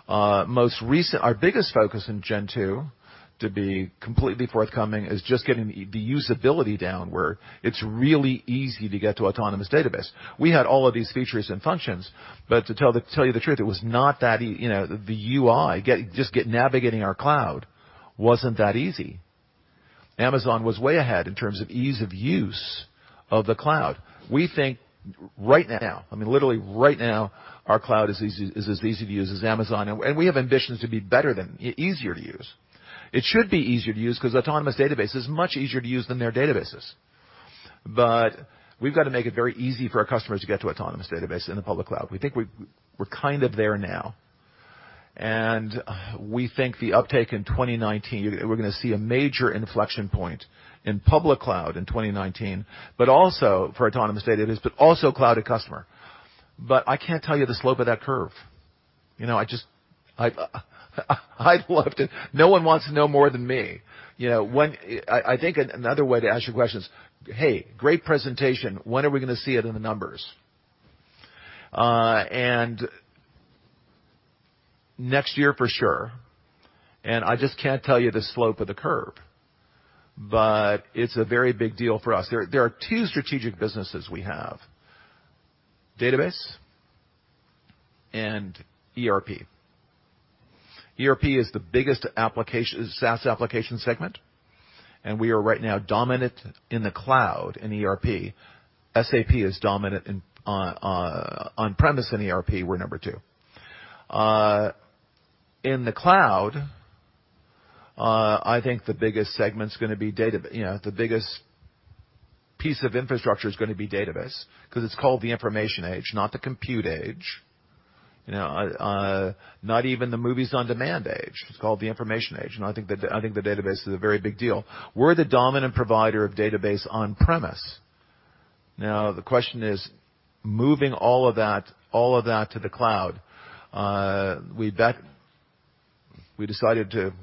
Our biggest focus in Gen 2, to be completely forthcoming, is just getting the usability down where it's really easy to get to Autonomous Database. We had all of these features and functions, to tell you the truth, the UI, just navigating our cloud wasn't that easy. Amazon was way ahead in terms of ease of use of the cloud. We think right now, literally right now, our cloud is as easy to use as Amazon, and we have ambitions to be better than, easier to use. It should be easier to use because Autonomous Database is much easier to use than their databases. We've got to make it very easy for our customers to get to Autonomous Database in the public cloud. We think we're kind of there now. We think the uptake in 2019, we're going to see a major inflection point in public cloud in 2019, also for Autonomous Database, also Cloud@Customer. I can't tell you the slope of that curve. I'd love to. No one wants to know more than me. I think another way to ask your question is, "Hey, great presentation. When are we going to see it in the numbers?" Next year for sure, and I just can't tell you the slope of the curve. It's a very big deal for us. There are two strategic businesses we have, Database and ERP. ERP is the biggest SaaS application segment, and we are right now dominant in the cloud in ERP. SAP is dominant on-premise in ERP. We're number two. In the cloud, I think the biggest piece of infrastructure is going to be database because it's called the information age, not the compute age, not even the movies on demand age. It's called the information age, and I think the database is a very big deal. We're the dominant provider of Database on-premise. The question is moving all of that to the cloud. We decided to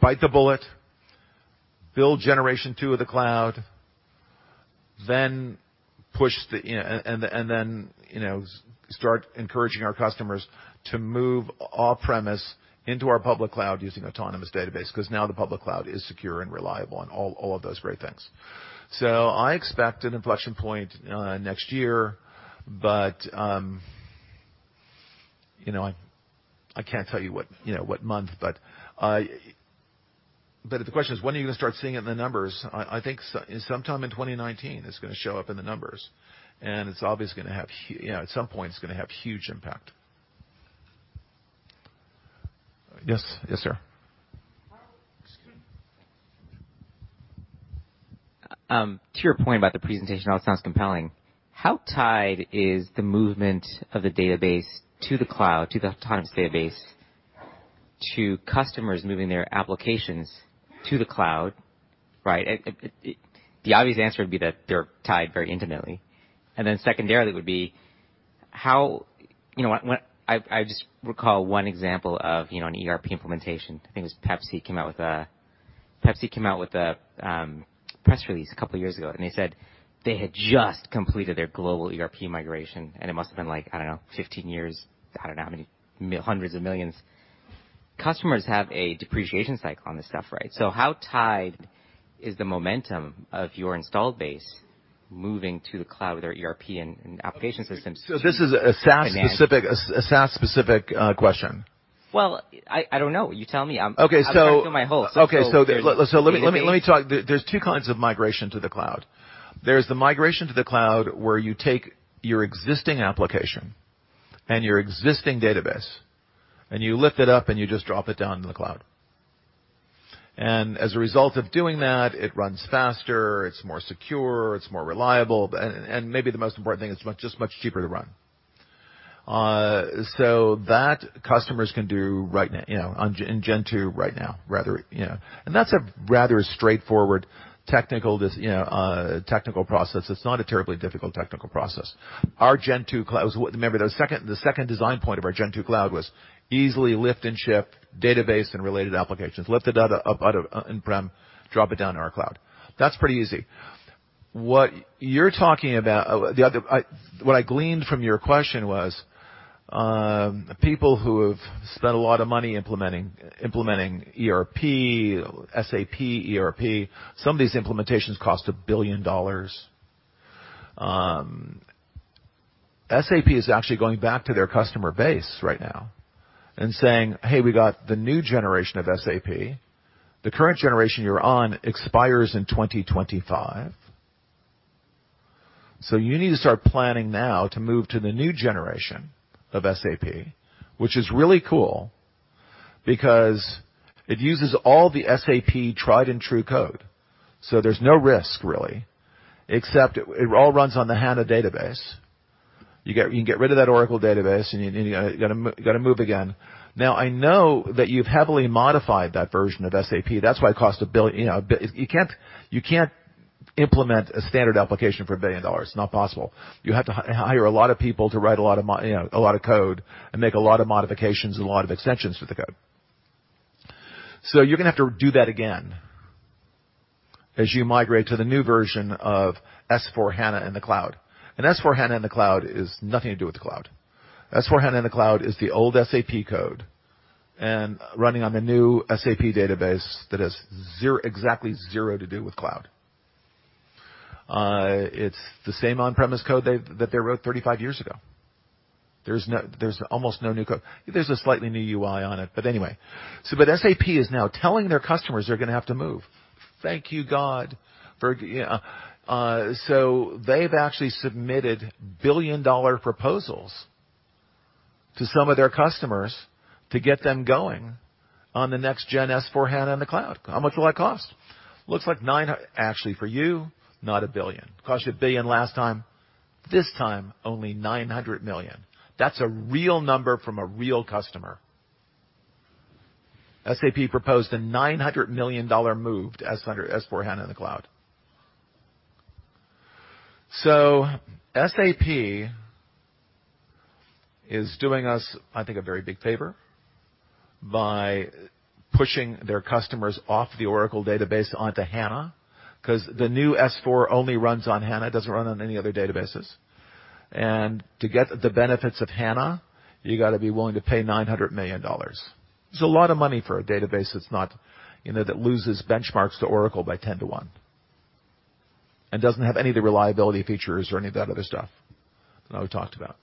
bite the bullet, build Gen 2 Cloud, and then start encouraging our customers to move off-premise into our public cloud using Autonomous Database because now the public cloud is secure and reliable and all of those great things. I expect an inflection point next year, but I can't tell you what month. If the question is when are you going to start seeing it in the numbers, I think sometime in 2019, it's going to show up in the numbers. At some point, it's going to have huge impact. Yes, sir. To your point about the presentation, how it sounds compelling, how tied is the movement of the database to the cloud, to the Autonomous Database, to customers moving their applications to the cloud, right? The obvious answer would be that they're tied very intimately. Then secondarily would be, I just recall one example of an ERP implementation. I think it was Pepsi came out with a press release a couple years ago, and they said they had just completed their global ERP migration, and it must have been like, I don't know, 15 years. I don't know how many hundreds of millions. Customers have a depreciation cycle on this stuff, right? How tied is the momentum of your installed base moving to the cloud with their ERP and application systems to- This is a SaaS-specific question? Well, I don't know. You tell me. Okay. I was asking my host. Okay. Let me talk. There's two kinds of migration to the cloud. There's the migration to the cloud where you take your existing application and your existing database, you lift it up and you just drop it down to the cloud. As a result of doing that, it runs faster, it's more secure, it's more reliable, and maybe the most important thing, it's just much cheaper to run. That customers can do in Gen 2 right now. That's a rather straightforward technical process. It's not a terribly difficult technical process. Remember, the second design point of our Gen 2 Cloud was easily lift and shift database and related applications. Lift the data up out of on-prem, drop it down to our cloud. That's pretty easy. What I gleaned from your question was, people who have spent a lot of money implementing ERP, SAP ERP, some of these implementations cost $1 billion. SAP is actually going back to their customer base right now and saying, "Hey, we got the new generation of SAP. The current generation you're on expires in 2025. You need to start planning now to move to the new generation of SAP," which is really cool because it uses all the SAP tried-and-true code. There's no risk, really, except it all runs on the HANA database. You can get rid of that Oracle database, you got to move again. I know that you've heavily modified that version of SAP. That's why it cost $1 billion. You can't implement a standard application for $1 billion. It's not possible. You have to hire a lot of people to write a lot of code and make a lot of modifications and a lot of extensions to the code. You're going to have to do that again as you migrate to the new version of S/4HANA in the cloud. S/4HANA in the cloud has nothing to do with the cloud. S/4HANA in the cloud is the old SAP code and running on the new SAP database that has exactly zero to do with cloud. It's the same on-premise code that they wrote 35 years ago. There's almost no new code. There's a slightly new UI on it, anyway. SAP is now telling their customers they're going to have to move. Thank you, God. They've actually submitted billion-dollar proposals to some of their customers to get them going on the next-gen S/4HANA in the cloud. How much will that cost? Actually, for you, not $1 billion. Cost you $1 billion last time. This time, only $900 million. That's a real number from a real customer. SAP proposed a $900 million move to S/4HANA in the cloud. SAP is doing us, I think, a very big favor by pushing their customers off the Oracle Database onto HANA, because the new S/4 only runs on HANA. It doesn't run on any other databases. To get the benefits of HANA, you got to be willing to pay $900 million. It's a lot of money for a database that loses benchmarks to Oracle by 10 to 1 and doesn't have any of the reliability features or any of that other stuff that I talked about.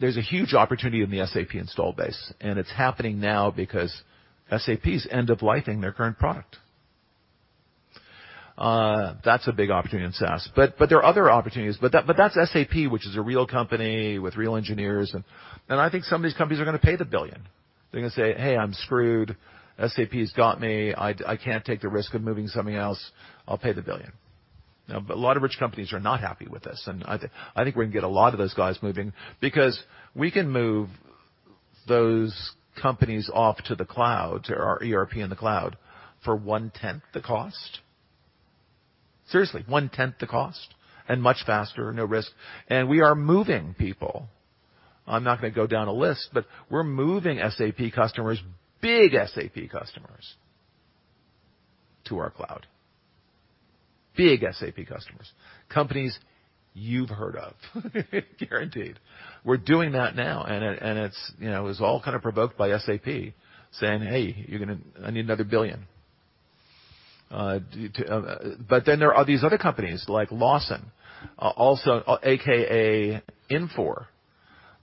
There's a huge opportunity in the SAP install base, and it's happening now because SAP's end-of-lifing their current product. That's a big opportunity in SaaS. There are other opportunities. That's SAP, which is a real company with real engineers. I think some of these companies are going to pay the $1 billion. They're going to say, "Hey, I'm screwed. SAP's got me. I can't take the risk of moving something else. I'll pay the $1 billion." A lot of rich companies are not happy with this, and I think we can get a lot of those guys moving because we can move those companies off to the cloud or our ERP in the cloud for 1/10 the cost. Seriously, 1/10 the cost and much faster, no risk. We are moving people. I'm not going to go down a list, but we're moving SAP customers, big SAP customers, to our cloud. Big SAP customers. Companies you've heard of, guaranteed. We're doing that now, it was all kind of provoked by SAP saying, "Hey, I need another $1 billion." There are these other companies like Lawson, also AKA Infor.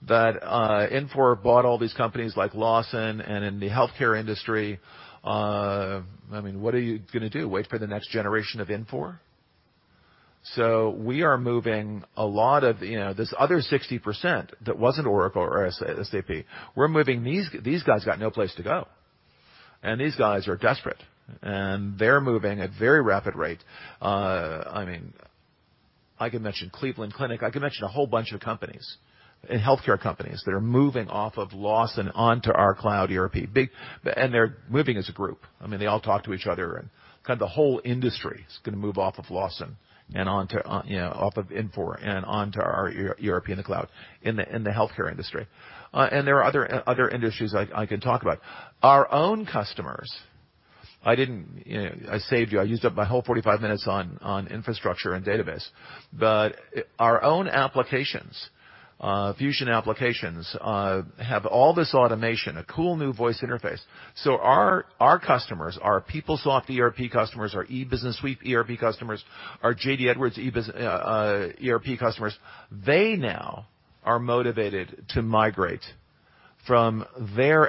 That Infor bought all these companies like Lawson and in the healthcare industry. What are you going to do? Wait for the next generation of Infor? We are moving a lot of this other 60% that wasn't Oracle or SAP, these guys got no place to go. These guys are desperate, and they're moving at a very rapid rate. I can mention Cleveland Clinic, I can mention a whole bunch of companies, and healthcare companies that are moving off of Lawson onto our cloud ERP. They're moving as a group. They all talk to each other. Kind of the whole industry is going to move off of Lawson Software and onto, off of Infor and onto our ERP in the cloud in the healthcare industry. There are other industries I can talk about. Our own customers, I saved you. I used up my whole 45 minutes on infrastructure and database. Our own applications, Fusion applications, have all this automation, a cool new voice interface. Our customers, our PeopleSoft ERP customers, our E-Business Suite ERP customers, our JD Edwards ERP customers, they now are motivated to migrate from their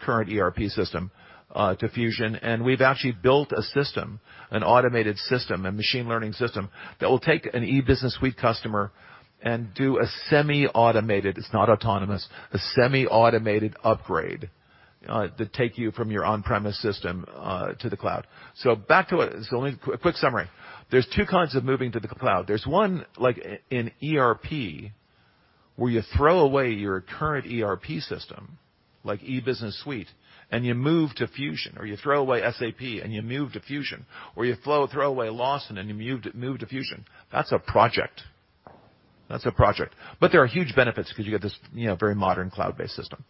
current ERP system to Fusion. We've actually built a system, an automated system, a machine learning system that will take an E-Business Suite customer and do a semi-automated, it's not autonomous, a semi-automated upgrade to take you from your on-premise system to the cloud. A quick summary. There's two kinds of moving to the cloud. There's one, like in ERP, where you throw away your current ERP system, like E-Business Suite, and you move to Fusion, or you throw away SAP and you move to Fusion, or you throw away Lawson Software and you move to Fusion. That's a project. There are huge benefits because you get this very modern cloud-based system.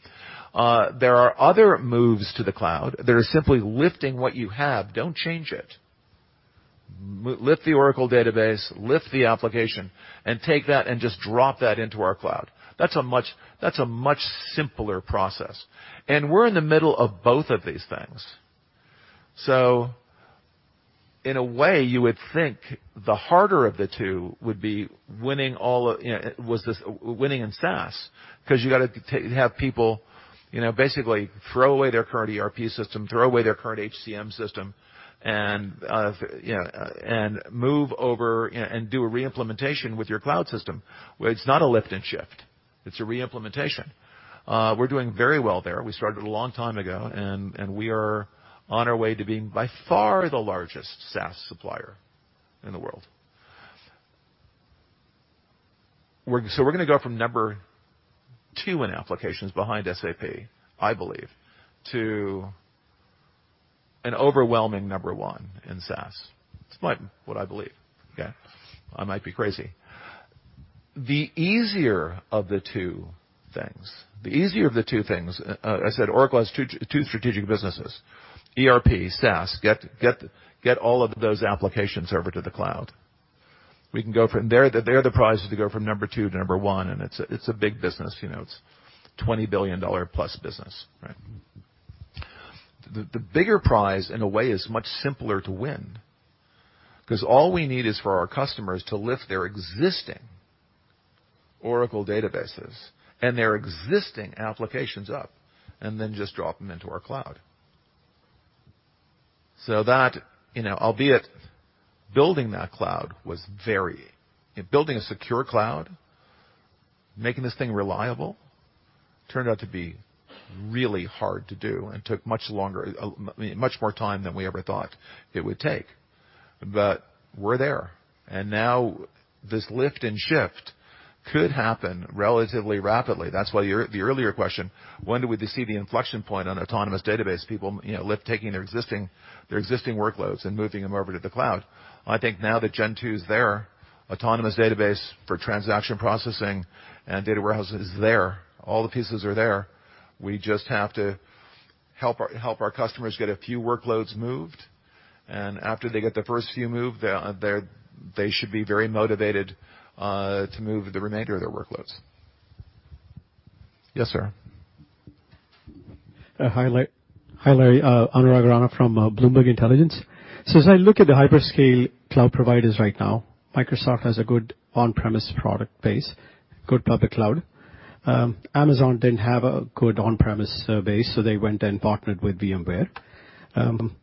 There are other moves to the cloud that are simply lifting what you have. Don't change it. Lift the Oracle Database, lift the application, and take that and just drop that into our cloud. That's a much simpler process. We're in the middle of both of these things. In a way, you would think the harder of the two would be winning in SaaS, because you got to have people basically throw away their current ERP system, throw away their current HCM system, and move over and do a re-implementation with your cloud system, where it's not a lift and shift. It's a re-implementation. We're doing very well there. We started a long time ago. We are on our way to being by far the largest SaaS supplier in the world. We're going to go from number two in applications behind SAP, I believe, to an overwhelming number one in SaaS. It's what I believe. Okay? I might be crazy. The easier of the two things, I said Oracle has two strategic businesses, ERP, SaaS, get all of those applications over to the cloud. There, the prize is to go from number two to number one. It's a big business. It's a $20 billion-plus business, right? The bigger prize, in a way, is much simpler to win, because all we need is for our customers to lift their existing Oracle Databases and their existing applications up, and then just drop them into our cloud. Albeit building that cloud was very building a secure cloud, making this thing reliable, turned out to be really hard to do and took much more time than we ever thought it would take. We're there. Now this lift and shift could happen relatively rapidly. That's why the earlier question, when do we see the inflection point on Autonomous Database people taking their existing workloads and moving them over to the cloud? I think now that Gen 2's there, Oracle Autonomous Database for transaction processing and data warehouse is there. All the pieces are there. We just have to help our customers get a few workloads moved, and after they get the first few moved, they should be very motivated to move the remainder of their workloads. Yes, sir. Hi, Larry. Anurag Rana from Bloomberg Intelligence. As I look at the hyperscale cloud providers right now, Microsoft has a good on-premise product base, good public cloud. Amazon didn't have a good on-premise base, so they went and partnered with VMware.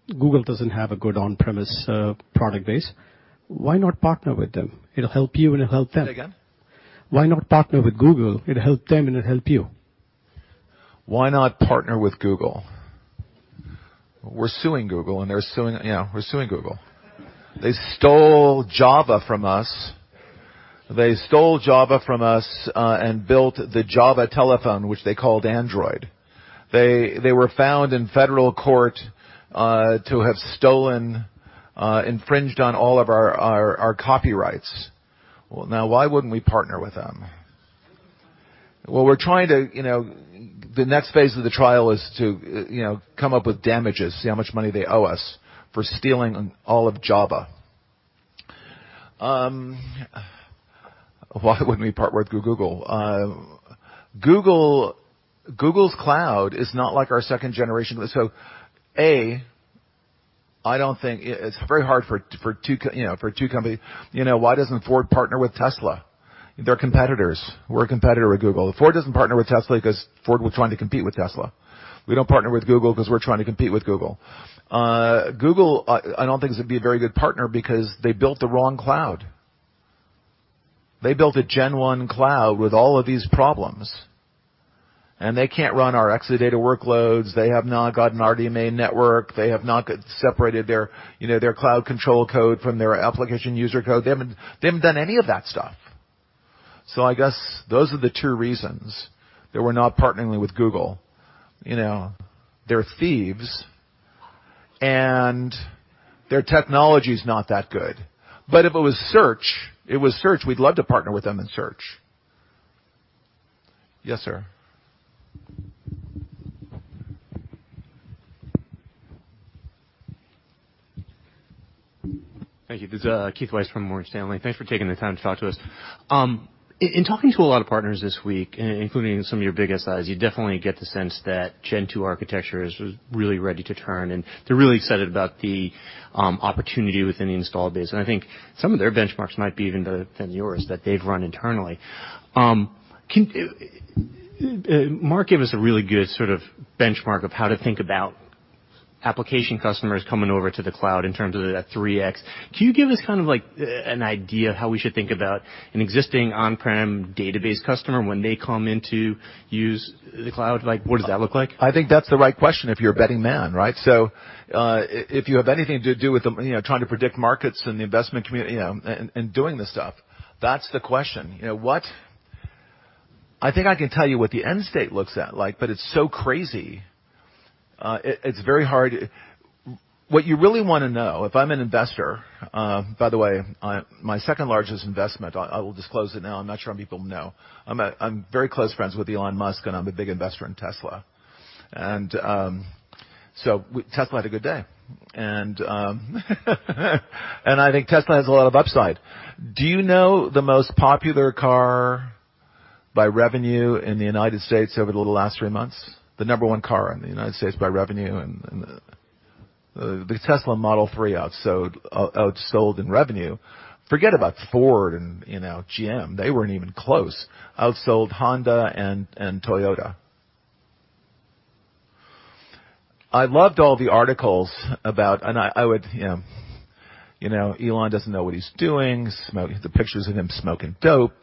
Google doesn't have a good on-premise product base. Why not partner with them? It'll help you and it'll help them. Say again? Why not partner with Google? It'll help them and it'll help you. Why not partner with Google? We're suing Google. We're suing Google. They stole Java from us and built the Java telephone, which they called Android. They were found in federal court to have stolen, infringed on all of our copyrights. Now why wouldn't we partner with them? The next phase of the trial is to come up with damages, see how much money they owe us for stealing all of Java. Why wouldn't we partner with Google? Google's cloud is not like our second generation. A, it's very hard for two companies. Why doesn't Ford partner with Tesla? They're competitors. We're a competitor of Google. Ford doesn't partner with Tesla because Ford was trying to compete with Tesla. We don't partner with Google because we're trying to compete with Google. Google, I don't think is going to be a very good partner because they built the wrong cloud. They built a Gen 1 Cloud with all of these problems, and they can't run our Exadata workloads. They have not got an RDMA network. They have not separated their cloud control code from their application user code. They haven't done any of that stuff. I guess those are the two reasons that we're not partnering with Google. They're thieves, and their technology is not that good. If it was search, we'd love to partner with them in search. Yes, sir. Thank you. This is Keith Weiss from Morgan Stanley. Thanks for taking the time to talk to us. In talking to a lot of partners this week, including some of your biggest size, you definitely get the sense that Gen 2 architecture is really ready to turn, and they're really excited about the opportunity within the install base. I think some of their benchmarks might be even better than yours that they've run internally. Mark gave us a really good sort of benchmark of how to think about application customers coming over to the cloud in terms of that 3x. Can you give us kind of like an idea of how we should think about an existing on-prem database customer when they come in to use the cloud? What does that look like? I think that's the right question if you're a betting man, right? If you have anything to do with trying to predict markets and the investment community and doing this stuff, that's the question. I think I can tell you what the end state looks at, but it's so crazy. What you really want to know, if I'm an investor, by the way, my second largest investment, I will disclose it now. I'm not sure how many people know. I'm very close friends with Elon Musk, and I'm a big investor in Tesla. Tesla had a good day. I think Tesla has a lot of upside. Do you know the most popular car by revenue in the U.S. over the last three months? The number 1 car in the U.S. by revenue? The Tesla Model 3 outsold in revenue. Forget about Ford and GM. They weren't even close. Outsold Honda and Toyota. I loved all the articles about Elon doesn't know what he's doing, the pictures of him smoking dope.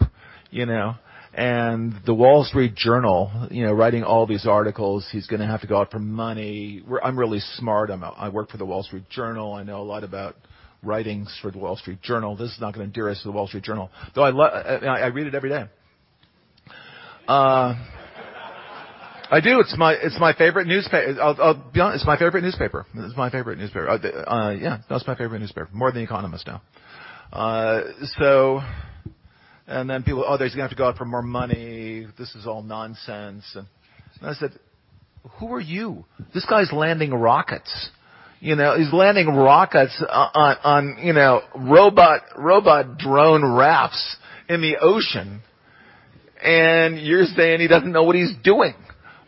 The Wall Street Journal writing all these articles. He's going to have to go out for money. I'm really smart. I work for The Wall Street Journal. I know a lot about writings for The Wall Street Journal. This is not going to endear us to The Wall Street Journal, though I read it every day. I do. It's my favorite newspaper. I'll be honest, it's my favorite newspaper. Yeah, that's my favorite newspaper. More than The Economist now. Then people, "Oh, they're just going to have to go out for more money. This is all nonsense." I said, "Who are you? This guy's landing rockets. He's landing rockets on robot drone rafts in the ocean. You're saying he doesn't know what he's doing.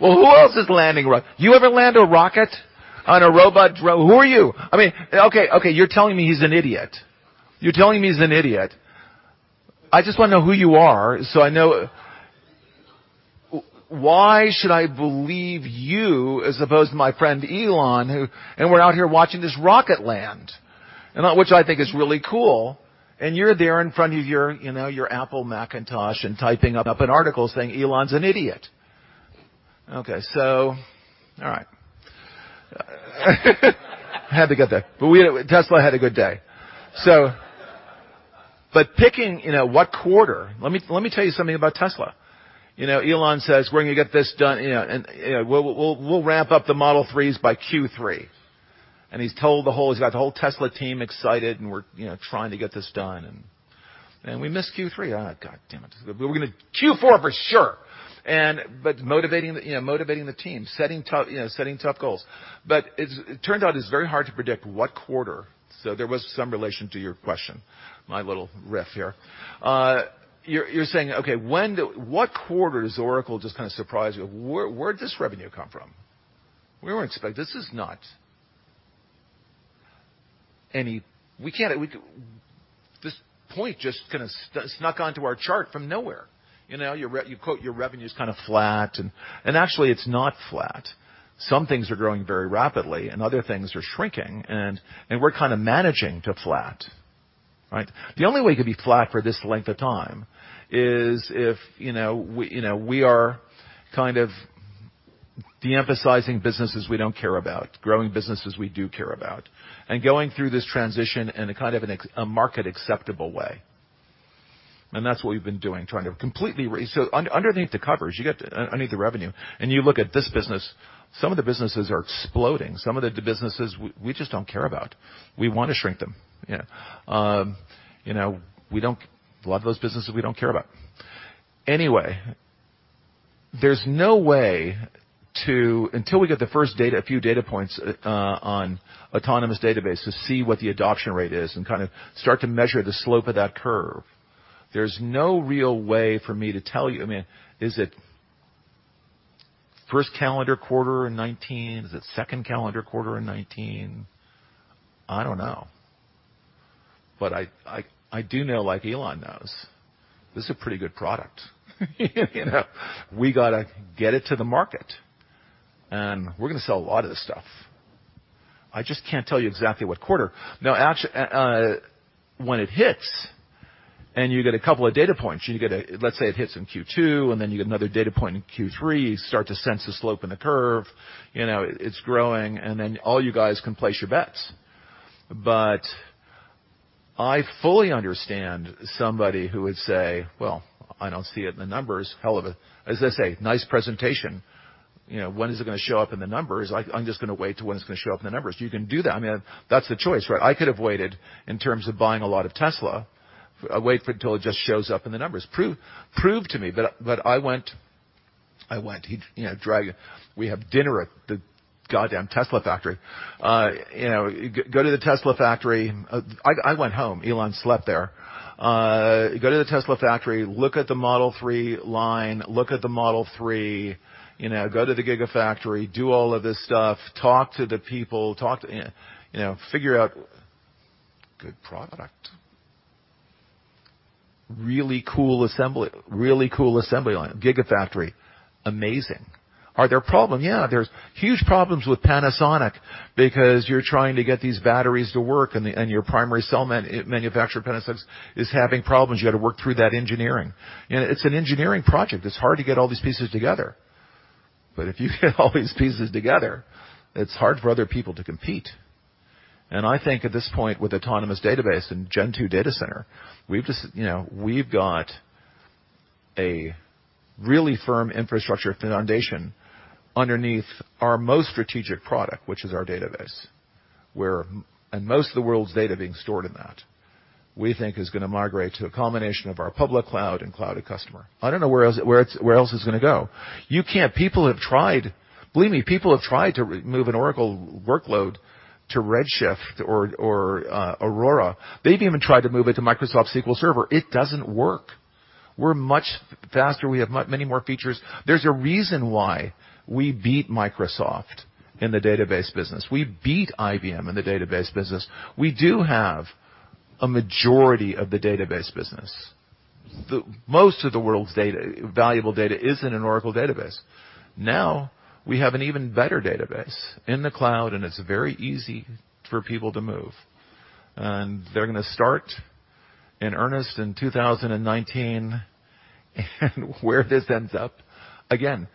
Well, who else is landing rockets? You ever land a rocket on a robot drone? Who are you? Okay, you're telling me he's an idiot. You're telling me he's an idiot. I just want to know who you are so I know why should I believe you as opposed to my friend Elon, who and we're out here watching this rocket land, and which I think is really cool. You're there in front of your Apple Macintosh and typing up an article saying Elon's an idiot." Okay. All right. Had to get there. Tesla had a good day. Picking what quarter. Let me tell you something about Tesla. Elon says, "We're going to get this done. We'll ramp up the Model 3s by Q3." He's got the whole Tesla team excited, and we're trying to get this done. We missed Q3. God damn it. We're going to Q4 for sure. Motivating the team. Setting tough goals. It turned out it's very hard to predict what quarter. There was some relation to your question, my little riff here. You're saying, okay, what quarter does Oracle just kind of surprise you? Where'd this revenue come from? We weren't expecting. This point just kind of snuck onto our chart from nowhere. You quote your revenue is kind of flat, and actually it's not flat. Some things are growing very rapidly and other things are shrinking, and we're kind of managing to flat, right? The only way it could be flat for this length of time is if we are kind of de-emphasizing businesses we don't care about, growing businesses we do care about, and going through this transition in a kind of a market acceptable way. That's what we've been doing, trying to completely. Underneath the covers, underneath the revenue, and you look at this business, some of the businesses are exploding. Some of the businesses we just don't care about. We want to shrink them. A lot of those businesses we don't care about. Anyway, there's no way to. Until we get the first data, a few data points on Autonomous Database to see what the adoption rate is and kind of start to measure the slope of that curve, there's no real way for me to tell you. I mean, is it First calendar quarter in 2019? Is it second calendar quarter in 2019? I don't know. I do know like Elon knows, this is a pretty good product. We got to get it to the market, and we're going to sell a lot of this stuff. I just can't tell you exactly what quarter. Now, when it hits and you get a couple of data points, let's say it hits in Q2, and then you get another data point in Q3, you start to sense the slope in the curve. It's growing, and then all you guys can place your bets. I fully understand somebody who would say, "Well, I don't see it in the numbers." Hell of a, as I say, nice presentation. When is it going to show up in the numbers? I'm just going to wait till when it's going to show up in the numbers. You can do that. That's the choice, right? I could have waited in terms of buying a lot of Tesla, wait for it until it just shows up in the numbers. Prove to me. I went, he'd drag you. We have dinner at the goddamn Tesla factory. Go to the Tesla factory. I went home. Elon slept there. Go to the Tesla factory, look at the Model 3 line, look at the Model 3, go to the Gigafactory, do all of this stuff, talk to the people, figure out good product. Really cool assembly line. Gigafactory, amazing. Are there problem? Yeah, there's huge problems with Panasonic because you're trying to get these batteries to work and your primary cell manufacturer, Panasonic, is having problems. You've got to work through that engineering. It's an engineering project. It's hard to get all these pieces together. If you get all these pieces together, it's hard for other people to compete. I think at this point, with Autonomous Database and Gen 2 Cloud, we've got a really firm infrastructure foundation underneath our most strategic product, which is our database. Most of the world's data being stored in that, we think is going to migrate to a combination of our public cloud and Cloud@Customer. I don't know where else it's going to go. People have tried. Believe me, people have tried to move an Oracle workload to Redshift or Aurora. They've even tried to move it to Microsoft SQL Server. It doesn't work. We're much faster. We have many more features. There's a reason why we beat Microsoft in the database business. We beat IBM in the database business. We do have a majority of the database business. Most of the world's valuable data is in an Oracle Database. Now we have an even better database in the cloud, and it's very easy for people to move. They're going to start in earnest in 2019, and where this ends up, again,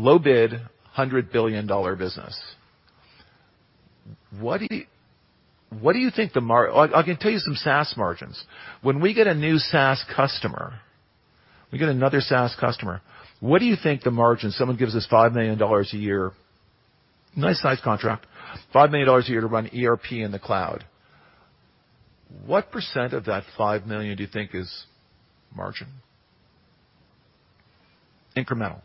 low bid, $100 billion business. I can tell you some SaaS margins. When we get a new SaaS customer, we get another SaaS customer. What do you think the margin, someone gives us $5 million a year, nice size contract, $5 million a year to run ERP in the cloud. What percent of that $5 million do you think is margin? Incremental.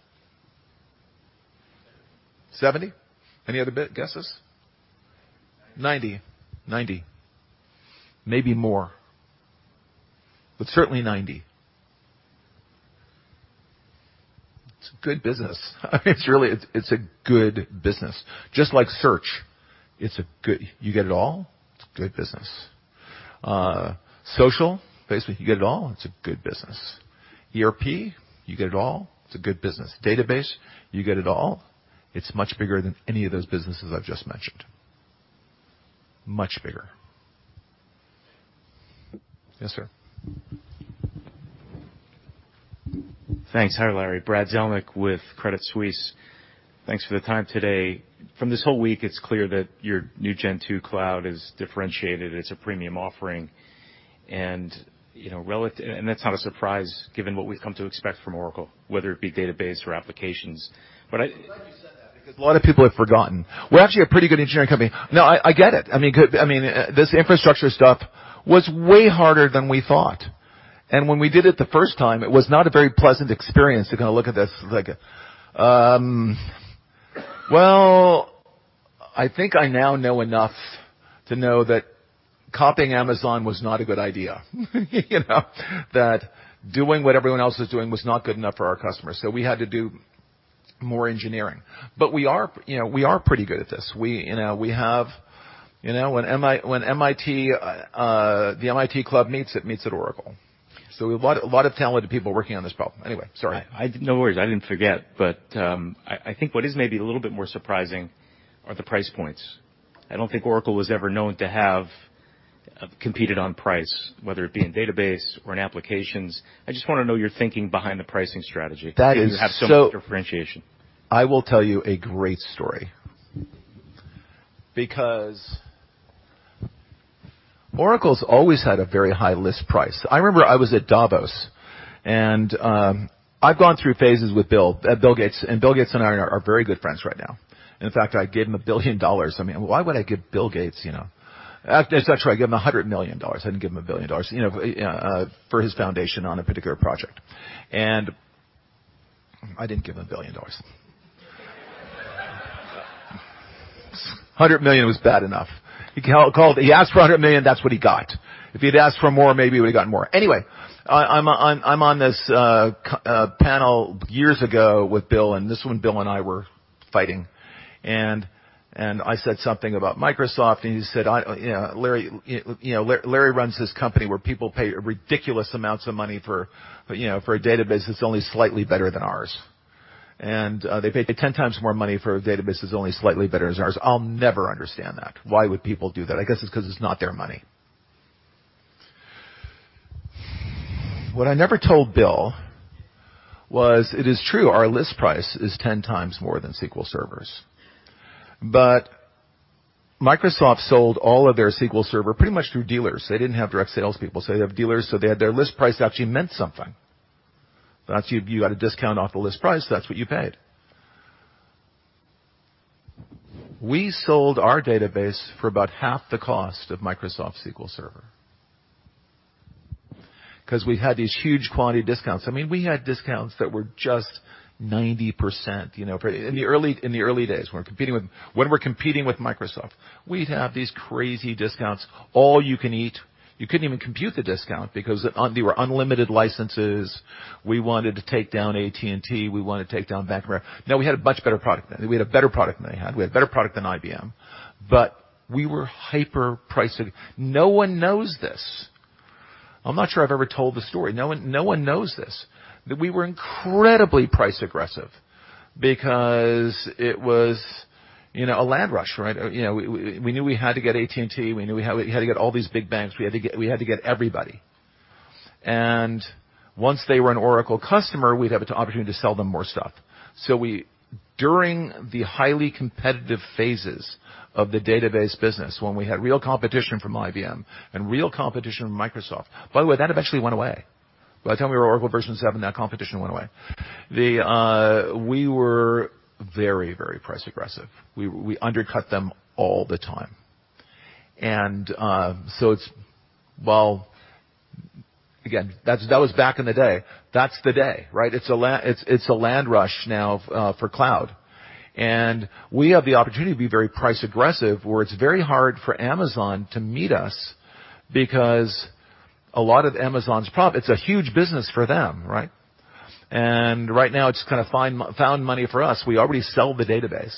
70. 70? Any other guesses? 90. 90. Maybe more, but certainly 90. It's a good business. It's a good business. Just like search. You get it all, it's a good business. Social, Facebook, you get it all, it's a good business. ERP, you get it all, it's a good business. Database, you get it all, it's much bigger than any of those businesses I've just mentioned. Much bigger. Yes, sir. Thanks. Hi, Larry. Brad Zelnick with Credit Suisse. Thanks for the time today. From this whole week, it's clear that your new Gen 2 Cloud is differentiated. It's a premium offering, and that's not a surprise given what we've come to expect from Oracle, whether it be database or applications. I'm glad you said that because a lot of people have forgotten. We're actually a pretty good engineering company. No, I get it. This infrastructure stuff was way harder than we thought. When we did it the first time, it was not a very pleasant experience to kind of look at this like, well, I think I now know enough to know that copying Amazon was not a good idea. That doing what everyone else was doing was not good enough for our customers, so we had to do more engineering. We are pretty good at this. When the MIT Club meets, it meets at Oracle. A lot of talented people working on this problem. Anyway, sorry. No worries. I didn't forget, but I think what is maybe a little bit more surprising are the price points. I don't think Oracle was ever known to have competed on price, whether it be in database or in applications. I just want to know your thinking behind the pricing strategy. That is so- When you have so much differentiation. I will tell you a great story. Oracle's always had a very high list price. I remember I was at Davos, and I've gone through phases with Bill Gates, and Bill Gates and I are very good friends right now. In fact, I gave him $1 billion. Why would I give Bill Gates That's not true. I gave him $100 million. I didn't give him $1 billion, for his foundation on a particular project. I didn't give him $1 billion. $100 million was bad enough. He asked for $100 million, that's what he got. If he'd asked for more, maybe he would've gotten more. I'm on this panel years ago with Bill, and this one, Bill and I were fighting and I said something about Microsoft, and he said, "Larry runs this company where people pay ridiculous amounts of money for a database that's only slightly better than ours. They pay 10 times more money for a database that's only slightly better than ours. I'll never understand that. Why would people do that? I guess it's because it's not their money." What I never told Bill was, it is true, our list price is 10 times more than SQL Server's. Microsoft sold all of their SQL Server pretty much through dealers. They didn't have direct salespeople. They have dealers, so their list price actually meant something. You got a discount off the list price, that's what you paid. We sold our database for about half the cost of Microsoft SQL Server because we had these huge quantity discounts. We had discounts that were just 90%. In the early days, when we are competing with Microsoft, we would have these crazy discounts, all you can eat. You could not even compute the discount because they were unlimited licenses. We wanted to take down AT&T, we wanted to take down Bank of America. Now, we had a much better product than they had. We had a better product than IBM, but we were hyper price-- No one knows this. I am not sure I have ever told this story. No one knows this, that we were incredibly price-aggressive because it was a land rush, right? We knew we had to get AT&T. We knew we had to get all these big banks. We had to get everybody. Once they were an Oracle customer, we would have an opportunity to sell them more stuff. During the highly competitive phases of the database business, when we had real competition from IBM and real competition from Microsoft, By the way, that eventually went away. By the time we were Oracle version 7, that competition went away. We were very price-aggressive. We undercut them all the time. Again, that was back in the day. That is the day, right? It is a land rush now for cloud. We have the opportunity to be very price-aggressive, where it is very hard for Amazon to meet us because a lot of Amazon's profit. It is a huge business for them, right? Right now, it is just found money for us. We already sell the database.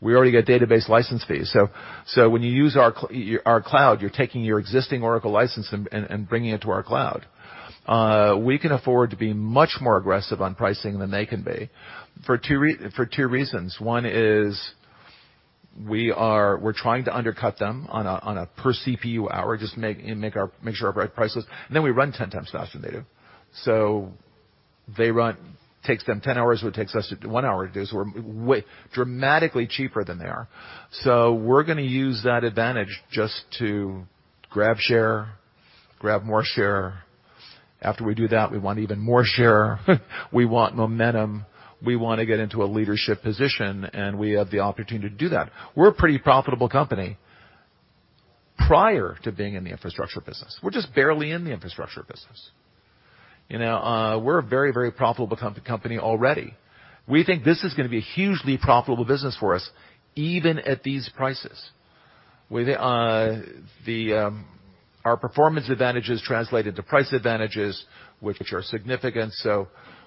We already get database license fees. When you use our cloud, you are taking your existing Oracle license and bringing it to our cloud. We can afford to be much more aggressive on pricing than they can be for two reasons. One is we are trying to undercut them on a per CPU hour, just make sure our price is. Then we run 10 times faster than they do. It takes them 10 hours what takes us one hour to do, we are dramatically cheaper than they are. We are going to use that advantage just to grab share, grab more share. After we do that, we want even more share. We want momentum. We want to get into a leadership position, and we have the opportunity to do that. We are a pretty profitable company prior to being in the infrastructure business. We are just barely in the infrastructure business. We are a very profitable company already. We think this is going to be a hugely profitable business for us, even at these prices. Our performance advantages translated to price advantages, which are significant,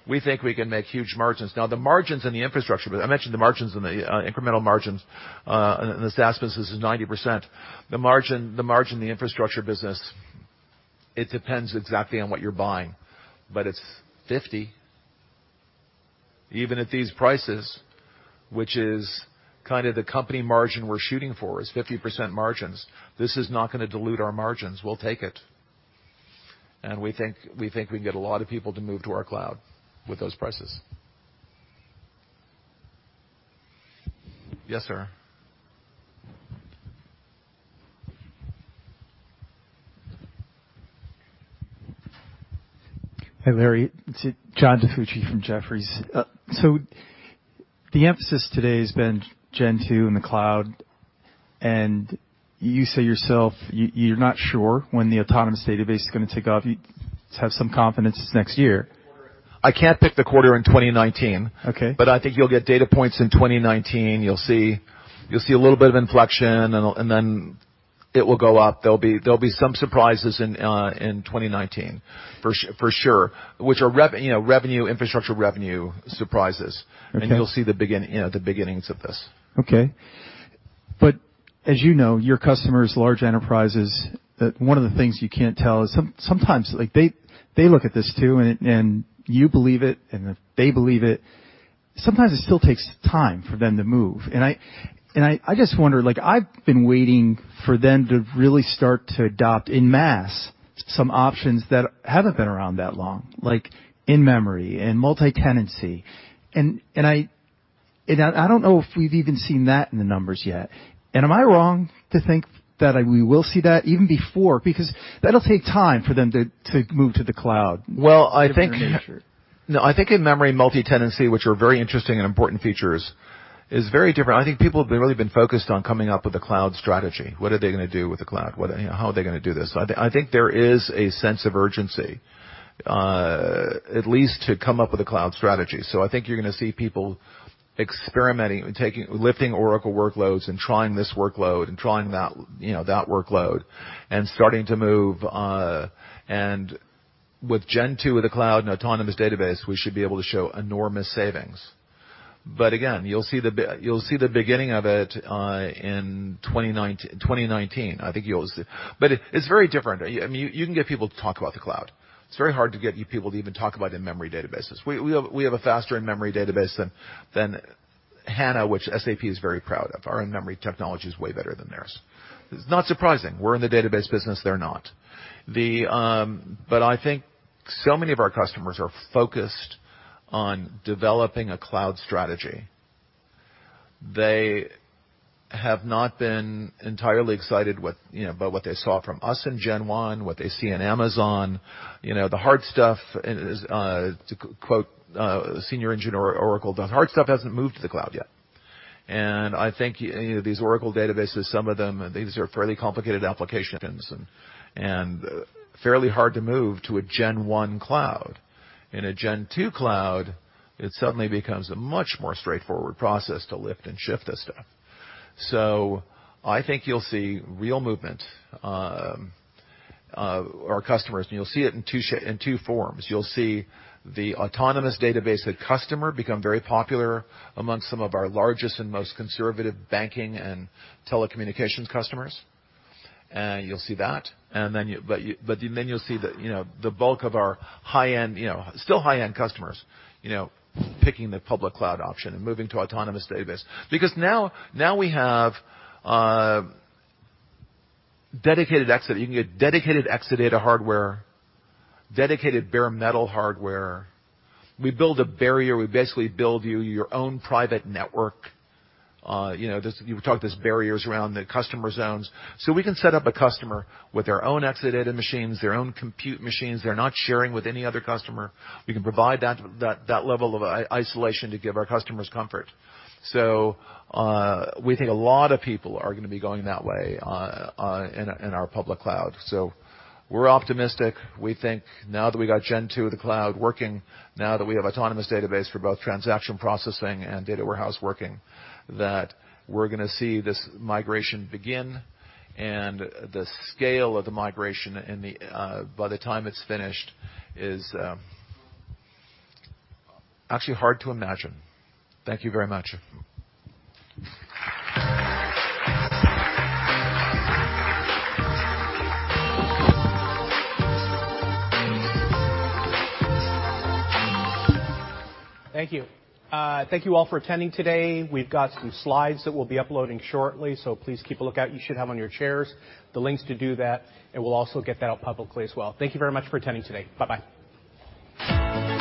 we think we can make huge margins. Now, the margins in the infrastructure. I mentioned the margins and the incremental margins in the SaaS business is 90%. The margin in the infrastructure business, it depends exactly on what you are buying, but it is 50% even at these prices, which is the company margin we are shooting for is 50% margins. This is not going to dilute our margins. We will take it. We think we can get a lot of people to move to our cloud with those prices. Yes, sir. Hi, Larry. It's John DiFucci from Jefferies. The emphasis today has been Gen 2 and the cloud, and you say yourself, you're not sure when the Oracle Autonomous Database is going to take off. You have some confidence it's next year. I can't pick the quarter in 2019. Okay. I think you'll get data points in 2019. You'll see a little bit of inflection, then it will go up. There'll be some surprises in 2019, for sure, which are infrastructure revenue surprises. Okay. You'll see the beginnings of this. Okay. As you know, your customers, large enterprises, one of the things you can't tell is sometimes they look at this too, and you believe it, and if they believe it, sometimes it still takes time for them to move. I just wonder, I've been waiting for them to really start to adopt in mass some options that haven't been around that long, like in-memory and multi-tenancy. I don't know if we've even seen that in the numbers yet. Am I wrong to think that we will see that even before? Because that'll take time for them to move to the cloud. Well, I think- Different nature No, I think in-memory multi-tenancy, which are very interesting and important features, is very different. I think people have really been focused on coming up with a cloud strategy. What are they going to do with the cloud? How are they going to do this? I think there is a sense of urgency, at least to come up with a cloud strategy. I think you're going to see people experimenting, lifting Oracle workloads and trying this workload and trying that workload and starting to move. With Gen 2 of the Cloud and Autonomous Database, we should be able to show enormous savings. Again, you'll see the beginning of it in 2019. It's very different. You can get people to talk about the cloud. It's very hard to get people to even talk about in-memory databases. We have a faster in-memory database than HANA, which SAP is very proud of. Our in-memory technology is way better than theirs. It's not surprising. We're in the database business, they're not. I think so many of our customers are focused on developing a cloud strategy. They have not been entirely excited by what they saw from us in Gen 1, what they see in Amazon. To quote a senior engineer at Oracle, "The hard stuff hasn't moved to the cloud yet." I think these Oracle databases, some of them, these are fairly complicated applications and fairly hard to move to a Gen 1 Cloud. In a Gen 2 Cloud, it suddenly becomes a much more straightforward process to lift and shift this stuff. I think you'll see real movement, our customers, you'll see it in two forms. You'll see the Autonomous Database at customer become very popular amongst some of our largest and most conservative banking and telecommunications customers. You'll see that, you'll see the bulk of our still high-end customers picking the public cloud option and moving to Autonomous Database. Now we have dedicated Exadata. You can get dedicated Exadata hardware, dedicated bare metal hardware. We build a barrier. We basically build you your own private network. You talk, there's barriers around the customer zones. We can set up a customer with their own Exadata machines, their own compute machines. They're not sharing with any other customer. We can provide that level of isolation to give our customers comfort. We think a lot of people are going to be going that way in our public cloud. We're optimistic. We think now that we got Gen 2 of the Cloud working, now that we have Autonomous Database for both transaction processing and data warehouse working, that we're going to see this migration begin, and the scale of the migration by the time it's finished is actually hard to imagine. Thank you very much. Thank you. Thank you all for attending today. We've got some slides that we'll be uploading shortly, please keep a lookout. You should have on your chairs the links to do that, we'll also get that out publicly as well. Thank you very much for attending today. Bye-bye.